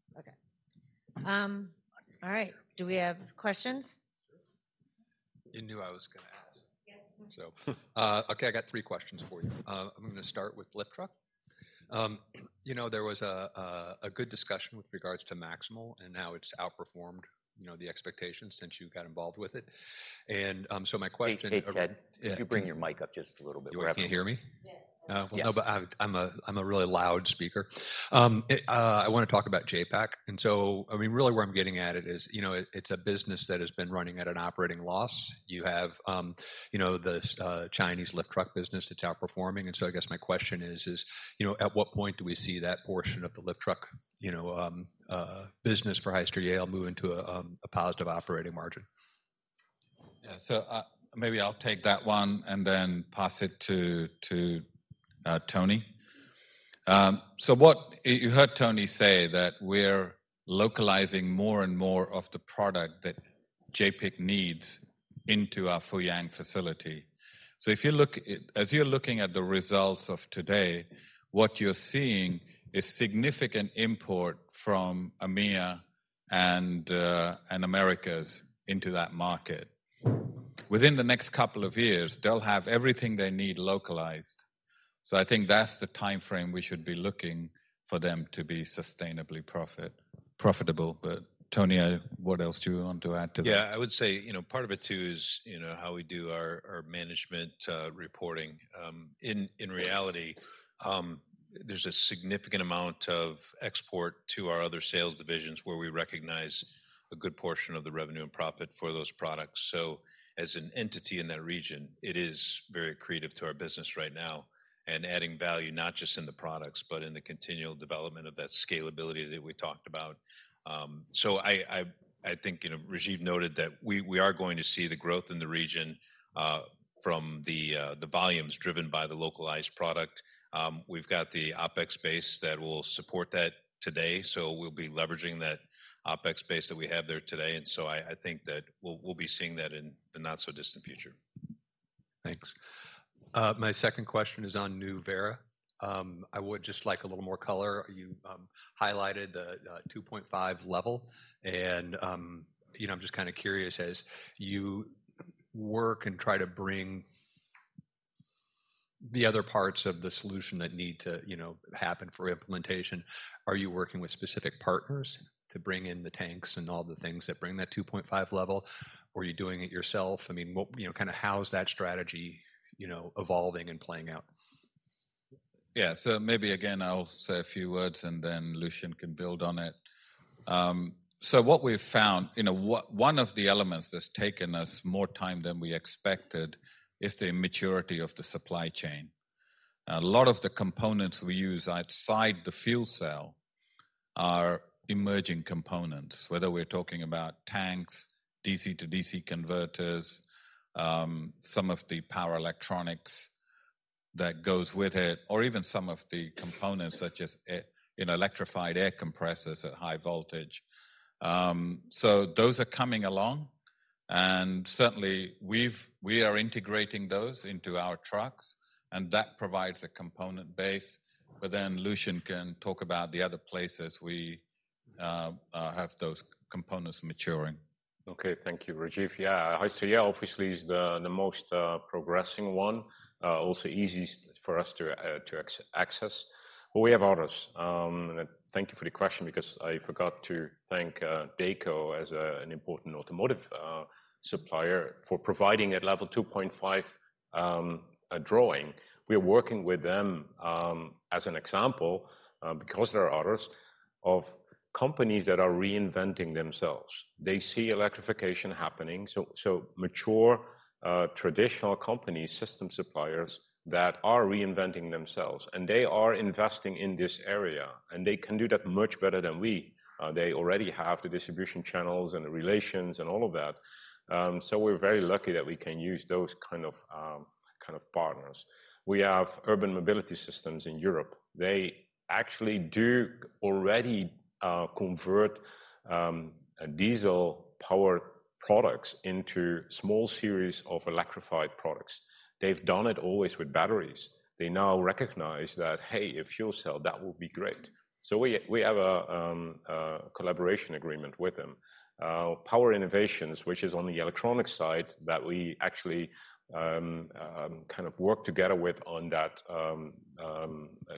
No, we have another one. Okay. All right, do we have questions? Sure. You knew I was gonna ask. Yes. So, okay, I got three questions for you. I'm gonna start with lift truck. You know, there was a good discussion with regards to Maximal, and now it's outperformed, you know, the expectations since you got involved with it. And so my question- Hey, hey, Ted? Yeah. If you bring your mic up just a little bit for everyone. You can't hear me? Yeah. Oh, well, no, but I'm a really loud speaker. I wanna talk about JAPIC. And so, I mean, really where I'm getting at it is, you know, it's a business that has been running at an operating loss. You have, you know, the Chinese lift truck business that's outperforming. And so I guess my question is, you know, at what point do we see that portion of the lift truck, you know, business for Hyster-Yale move into a positive operating margin? Yeah, so, maybe I'll take that one and then pass it to Tony. So what you heard Tony say that we're localizing more and more of the product that JAPIC needs into our Fuyang facility. So if you look at, as you're looking at the results of today, what you're seeing is significant import from EMEA and Americas into that market. Within the next couple of years, they'll have everything they need localized, so I think that's the timeframe we should be looking for them to be sustainably profitable. But Tony, what else do you want to add to that? Yeah, I would say, you know, part of it, too, is, you know, how we do our, our management reporting. In reality, there's a significant amount of export to our other sales divisions, where we recognize a good portion of the revenue and profit for those products. So as an entity in that region, it is very accretive to our business right now and adding value, not just in the products, but in the continual development of that scalability that we talked about. So I think, you know, Rajiv noted that we are going to see the growth in the region from the volumes driven by the localized product. We've got the OpEx base that will support that today, so we'll be leveraging that OpEx base that we have there today, and so I think that we'll be seeing that in the not-so-distant future. Thanks. My second question is on Nuvera. I would just like a little more color. You highlighted the 2.5 level, and you know, I'm just kind of curious, as you work and try to bring the other parts of the solution that need to, you know, happen for implementation, are you working with specific partners to bring in the tanks and all the things that bring that 2.5 level, or are you doing it yourself? I mean, what you know, kind of how is that strategy, you know, evolving and playing out? Yeah. So maybe, again, I'll say a few words, and then Lucien can build on it. So what we've found, you know, one of the elements that's taken us more time than we expected is the immaturity of the supply chain. A lot of the components we use outside the fuel cell are emerging components, whether we're talking about tanks, DC-to-DC converters, some of the power electronics that goes with it, or even some of the components such as a, you know, electrified air compressors at high voltage. So those are coming along, and certainly, we are integrating those into our trucks, and that provides a component base. But then Lucien can talk about the other places we have those components maturing. Okay. Thank you, Rajiv. Yeah, Hyster-Yale obviously is the most progressing one, also easiest for us to access, but we have others. Thank you for the question because I forgot to thank Dayco as an important automotive supplier for providing a level 2.5 drawing. We're working with them as an example because there are others of companies that are reinventing themselves. They see electrification happening, so mature traditional companies, system suppliers, that are reinventing themselves, and they are investing in this area, and they can do that much better than we. They already have the distribution channels and the relations and all of that. So we're very lucky that we can use those kind of partners. We have Urban Mobility Systems in Europe. They actually do already convert diesel-powered products into small series of electrified products. They've done it always with batteries. They now recognize that, hey, a fuel cell, that would be great. So we have a collaboration agreement with them. Power Innovations, which is on the electronic side, that we actually kind of work together with on that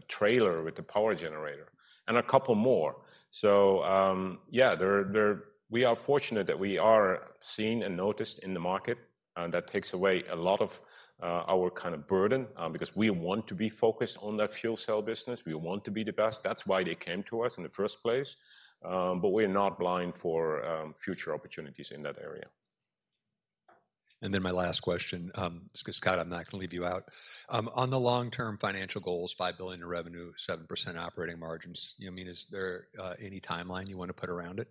trailer with the power generator and a couple more. So, we are fortunate that we are seen and noticed in the market, and that takes away a lot of our kind of burden because we want to be focused on that fuel cell business. We want to be the best. That's why they came to us in the first place. But we're not blind for future opportunities in that area. Then my last question, 'cause Scott, I'm not gonna leave you out. On the long-term financial goals, $5 billion in revenue, 7% operating margins, you know, I mean, is there any timeline you want to put around it?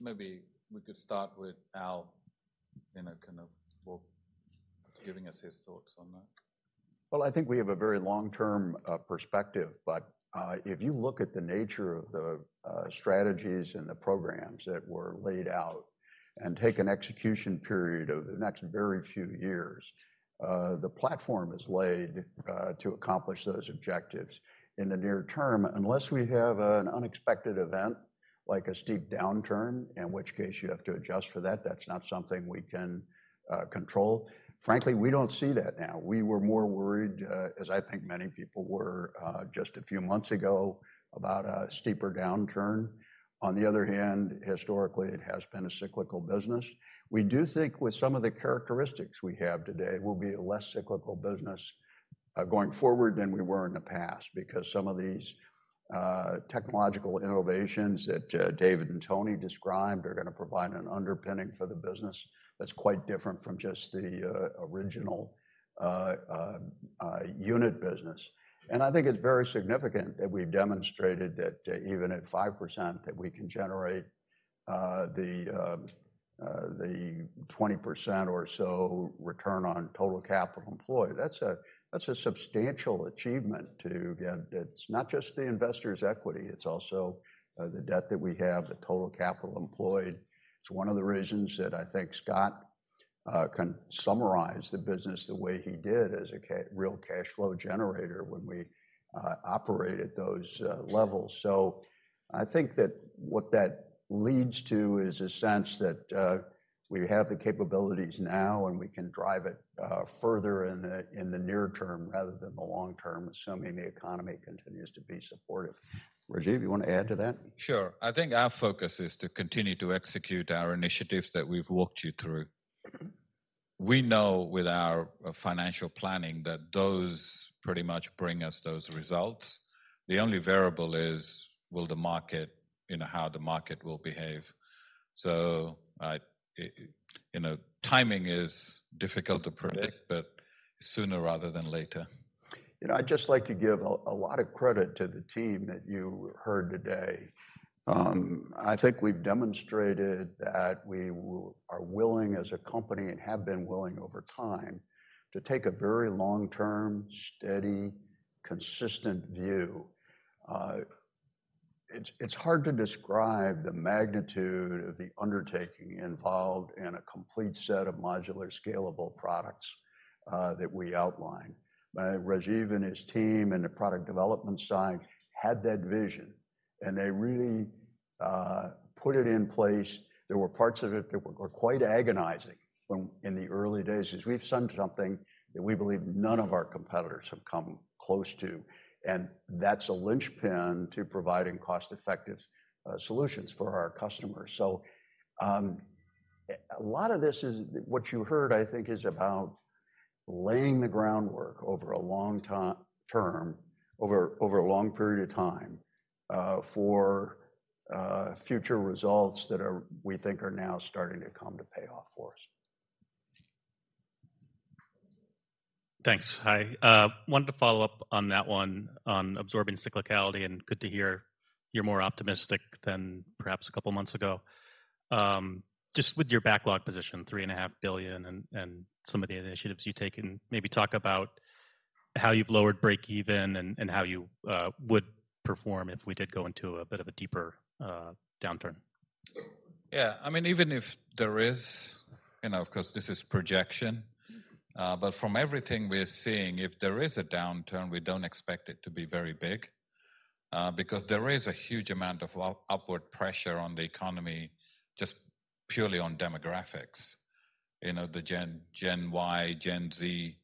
Maybe we could start with Al in a kind of well-... giving us his thoughts on that. Well, I think we have a very long-term perspective, but if you look at the nature of the strategies and the programs that were laid out and take an execution period of the next very few years, the platform is laid to accomplish those objectives. In the near term, unless we have an unexpected event, like a steep downturn, in which case you have to adjust for that, that's not something we can control. Frankly, we don't see that now. We were more worried, as I think many people were, just a few months ago, about a steeper downturn. On the other hand, historically, it has been a cyclical business. We do think with some of the characteristics we have today, we'll be a less cyclical business, going forward than we were in the past, because some of these technological innovations that David and Tony described are gonna provide an underpinning for the business that's quite different from just the original unit business. I think it's very significant that we've demonstrated that, even at 5%, that we can generate the 20% or so return on total capital employed. That's a substantial achievement to get. It's not just the investors' equity, it's also the debt that we have, the total capital employed. It's one of the reasons that I think Scott can summarize the business the way he did as a real cash flow generator when we operate at those levels. So I think that what that leads to is a sense that we have the capabilities now, and we can drive it further in the near term rather than the long term, assuming the economy continues to be supportive. Rajiv, you want to add to that? Sure. I think our focus is to continue to execute our initiatives that we've walked you through. We know with our financial planning that those pretty much bring us those results. The only variable is will the market... You know, how the market will behave. So, you know, timing is difficult to predict, but sooner rather than later. You know, I'd just like to give a lot of credit to the team that you heard today. I think we've demonstrated that we are willing as a company, and have been willing over time, to take a very long-term, steady, consistent view. It's hard to describe the magnitude of the undertaking involved in a complete set of modular, scalable products that we outlined. Rajiv and his team, and the product development side had that vision, and they really put it in place. There were parts of it that were quite agonizing in the early days, as we've done something that we believe none of our competitors have come close to, and that's a linchpin to providing cost-effective solutions for our customers. So, a lot of this is what you heard, I think, is about laying the groundwork over a long term, over a long period of time, for future results that we think are now starting to come to pay off for us. Thanks. Hi. Wanted to follow up on that one, on absorbing cyclicality, and good to hear you're more optimistic than perhaps a couple of months ago. Just with your backlog position, $3.5 billion, and some of the initiatives you've taken, maybe talk about how you've lowered break even and how you would perform if we did go into a bit of a deeper downturn? Yeah, I mean, even if there is, you know, of course, this is projection, but from everything we're seeing, if there is a downturn, we don't expect it to be very big, because there is a huge amount of upward pressure on the economy, just purely on demographics. You know, the Gen Y, Gen Z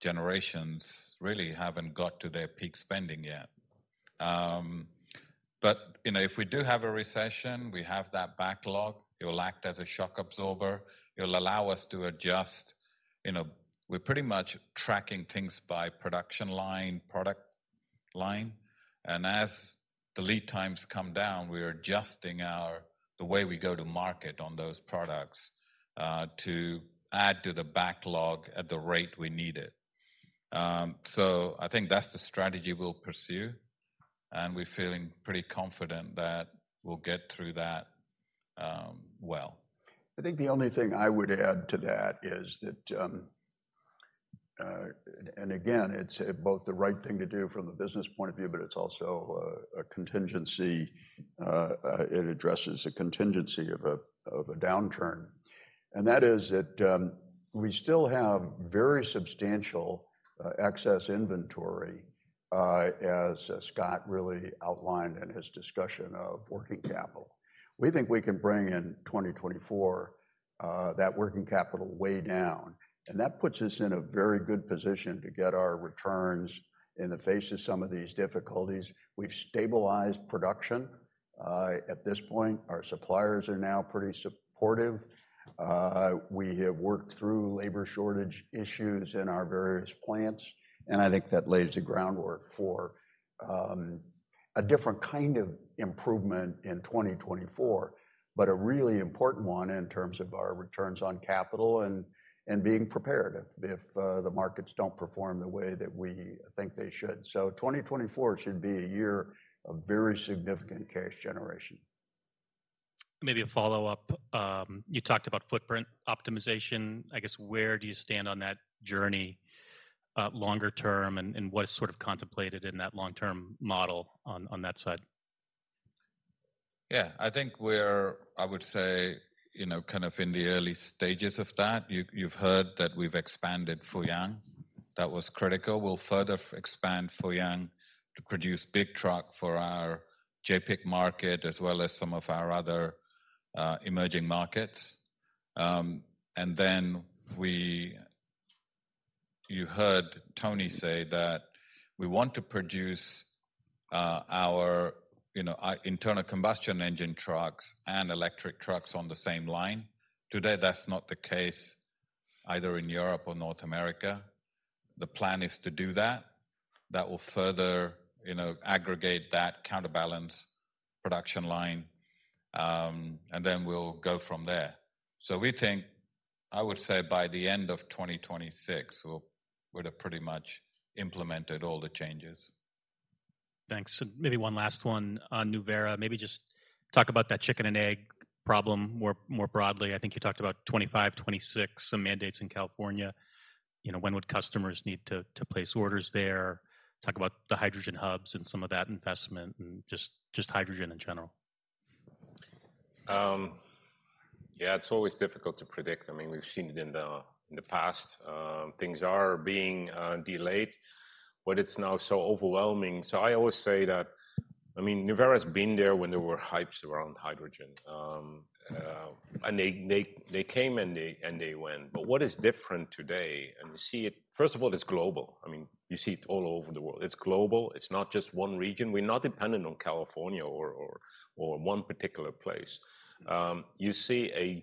generations really haven't got to their peak spending yet. But, you know, if we do have a recession, we have that backlog. It'll act as a shock absorber. It'll allow us to adjust. You know, we're pretty much tracking things by production line, product line, and as the lead times come down, we are adjusting our the way we go to market on those products, to add to the backlog at the rate we need it. So, I think that's the strategy we'll pursue, and we're feeling pretty confident that we'll get through that. I think the only thing I would add to that is that. And again, it's both the right thing to do from a business point of view, but it's also a contingency. It addresses a contingency of a downturn. And that is that we still have very substantial excess inventory, as Scott really outlined in his discussion of working capital. We think we can bring in 2024 that working capital way down, and that puts us in a very good position to get our returns in the face of some of these difficulties. We've stabilized production. At this point, our suppliers are now pretty supportive. We have worked through labor shortage issues in our various plants, and I think that lays the groundwork for a different kind of improvement in 2024, but a really important one in terms of our returns on capital and being prepared if the markets don't perform the way that we think they should. So 2024 should be a year of very significant cash generation.... Maybe a follow-up. You talked about footprint optimization. I guess, where do you stand on that journey longer term, and what is sort of contemplated in that long-term model on that side? Yeah, I think we're, I would say, you know, kind of in the early stages of that. You've, you've heard that we've expanded Fuyang. That was critical. We'll further expand Fuyang to produce big truck for our JAPIC market, as well as some of our other, emerging markets. And then you heard Tony say that we want to produce, our, you know, internal combustion engine trucks and electric trucks on the same line. Today, that's not the case either in Europe or North America. The plan is to do that. That will further, you know, aggregate that counterbalance production line, and then we'll go from there. So we think, I would say by the end of 2026, we'll, would have pretty much implemented all the changes. Thanks. Maybe one last one on Nuvera. Maybe just talk about that chicken and egg problem more, more broadly. I think you talked about 25, 26, some mandates in California. You know, when would customers need to, to place orders there? Talk about the hydrogen hubs and some of that investment, and just, just hydrogen in general. Yeah, it's always difficult to predict. I mean, we've seen it in the past. Things are being delayed, but it's now so overwhelming. So I always say that, I mean, Nuvera has been there when there were hypes around hydrogen. And they came and they went. But what is different today, and we see it. First of all, it's global. I mean, you see it all over the world. It's global, it's not just one region. We're not dependent on California or one particular place. You see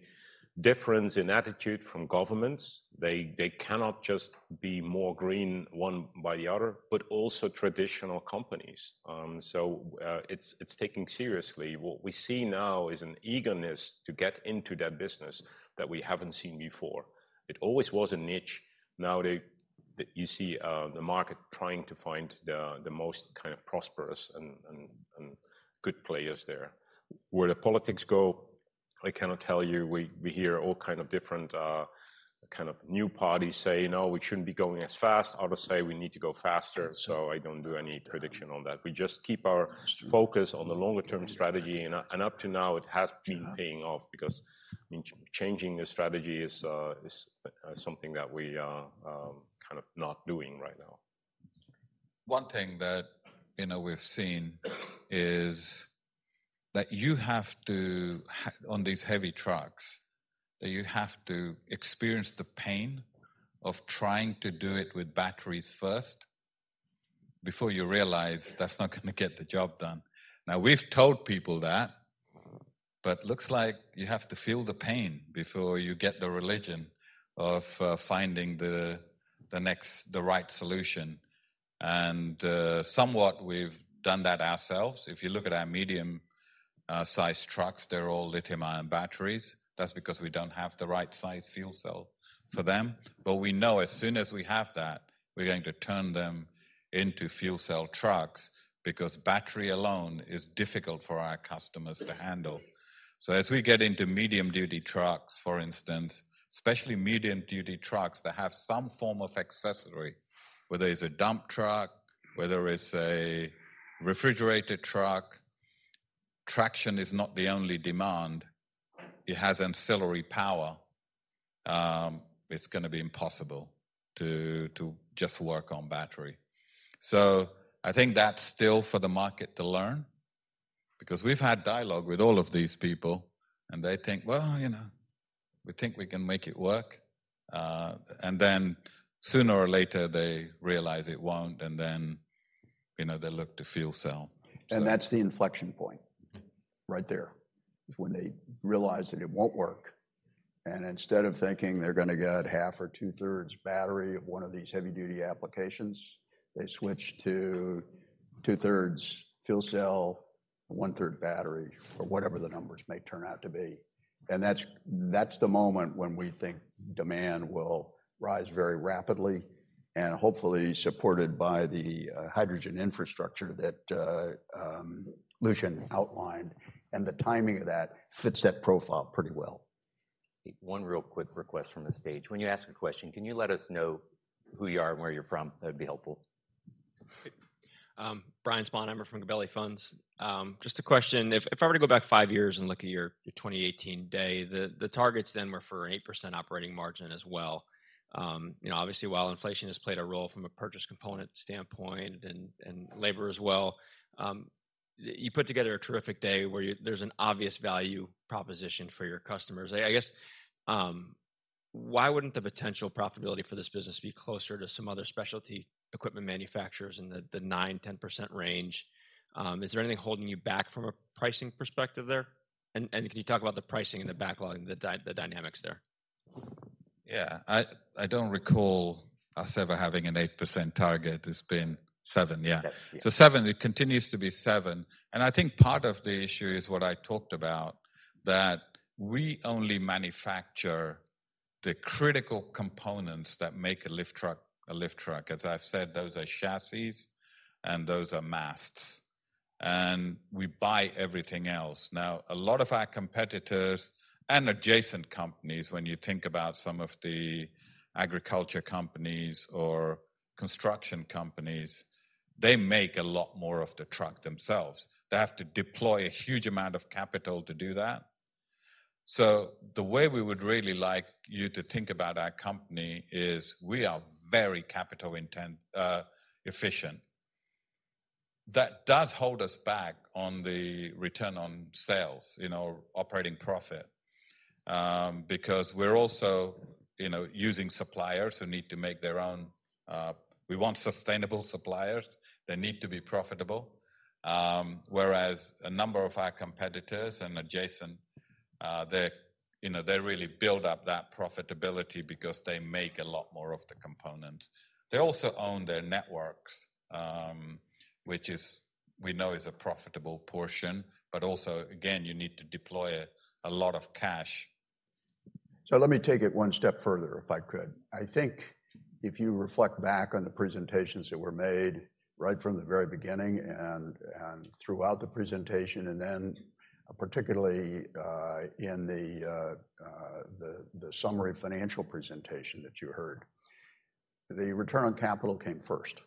a difference in attitude from governments. They cannot just be more green, one by the other, but also traditional companies. So it's taken seriously. What we see now is an eagerness to get into that business that we haven't seen before. It always was a niche. Now, they—you see, the market trying to find the, the most kind of prosperous and, and, and good players there. Where the politics go, I cannot tell you. We, we hear all kind of different, kind of new parties say, "No, we shouldn't be going as fast." Others say, "We need to go faster." So I don't do any prediction on that. We just keep our focus on the longer-term strategy, and up to now, it has been paying off because, I mean, changing a strategy is, is, something that we are, kind of not doing right now. One thing that, you know, we've seen is that you have to on these heavy trucks that you have to experience the pain of trying to do it with batteries first before you realize that's not gonna get the job done. Now, we've told people that, but looks like you have to feel the pain before you get the religion of finding the next—the right solution. And somewhat, we've done that ourselves. If you look at our medium-size trucks, they're all lithium-ion batteries. That's because we don't have the right size fuel cell for them. But we know as soon as we have that, we're going to turn them into fuel cell trucks, because battery alone is difficult for our customers to handle. So as we get into medium-duty trucks, for instance, especially medium-duty trucks that have some form of accessory, whether it's a dump truck, whether it's a refrigerated truck, traction is not the only demand. It has ancillary power. It's gonna be impossible to, to just work on battery. So I think that's still for the market to learn, because we've had dialogue with all of these people, and they think, "Well, you know, we think we can make it work." And then sooner or later, they realize it won't, and then, you know, they look to fuel cell. So- That's the inflection point right there, is when they realize that it won't work, and instead of thinking they're gonna get half or two-thirds battery of one of these heavy-duty applications, they switch to two-thirds fuel cell, one-third battery, or whatever the numbers may turn out to be. That's the moment when we think demand will rise very rapidly, and hopefully supported by the hydrogen infrastructure that Lucien outlined, and the timing of that fits that profile pretty well. One real quick request from the stage. When you ask a question, can you let us know who you are and where you're from? That would be helpful. Okay. Brian Sponheimer from Gabelli Funds. Just a question: If I were to go back five years and look at your 2018 day, the targets then were for an 8% operating margin as well. You know, obviously, while inflation has played a role from a purchase component standpoint and labor as well, you put together a terrific day where you, there's an obvious value proposition for your customers. I guess, why wouldn't the potential profitability for this business be closer to some other specialty equipment manufacturers in the 9%-10% range? Is there anything holding you back from a pricing perspective there? And can you talk about the pricing and the backlog, the dynamics there? Yeah. I, I don't recall us ever having an 8% target. It's been 7%. Yeah. Yes, yeah. So seven, it continues to be seven, and I think part of the issue is what I talked about, that we only manufacture the critical components that make a lift truck a lift truck, as I've said, those are chassis and those are masts, and we buy everything else. Now, a lot of our competitors and adjacent companies, when you think about some of the agriculture companies or construction companies, they make a lot more of the truck themselves. They have to deploy a huge amount of capital to do that. So the way we would really like you to think about our company is we are very capital intensive, efficient. That does hold us back on the return on sales, in our operating profit, because we're also, you know, using suppliers who need to make their own. We want sustainable suppliers, they need to be profitable. Whereas a number of our competitors and adjacent, they, you know, they really build up that profitability because they make a lot more of the components. They also own their networks, which is, we know, is a profitable portion, but also, again, you need to deploy a lot of cash. So let me take it one step further, if I could. I think if you reflect back on the presentations that were made right from the very beginning and throughout the presentation, and then particularly in the summary financial presentation that you heard, the return on capital came first.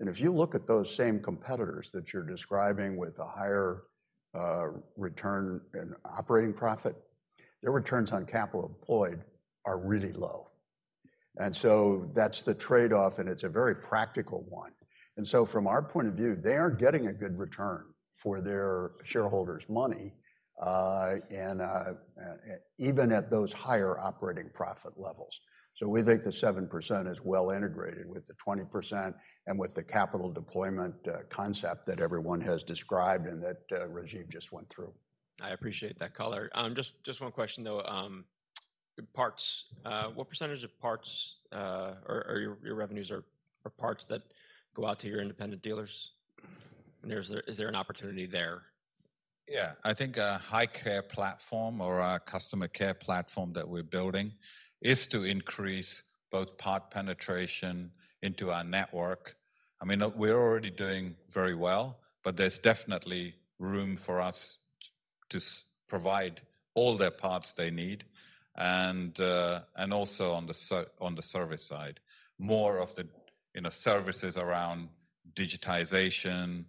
If you look at those same competitors that you're describing with a higher return and operating profit, their returns on capital employed are really low. That's the trade-off, and it's a very practical one. From our point of view, they aren't getting a good return for their shareholders' money, and even at those higher operating profit levels. We think the 7% is well integrated with the 20% and with the capital deployment concept that everyone has described and that Rajiv just went through. I appreciate that color. Just one question, though. Parts, what percentage of parts or your revenues are parts that go out to your independent dealers? And is there an opportunity there? Yeah. I think our Hy-Care platform or our customer care platform that we're building is to increase both part penetration into our network. I mean, we're already doing very well, but there's definitely room for us to provide all the parts they need. And also on the service side, more of the, you know, services around digitization,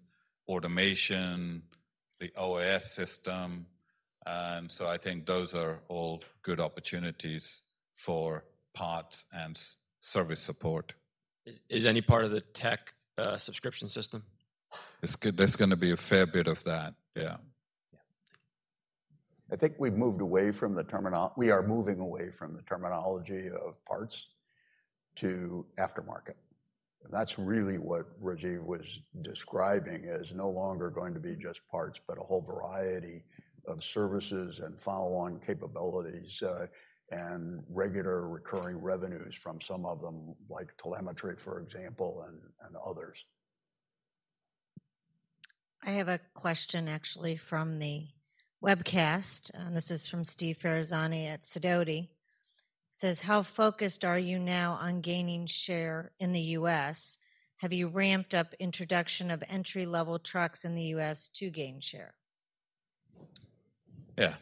automation, the OAS system. And so I think those are all good opportunities for parts and service support. Is any part of the tech subscription system? There's gonna be a fair bit of that. Yeah. Yeah. I think we've moved away from the terminology of parts to aftermarket. That's really what Rajiv was describing, is no longer going to be just parts, but a whole variety of services and follow-on capabilities, and regular recurring revenues from some of them, like telemetry, for example, and others. I have a question, actually, from the webcast, and this is from Steve Ferazani at Sidoti. Says: "How focused are you now on gaining share in the U.S.? Have you ramped up introduction of entry-level trucks in the U.S. to gain share? Yeah.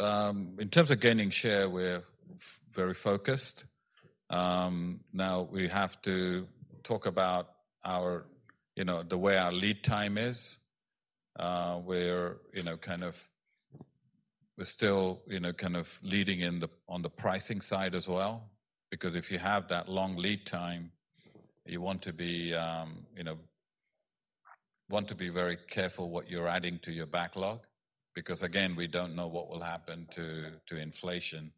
In terms of gaining share, we're very focused. Now, we have to talk about our, you know, the way our lead time is. We're, you know, kind of we're still, you know, kind of leading in the on the pricing side as well, because if you have that long lead time, you want to be, you know, want to be very careful what you're adding to your backlog, because, again, we don't know what will happen to, to inflation.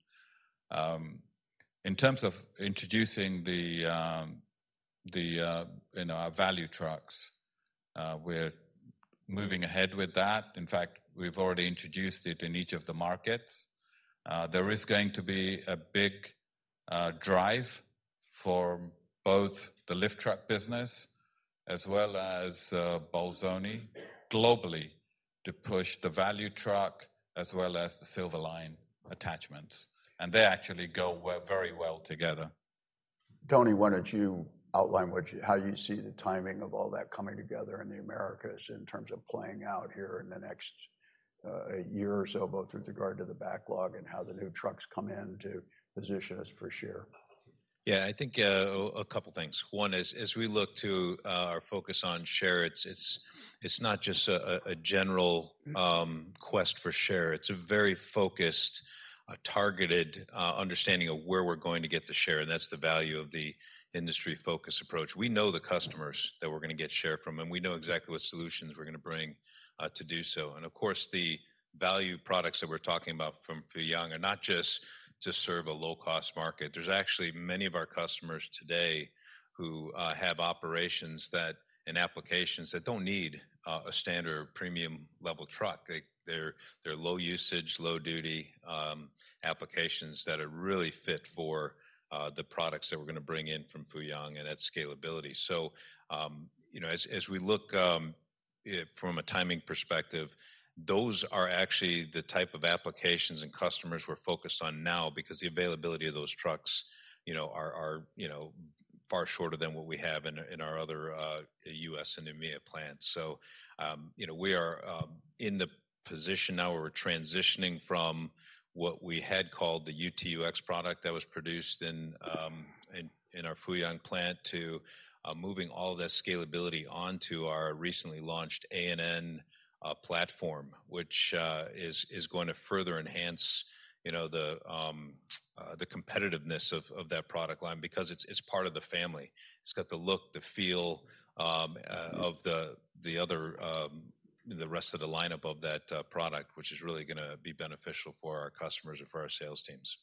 In terms of introducing the, the, you know, our value trucks, we're moving ahead with that. In fact, we've already introduced it in each of the markets. There is going to be a big drive for both the lift truck business as well as, Bolzoni globally, to push the value truck as well as the Silver Line attachments. They actually go very well together. Tony, why don't you outline how you see the timing of all that coming together in the Americas in terms of playing out here in the next year or so, both with regard to the backlog and how the new trucks come in to position us for share? Yeah, I think a couple things. One is, as we look to our focus on share, it's not just a general quest for share. It's a very focused, targeted understanding of where we're going to get the share, and that's the value of the industry focus approach. We know the customers that we're gonna get share from, and we know exactly what solutions we're gonna bring to do so. And of course, the value products that we're talking about from Fuyang are not just to serve a low-cost market. There's actually many of our customers today who have operations that and applications that don't need a standard or premium level truck. They're low usage, low duty applications that are really fit for the products that we're gonna bring in from Fuyang and that scalability. So, you know, as we look from a timing perspective, those are actually the type of applications and customers we're focused on now, because the availability of those trucks, you know, are far shorter than what we have in our other U.S. and EMEA plants. So, you know, we are in the position now where we're transitioning from what we had called the UT/UX product that was produced in our Fuyang plant to moving all of that scalability onto our recently launched ANN platform, which is going to further enhance, you know, the competitiveness of that product line because it's part of the family. It's got the look, the feel, of the other, the rest of the lineup of that product, which is really gonna be beneficial for our customers and for our sales teams.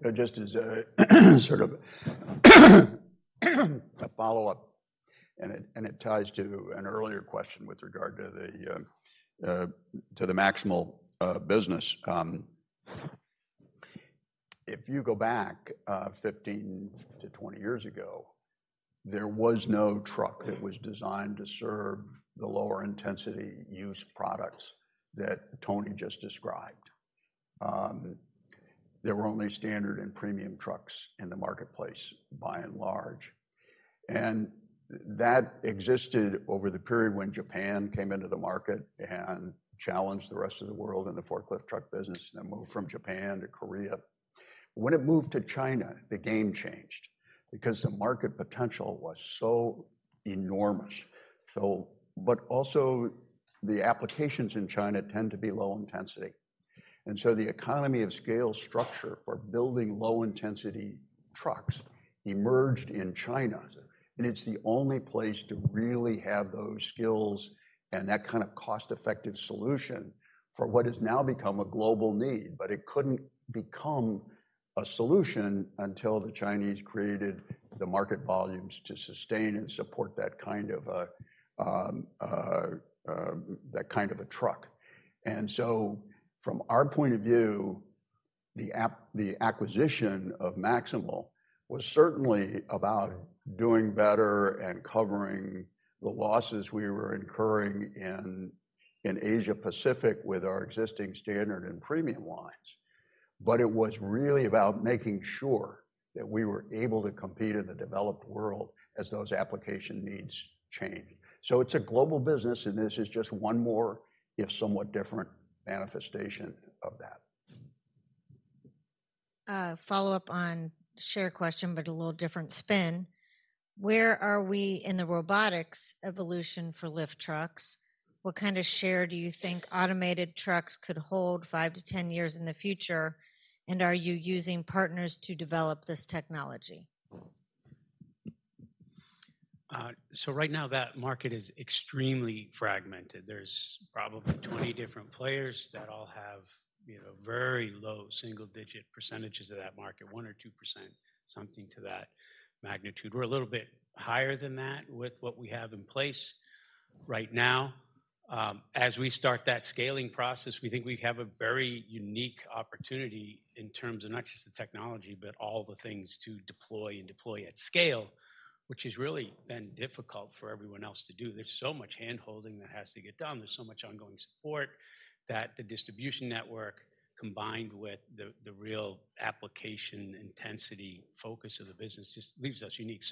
Now, just as a sort of a follow-up, and it ties to an earlier question with regard to the Maximal business. If you go back 15-20 years ago, there was no truck that was designed to serve the lower intensity use products that Tony just described. There were only standard and premium trucks in the marketplace, by and large. And that existed over the period when Japan came into the market and challenged the rest of the world in the forklift truck business, and then moved from Japan to Korea. When it moved to China, the game changed because the market potential was so enormous. So, but also, the applications in China tend to be low intensity. And so the economy of scale structure for building low intensity trucks emerged in China, and it's the only place to really have those skills and that kind of cost-effective solution for what has now become a global need. But it couldn't become a solution until the Chinese created the market volumes to sustain and support that kind of a truck. And so from our point of view, the acquisition of Maximal was certainly about doing better and covering the losses we were incurring in Asia Pacific with our existing standard and premium lines. But it was really about making sure that we were able to compete in the developed world as those application needs changed. So it's a global business, and this is just one more, if somewhat different, manifestation of that. Follow-up on share question, but a little different spin. Where are we in the robotics evolution for lift trucks? What kind of share do you think automated trucks could hold 5-10 years in the future? And are you using partners to develop this technology? So right now, that market is extremely fragmented. There's probably 20 different players that all have, you know, very low single-digit percentages of that market, 1% or 2%, something to that magnitude. We're a little bit higher than that with what we have in place right now. As we start that scaling process, we think we have a very unique opportunity in terms of not just the technology, but all the things to deploy and deploy at scale, which has really been difficult for everyone else to do. There's so much handholding that has to get done. There's so much ongoing support that the distribution network, combined with the, the real application intensity focus of the business, just leaves us unique.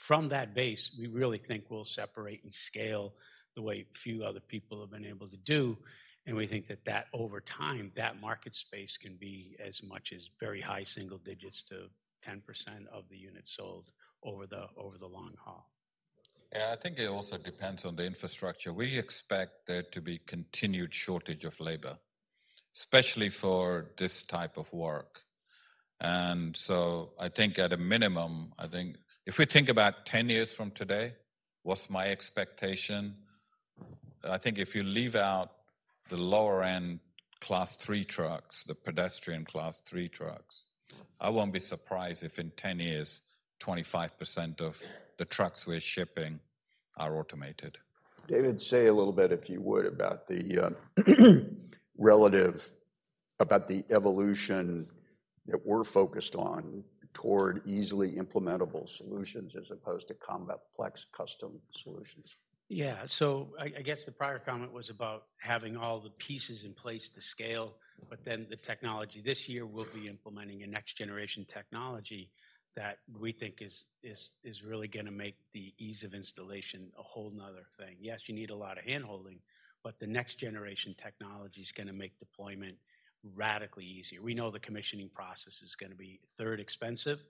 From that base, we really think we'll separate and scale the way few other people have been able to do, and we think that over time, that market space can be as much as very high single digits to 10% of the units sold over the long haul. Yeah, I think it also depends on the infrastructure. We expect there to be continued shortage of labor, especially for this type of work. And so I think at a minimum, I think if we think about 10 years from today, what's my expectation? I think if you leave out the lower-end Class III trucks, the pedestrian Class III trucks, I won't be surprised if in 10 years, 25% of the trucks we're shipping are automated. David, say a little bit, if you would, about the evolution that we're focused on toward easily implementable solutions as opposed to complex custom solutions. Yeah. So I guess the prior comment was about having all the pieces in place to scale, but then the technology. This year, we'll be implementing a next-generation technology that we think is really gonna make the ease of installation a whole another thing. Yes, you need a lot of handholding, but the next-generation technology is gonna make deployment radically easier. We know the commissioning process is gonna be third expensive,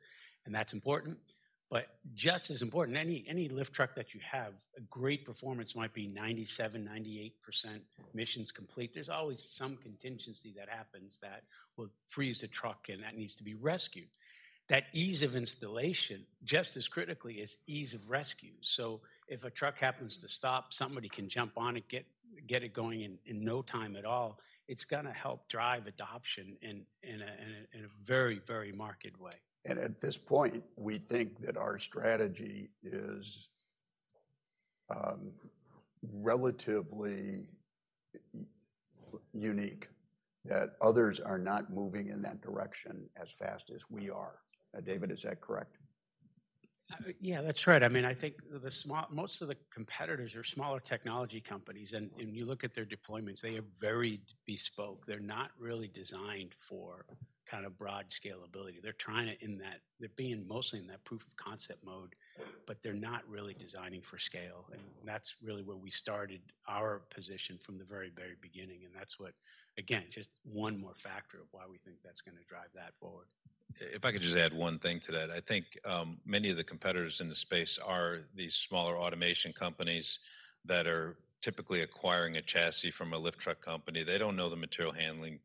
and that's important. But just as important, any lift truck that you have, a great performance might be 97%-98% missions complete. There's always some contingency that happens that will freeze the truck, and that needs to be rescued. That ease of installation, just as critically, is ease of rescue. So if a truck happens to stop, somebody can jump on it, get it going in no time at all. It's gonna help drive adoption in a very market way. At this point, we think that our strategy is relatively unique, that others are not moving in that direction as fast as we are. David, is that correct? Yeah, that's right. I mean, I think most of the competitors are smaller technology companies, and you look at their deployments, they are very bespoke. They're not really designed for kind of broad scalability. They're being mostly in that proof of concept mode, but they're not really designing for scale. Mm. That's really where we started our position from the very, very beginning, and that's what, again, just one more factor of why we think that's gonna drive that forward. If I could just add one thing to that. I think many of the competitors in the space are these smaller automation companies that are typically acquiring a chassis from a lift truck company. They don't know the material handling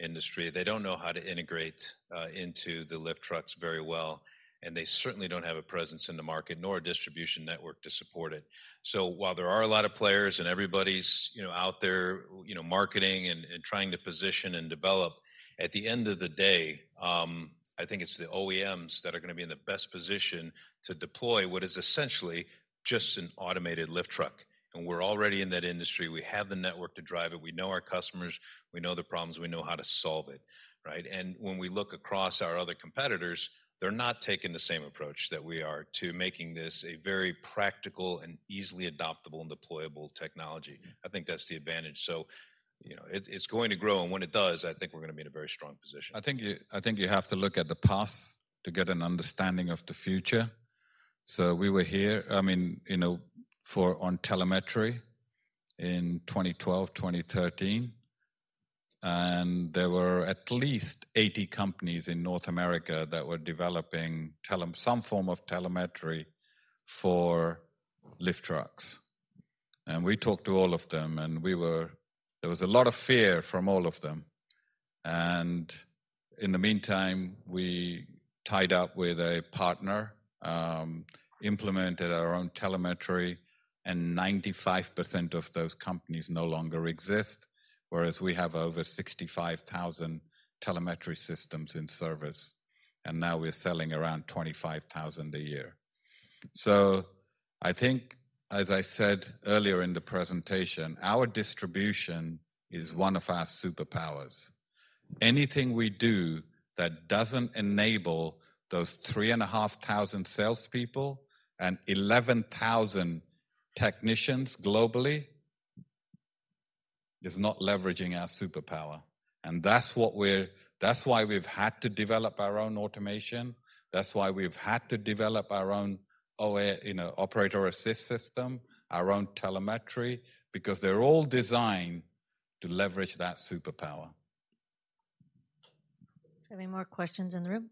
industry, they don't know how to integrate into the lift trucks very well, and they certainly don't have a presence in the market, nor a distribution network to support it. So while there are a lot of players and everybody's, you know, out there, you know, marketing and trying to position and develop, at the end of the day, I think it's the OEMs that are gonna be in the best position to deploy what is essentially just an automated lift truck. And we're already in that industry. We have the network to drive it. We know our customers, we know the problems, we know how to solve it, right? And when we look across our other competitors, they're not taking the same approach that we are to making this a very practical and easily adoptable and deployable technology. Mm. I think that's the advantage. So, you know, it, it's going to grow, and when it does, I think we're gonna be in a very strong position. I think you have to look at the past to get an understanding of the future. So we were here, I mean, you know, for on telemetry in 2012, 2013, and there were at least 80 companies in North America that were developing telemetry, some form of telemetry for lift trucks. And we talked to all of them, and there was a lot of fear from all of them. And in the meantime, we tied up with a partner, implemented our own telemetry, and 95% of those companies no longer exist, whereas we have over 65,000 telemetry systems in service, and now we're selling around 25,000 a year. So I think, as I said earlier in the presentation, our distribution is one of our superpowers. Anything we do that doesn't enable those 3,500 salespeople and 11,000 technicians globally is not leveraging our superpower, and that's why we've had to develop our own automation. That's why we've had to develop our own OA, you know, Operator Assist System, our own telemetry, because they're all designed to leverage that superpower. Any more questions in the room?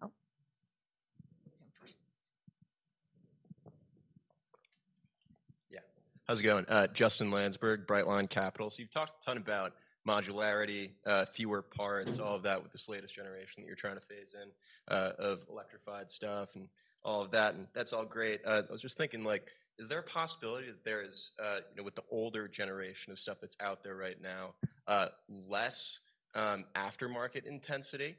Oh. Yeah. How's it going? Justin Landsberg, Brightline Capital. So you've talked a ton about modularity, fewer parts, all of that, with this latest generation that you're trying to phase in, of electrified stuff and all of that, and that's all great. I was just thinking like, is there a possibility that there is, you know, with the older generation of stuff that's out there right now, less aftermarket intensity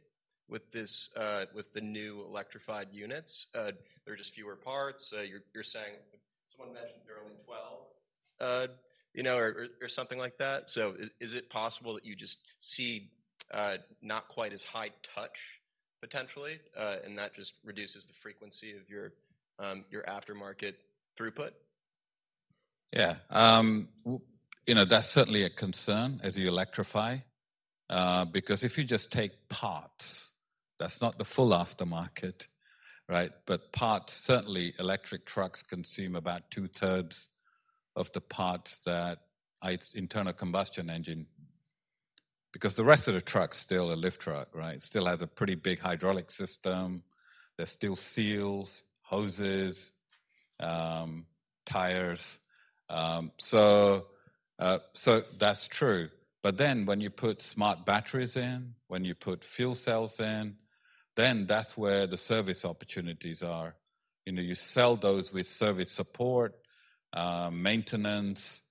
with this, with the new electrified units? There are just fewer parts. You're saying someone mentioned there are only 12, you know, or, or, something like that. So is it possible that you just see, not quite as high touch potentially, and that just reduces the frequency of your aftermarket throughput? Yeah. You know, that's certainly a concern as you electrify, because if you just take parts, that's not the full aftermarket, right? But parts, certainly, electric trucks consume about two-thirds of the parts that internal combustion engine, because the rest of the truck's still a lift truck, right? Still has a pretty big hydraulic system. There's still seals, hoses, tires. So, that's true. But then, when you put smart batteries in, when you put fuel cells in, then that's where the service opportunities are. You know, you sell those with service support, maintenance,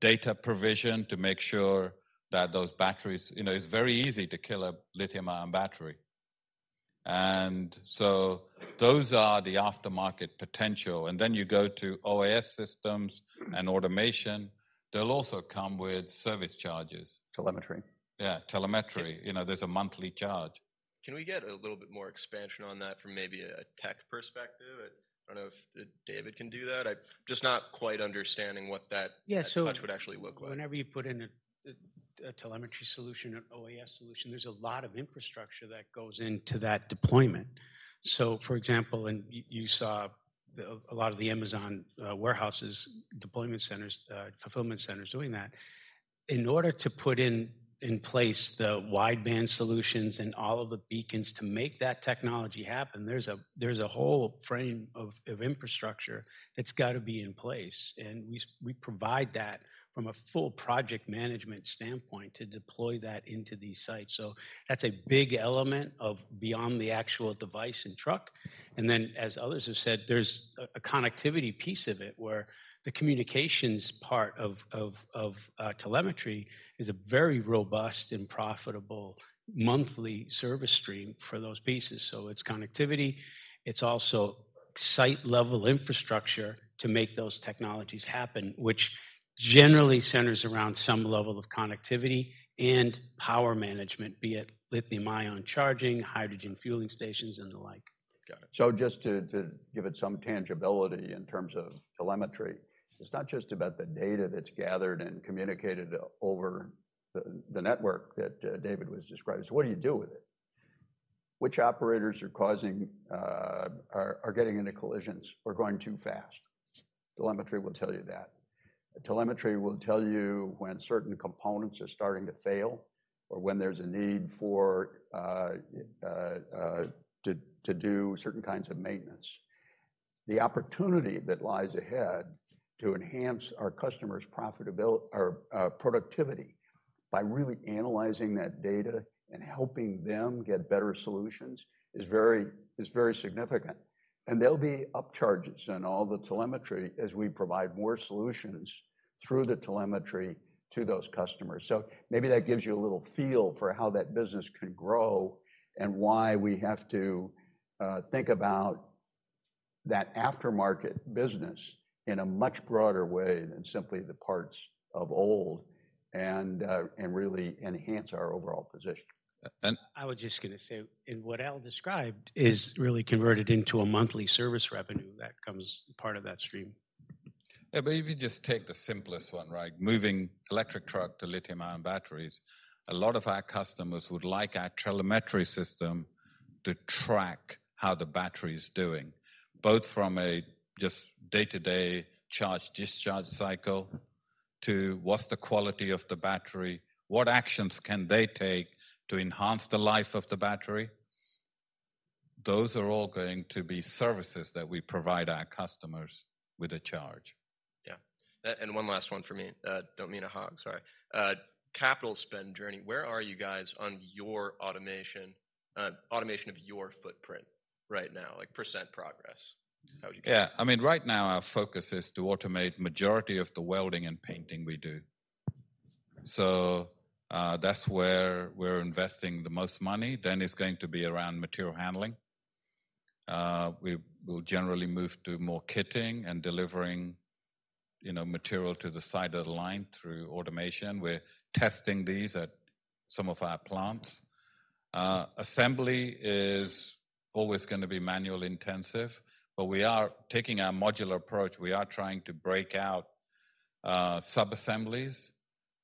data provision to make sure that those batteries... You know, it's very easy to kill a lithium-ion battery. And so those are the aftermarket potential. And then you go to OAS systems and automation, they'll also come with service charges. Telemetry. Yeah, telemetry. You know, there's a monthly charge. Can we get a little bit more expansion on that from maybe a tech perspective? I don't know if David can do that. I'm just not quite understanding what that- Yeah, so- touch would actually look like. Whenever you put in a telemetry solution, an OAS solution, there's a lot of infrastructure that goes into that deployment. So for example, you saw a lot of the Amazon warehouses, deployment centers, fulfillment centers doing that. In order to put in place the wideband solutions and all of the beacons to make that technology happen, there's a whole frame of infrastructure that's got to be in place, and we provide that from a full project management standpoint to deploy that into these sites. So that's a big element of beyond the actual device and truck. And then, as others have said, there's a connectivity piece of it, where the communications part of telemetry is a very robust and profitable monthly service stream for those pieces. So it's connectivity, it's also-... site-level infrastructure to make those technologies happen, which generally centers around some level of connectivity and power management, be it lithium-ion charging, hydrogen fueling stations, and the like. Got it. So just to give it some tangibility in terms of telemetry, it's not just about the data that's gathered and communicated over the network that David was describing. So what do you do with it? Which operators are causing are getting into collisions or going too fast? Telemetry will tell you that. Telemetry will tell you when certain components are starting to fail or when there's a need for to do certain kinds of maintenance. The opportunity that lies ahead to enhance our customers' profitability or productivity by really analyzing that data and helping them get better solutions is very significant. And there'll be upcharges in all the telemetry as we provide more solutions through the telemetry to those customers. Maybe that gives you a little feel for how that business can grow and why we have to think about that aftermarket business in a much broader way than simply the parts of old and, and really enhance our overall position. And- I was just gonna say, and what Al described is really converted into a monthly service revenue that comes part of that stream. Yeah, but if you just take the simplest one, right? Moving electric truck to lithium-ion batteries, a lot of our customers would like our telemetry system to track how the battery is doing, both from a just day-to-day charge, discharge cycle, to what's the quality of the battery? What actions can they take to enhance the life of the battery? Those are all going to be services that we provide our customers with a charge. Yeah. And one last one for me. Don't mean to hog, sorry. Capital spend journey, where are you guys on your automation of your footprint right now, like % progress? How would you- Yeah. I mean, right now, our focus is to automate majority of the welding and painting we do. Okay. So, that's where we're investing the most money, then it's going to be around material handling. We will generally move to more kitting and delivering, you know, material to the side of the line through automation. We're testing these at some of our plants. Assembly is always gonna be manual intensive, but we are taking a modular approach. We are trying to break out subassemblies,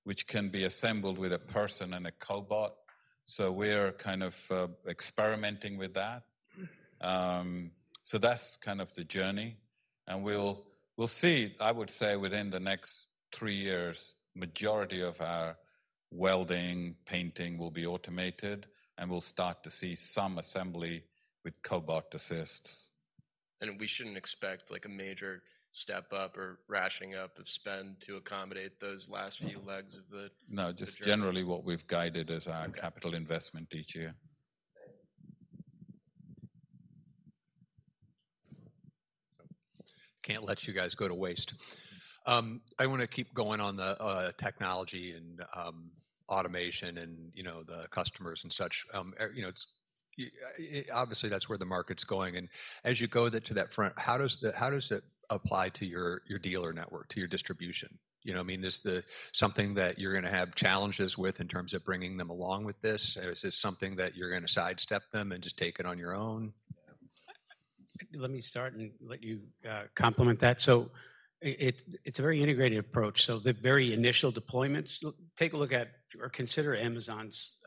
which can be assembled with a person and a cobot. So we're kind of experimenting with that. So that's kind of the journey, and we'll see, I would say within the next three years, majority of our welding, painting will be automated, and we'll start to see some assembly with cobot assists. We shouldn't expect, like, a major step up or ramping up of spend to accommodate those last few legs of the- No, just generally what we've guided as our- Okay... capital investment each year. Okay. Can't let you guys go to waste. I wanna keep going on the, technology and, automation and, you know, the customers and such. You know, it's, obviously, that's where the market's going, and as you go to that front, how does it apply to your, your dealer network, to your distribution? You know what I mean? Is the something that you're gonna have challenges with in terms of bringing them along with this? Or is this something that you're gonna sidestep them and just take it on your own? Let me start and let you complement that. So it's a very integrated approach. So the very initial deployments, take a look at or consider Amazon's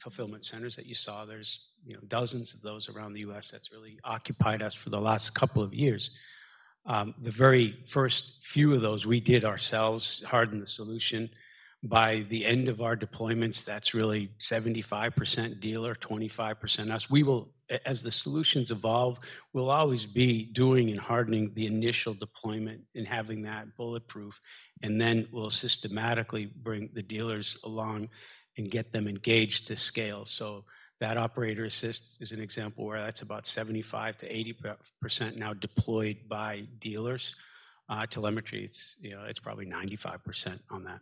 fulfillment centers that you saw. There's you know dozens of those around the U.S. that's really occupied us for the last couple of years. The very first few of those we did ourselves, hardened the solution. By the end of our deployments, that's really 75% dealer, 25% us. As the solutions evolve, we'll always be doing and hardening the initial deployment and having that bulletproof, and then we'll systematically bring the dealers along and get them engaged to scale. So that operator assist is an example where that's about 75%-80% now deployed by dealers. Telemetry, it's you know it's probably 95% on that.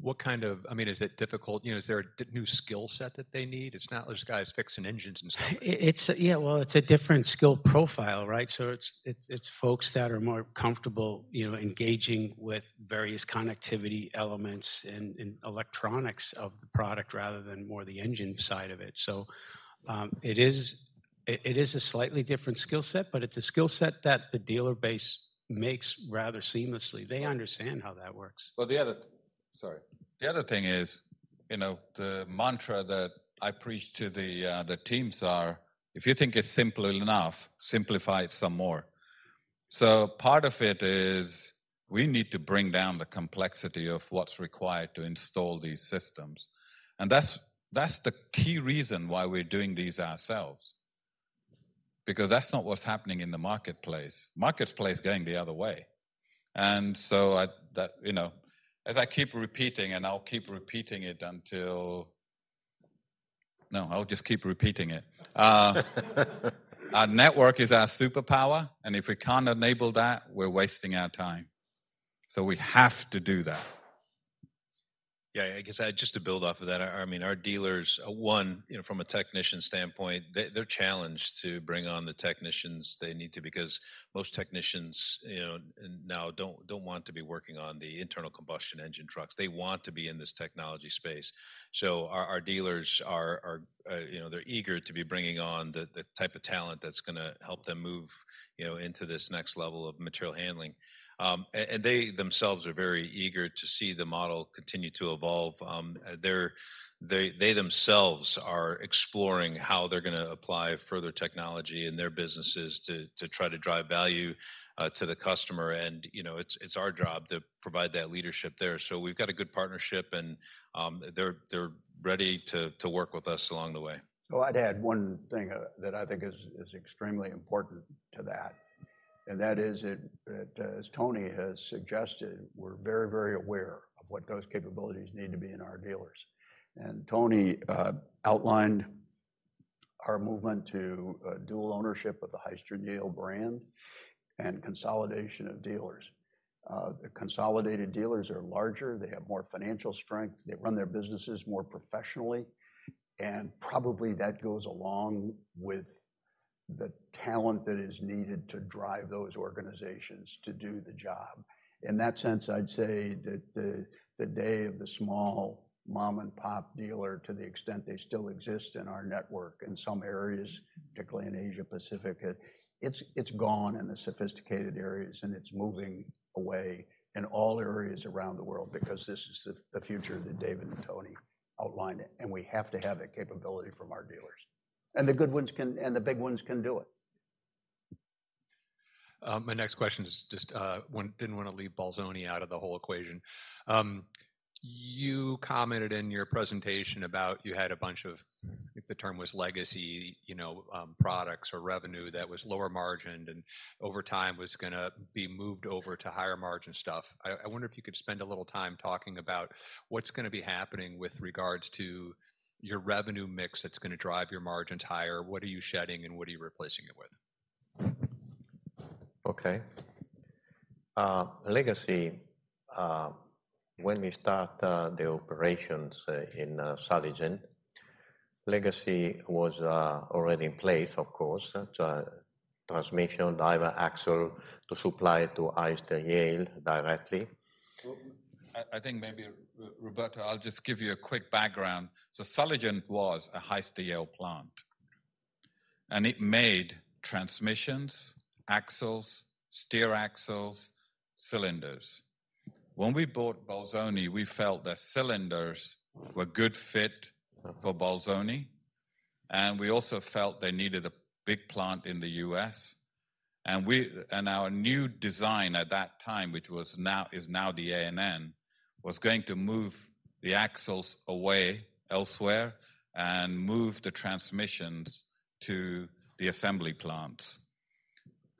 What kind of, I mean, is it difficult? You know, is there a new skill set that they need? It's not just guys fixing engines and stuff. It's, yeah, well, it's a different skill profile, right? So it's folks that are more comfortable, you know, engaging with various connectivity elements and electronics of the product, rather than more the engine side of it. So it is a slightly different skill set, but it's a skill set that the dealer base makes rather seamlessly. They understand how that works. Well, the other... Sorry. The other thing is, you know, the mantra that I preach to the teams are: if you think it's simple enough, simplify it some more. So part of it is we need to bring down the complexity of what's required to install these systems, and that's the key reason why we're doing these ourselves because that's not what's happening in the marketplace. Marketplace is going the other way. And so I, that, you know, as I keep repeating, and I'll keep repeating it until... No, I'll just keep repeating it. Our network is our superpower, and if we can't enable that, we're wasting our time, so we have to do that. ... Yeah, I guess, just to build off of that, I mean, our dealers, one, you know, from a technician standpoint, they, they're challenged to bring on the technicians they need to, because most technicians, you know, and now don't want to be working on the internal combustion engine trucks. They want to be in this technology space. So our dealers are, you know, they're eager to be bringing on the type of talent that's gonna help them move, you know, into this next level of material handling. And they themselves are very eager to see the model continue to evolve. They themselves are exploring how they're gonna apply further technology in their businesses to try to drive value to the customer, and, you know, it's our job to provide that leadership there. So we've got a good partnership, and they're ready to work with us along the way. So I'd add one thing that I think is extremely important to that, and that is, as Tony has suggested, we're very, very aware of what those capabilities need to be in our dealers. And Tony outlined our movement to dual ownership of the Hyster-Yale brand and consolidation of dealers. The consolidated dealers are larger, they have more financial strength, they run their businesses more professionally, and probably that goes along with the talent that is needed to drive those organizations to do the job. In that sense, I'd say that the day of the small mom-and-pop dealer, to the extent they still exist in our network in some areas, particularly in Asia Pacific, it's gone in the sophisticated areas, and it's moving away in all areas around the world because this is the future that David and Tony outlined, and we have to have that capability from our dealers. And the good ones can, and the big ones can do it. My next question is just. Didn't want to leave Bolzoni out of the whole equation. You commented in your presentation about you had a bunch of, I think the term was legacy, you know, products or revenue that was lower margined, and over time, was gonna be moved over to higher margin stuff. I wonder if you could spend a little time talking about what's gonna be happening with regards to your revenue mix that's gonna drive your margins higher. What are you shedding, and what are you replacing it with? Okay. Legacy, when we start the operations in Sulligent, legacy was already in place, of course, transmission, drive axle to supply to Hyster-Yale directly. So I think maybe Roberto, I'll just give you a quick background. So Sulligent was a Hyster-Yale plant, and it made transmissions, axles, steer axles, cylinders. When we bought Bolzoni, we felt that cylinders were good fit for Bolzoni, and we also felt they needed a big plant in the U.S. And our new design at that time, which was now, is now the A/N, was going to move the axles away elsewhere and move the transmissions to the assembly plants.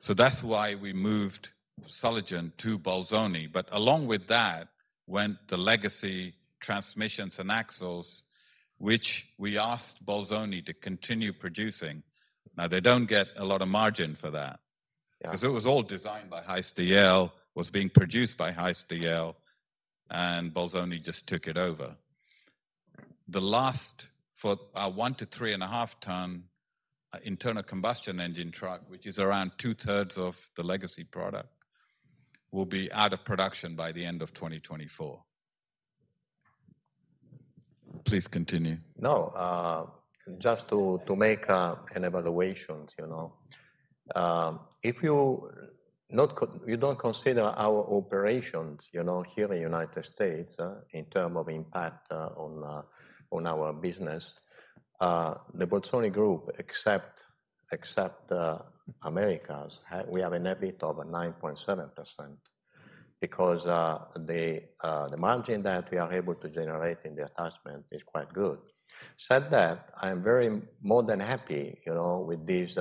So that's why we moved Sulligent to Bolzoni. But along with that, went the legacy transmissions and axles, which we asked Bolzoni to continue producing. Now, they don't get a lot of margin for that- Yeah. because it was all designed by Hyster-Yale, was being produced by Hyster-Yale, and Bolzoni just took it over. The last, for our 1-3.5-ton internal combustion engine truck, which is around two-thirds of the legacy product, will be out of production by the end of 2024. Please continue. No, just to make an evaluation, you know. If you don't consider our operations, you know, here in the United States, in terms of impact on our business, the Bolzoni group, except Americas, we have an EBIT of 9.7% because the margin that we are able to generate in the attachment is quite good. Said that, I'm very more than happy, you know, with this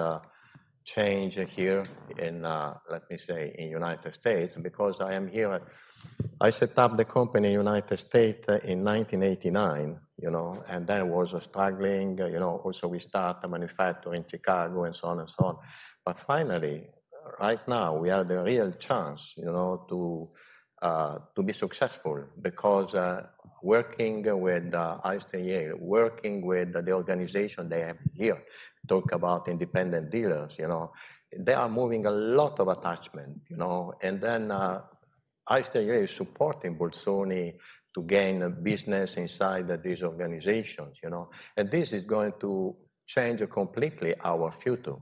change here in, let me say, in United States, because I am here. I set up the company in United States in 1989, you know, and then was struggling, you know. Also, we start a manufacture in Chicago, and so on and so on. But finally, right now, we have the real chance, you know, to be successful because working with Hyster-Yale, working with the organization they have here, talk about independent dealers, you know, they are moving a lot of attachments, you know? And then, Hyster-Yale is supporting Bolzoni to gain business inside these organizations, you know, and this is going to change completely our future.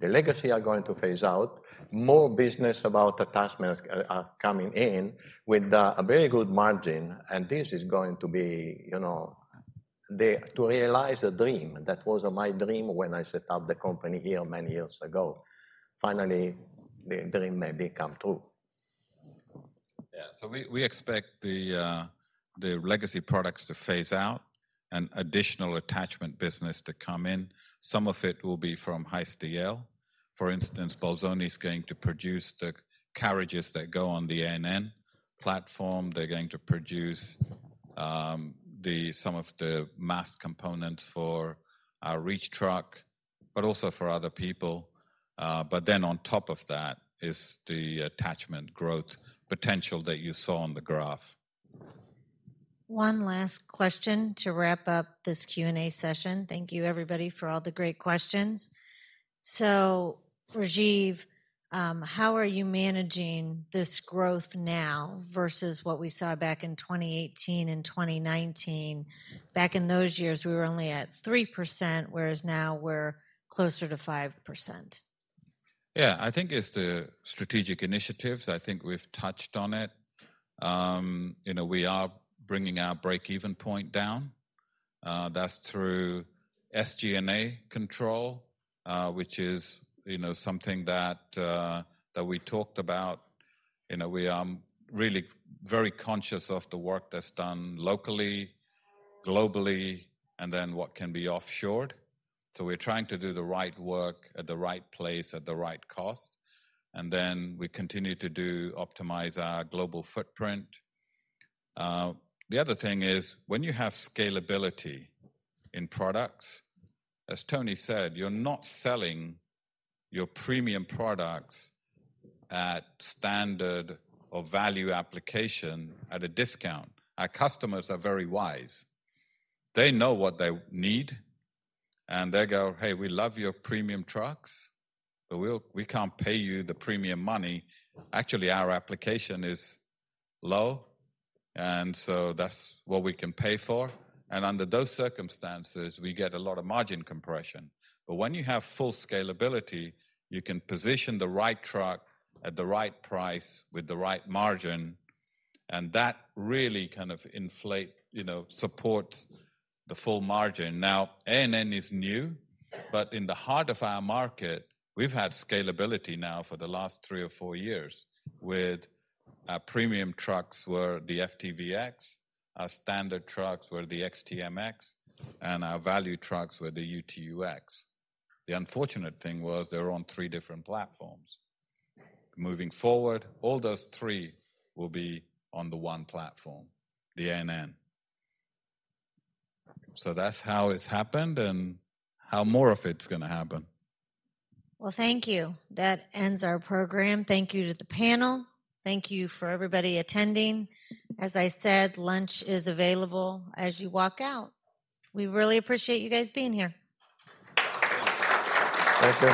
The legacy are going to phase out. More business about attachments are coming in with a very good margin, and this is going to be, you know, the to realize the dream. That was my dream when I set up the company here many years ago. Finally, the dream may become true. Yeah. So we expect the legacy products to phase out and additional attachment business to come in. Some of it will be from Hyster-Yale. For instance, Bolzoni is going to produce the carriages that go on the A/N Platform. They're going to produce some of the mast components for our reach truck, but also for other people. But then on top of that is the attachment growth potential that you saw on the graph. One last question to wrap up this Q&A session. Thank you, everybody, for all the great questions. So, Rajiv, how are you managing this growth now versus what we saw back in 2018 and 2019? Back in those years, we were only at 3%, whereas now we're closer to 5%. Yeah, I think it's the strategic initiatives. I think we've touched on it. You know, we are bringing our break-even point down. That's through SG&A control, which is, you know, something that we talked about. You know, we are really very conscious of the work that's done locally, globally, and then what can be offshored. So we're trying to do the right work at the right place, at the right cost, and then we continue to optimize our global footprint. The other thing is, when you have scalability in products, as Tony said, you're not selling your premium products at standard or value application at a discount. Our customers are very wise. They know what they need, and they go, "Hey, we love your premium trucks, but we can't pay you the premium money. Actually, our application is low, and so that's what we can pay for." And under those circumstances, we get a lot of margin compression. But when you have full scalability, you can position the right truck at the right price with the right margin, and that really kind of inflate, you know, supports the full margin. Now, A/N is new, but in the heart of our market, we've had scalability now for the last three or four years, with our premium trucks were the FT/VX, our standard trucks were the XT/MX, and our value trucks were the UT/UX. The unfortunate thing was they were on three different platforms. Moving forward, all those three will be on the one platform, the ANN. So that's how it's happened and how more of it's gonna happen. Well, thank you. That ends our program. Thank you to the panel. Thank you for everybody attending. As I said, lunch is available as you walk out. We really appreciate you guys being here. Thank you.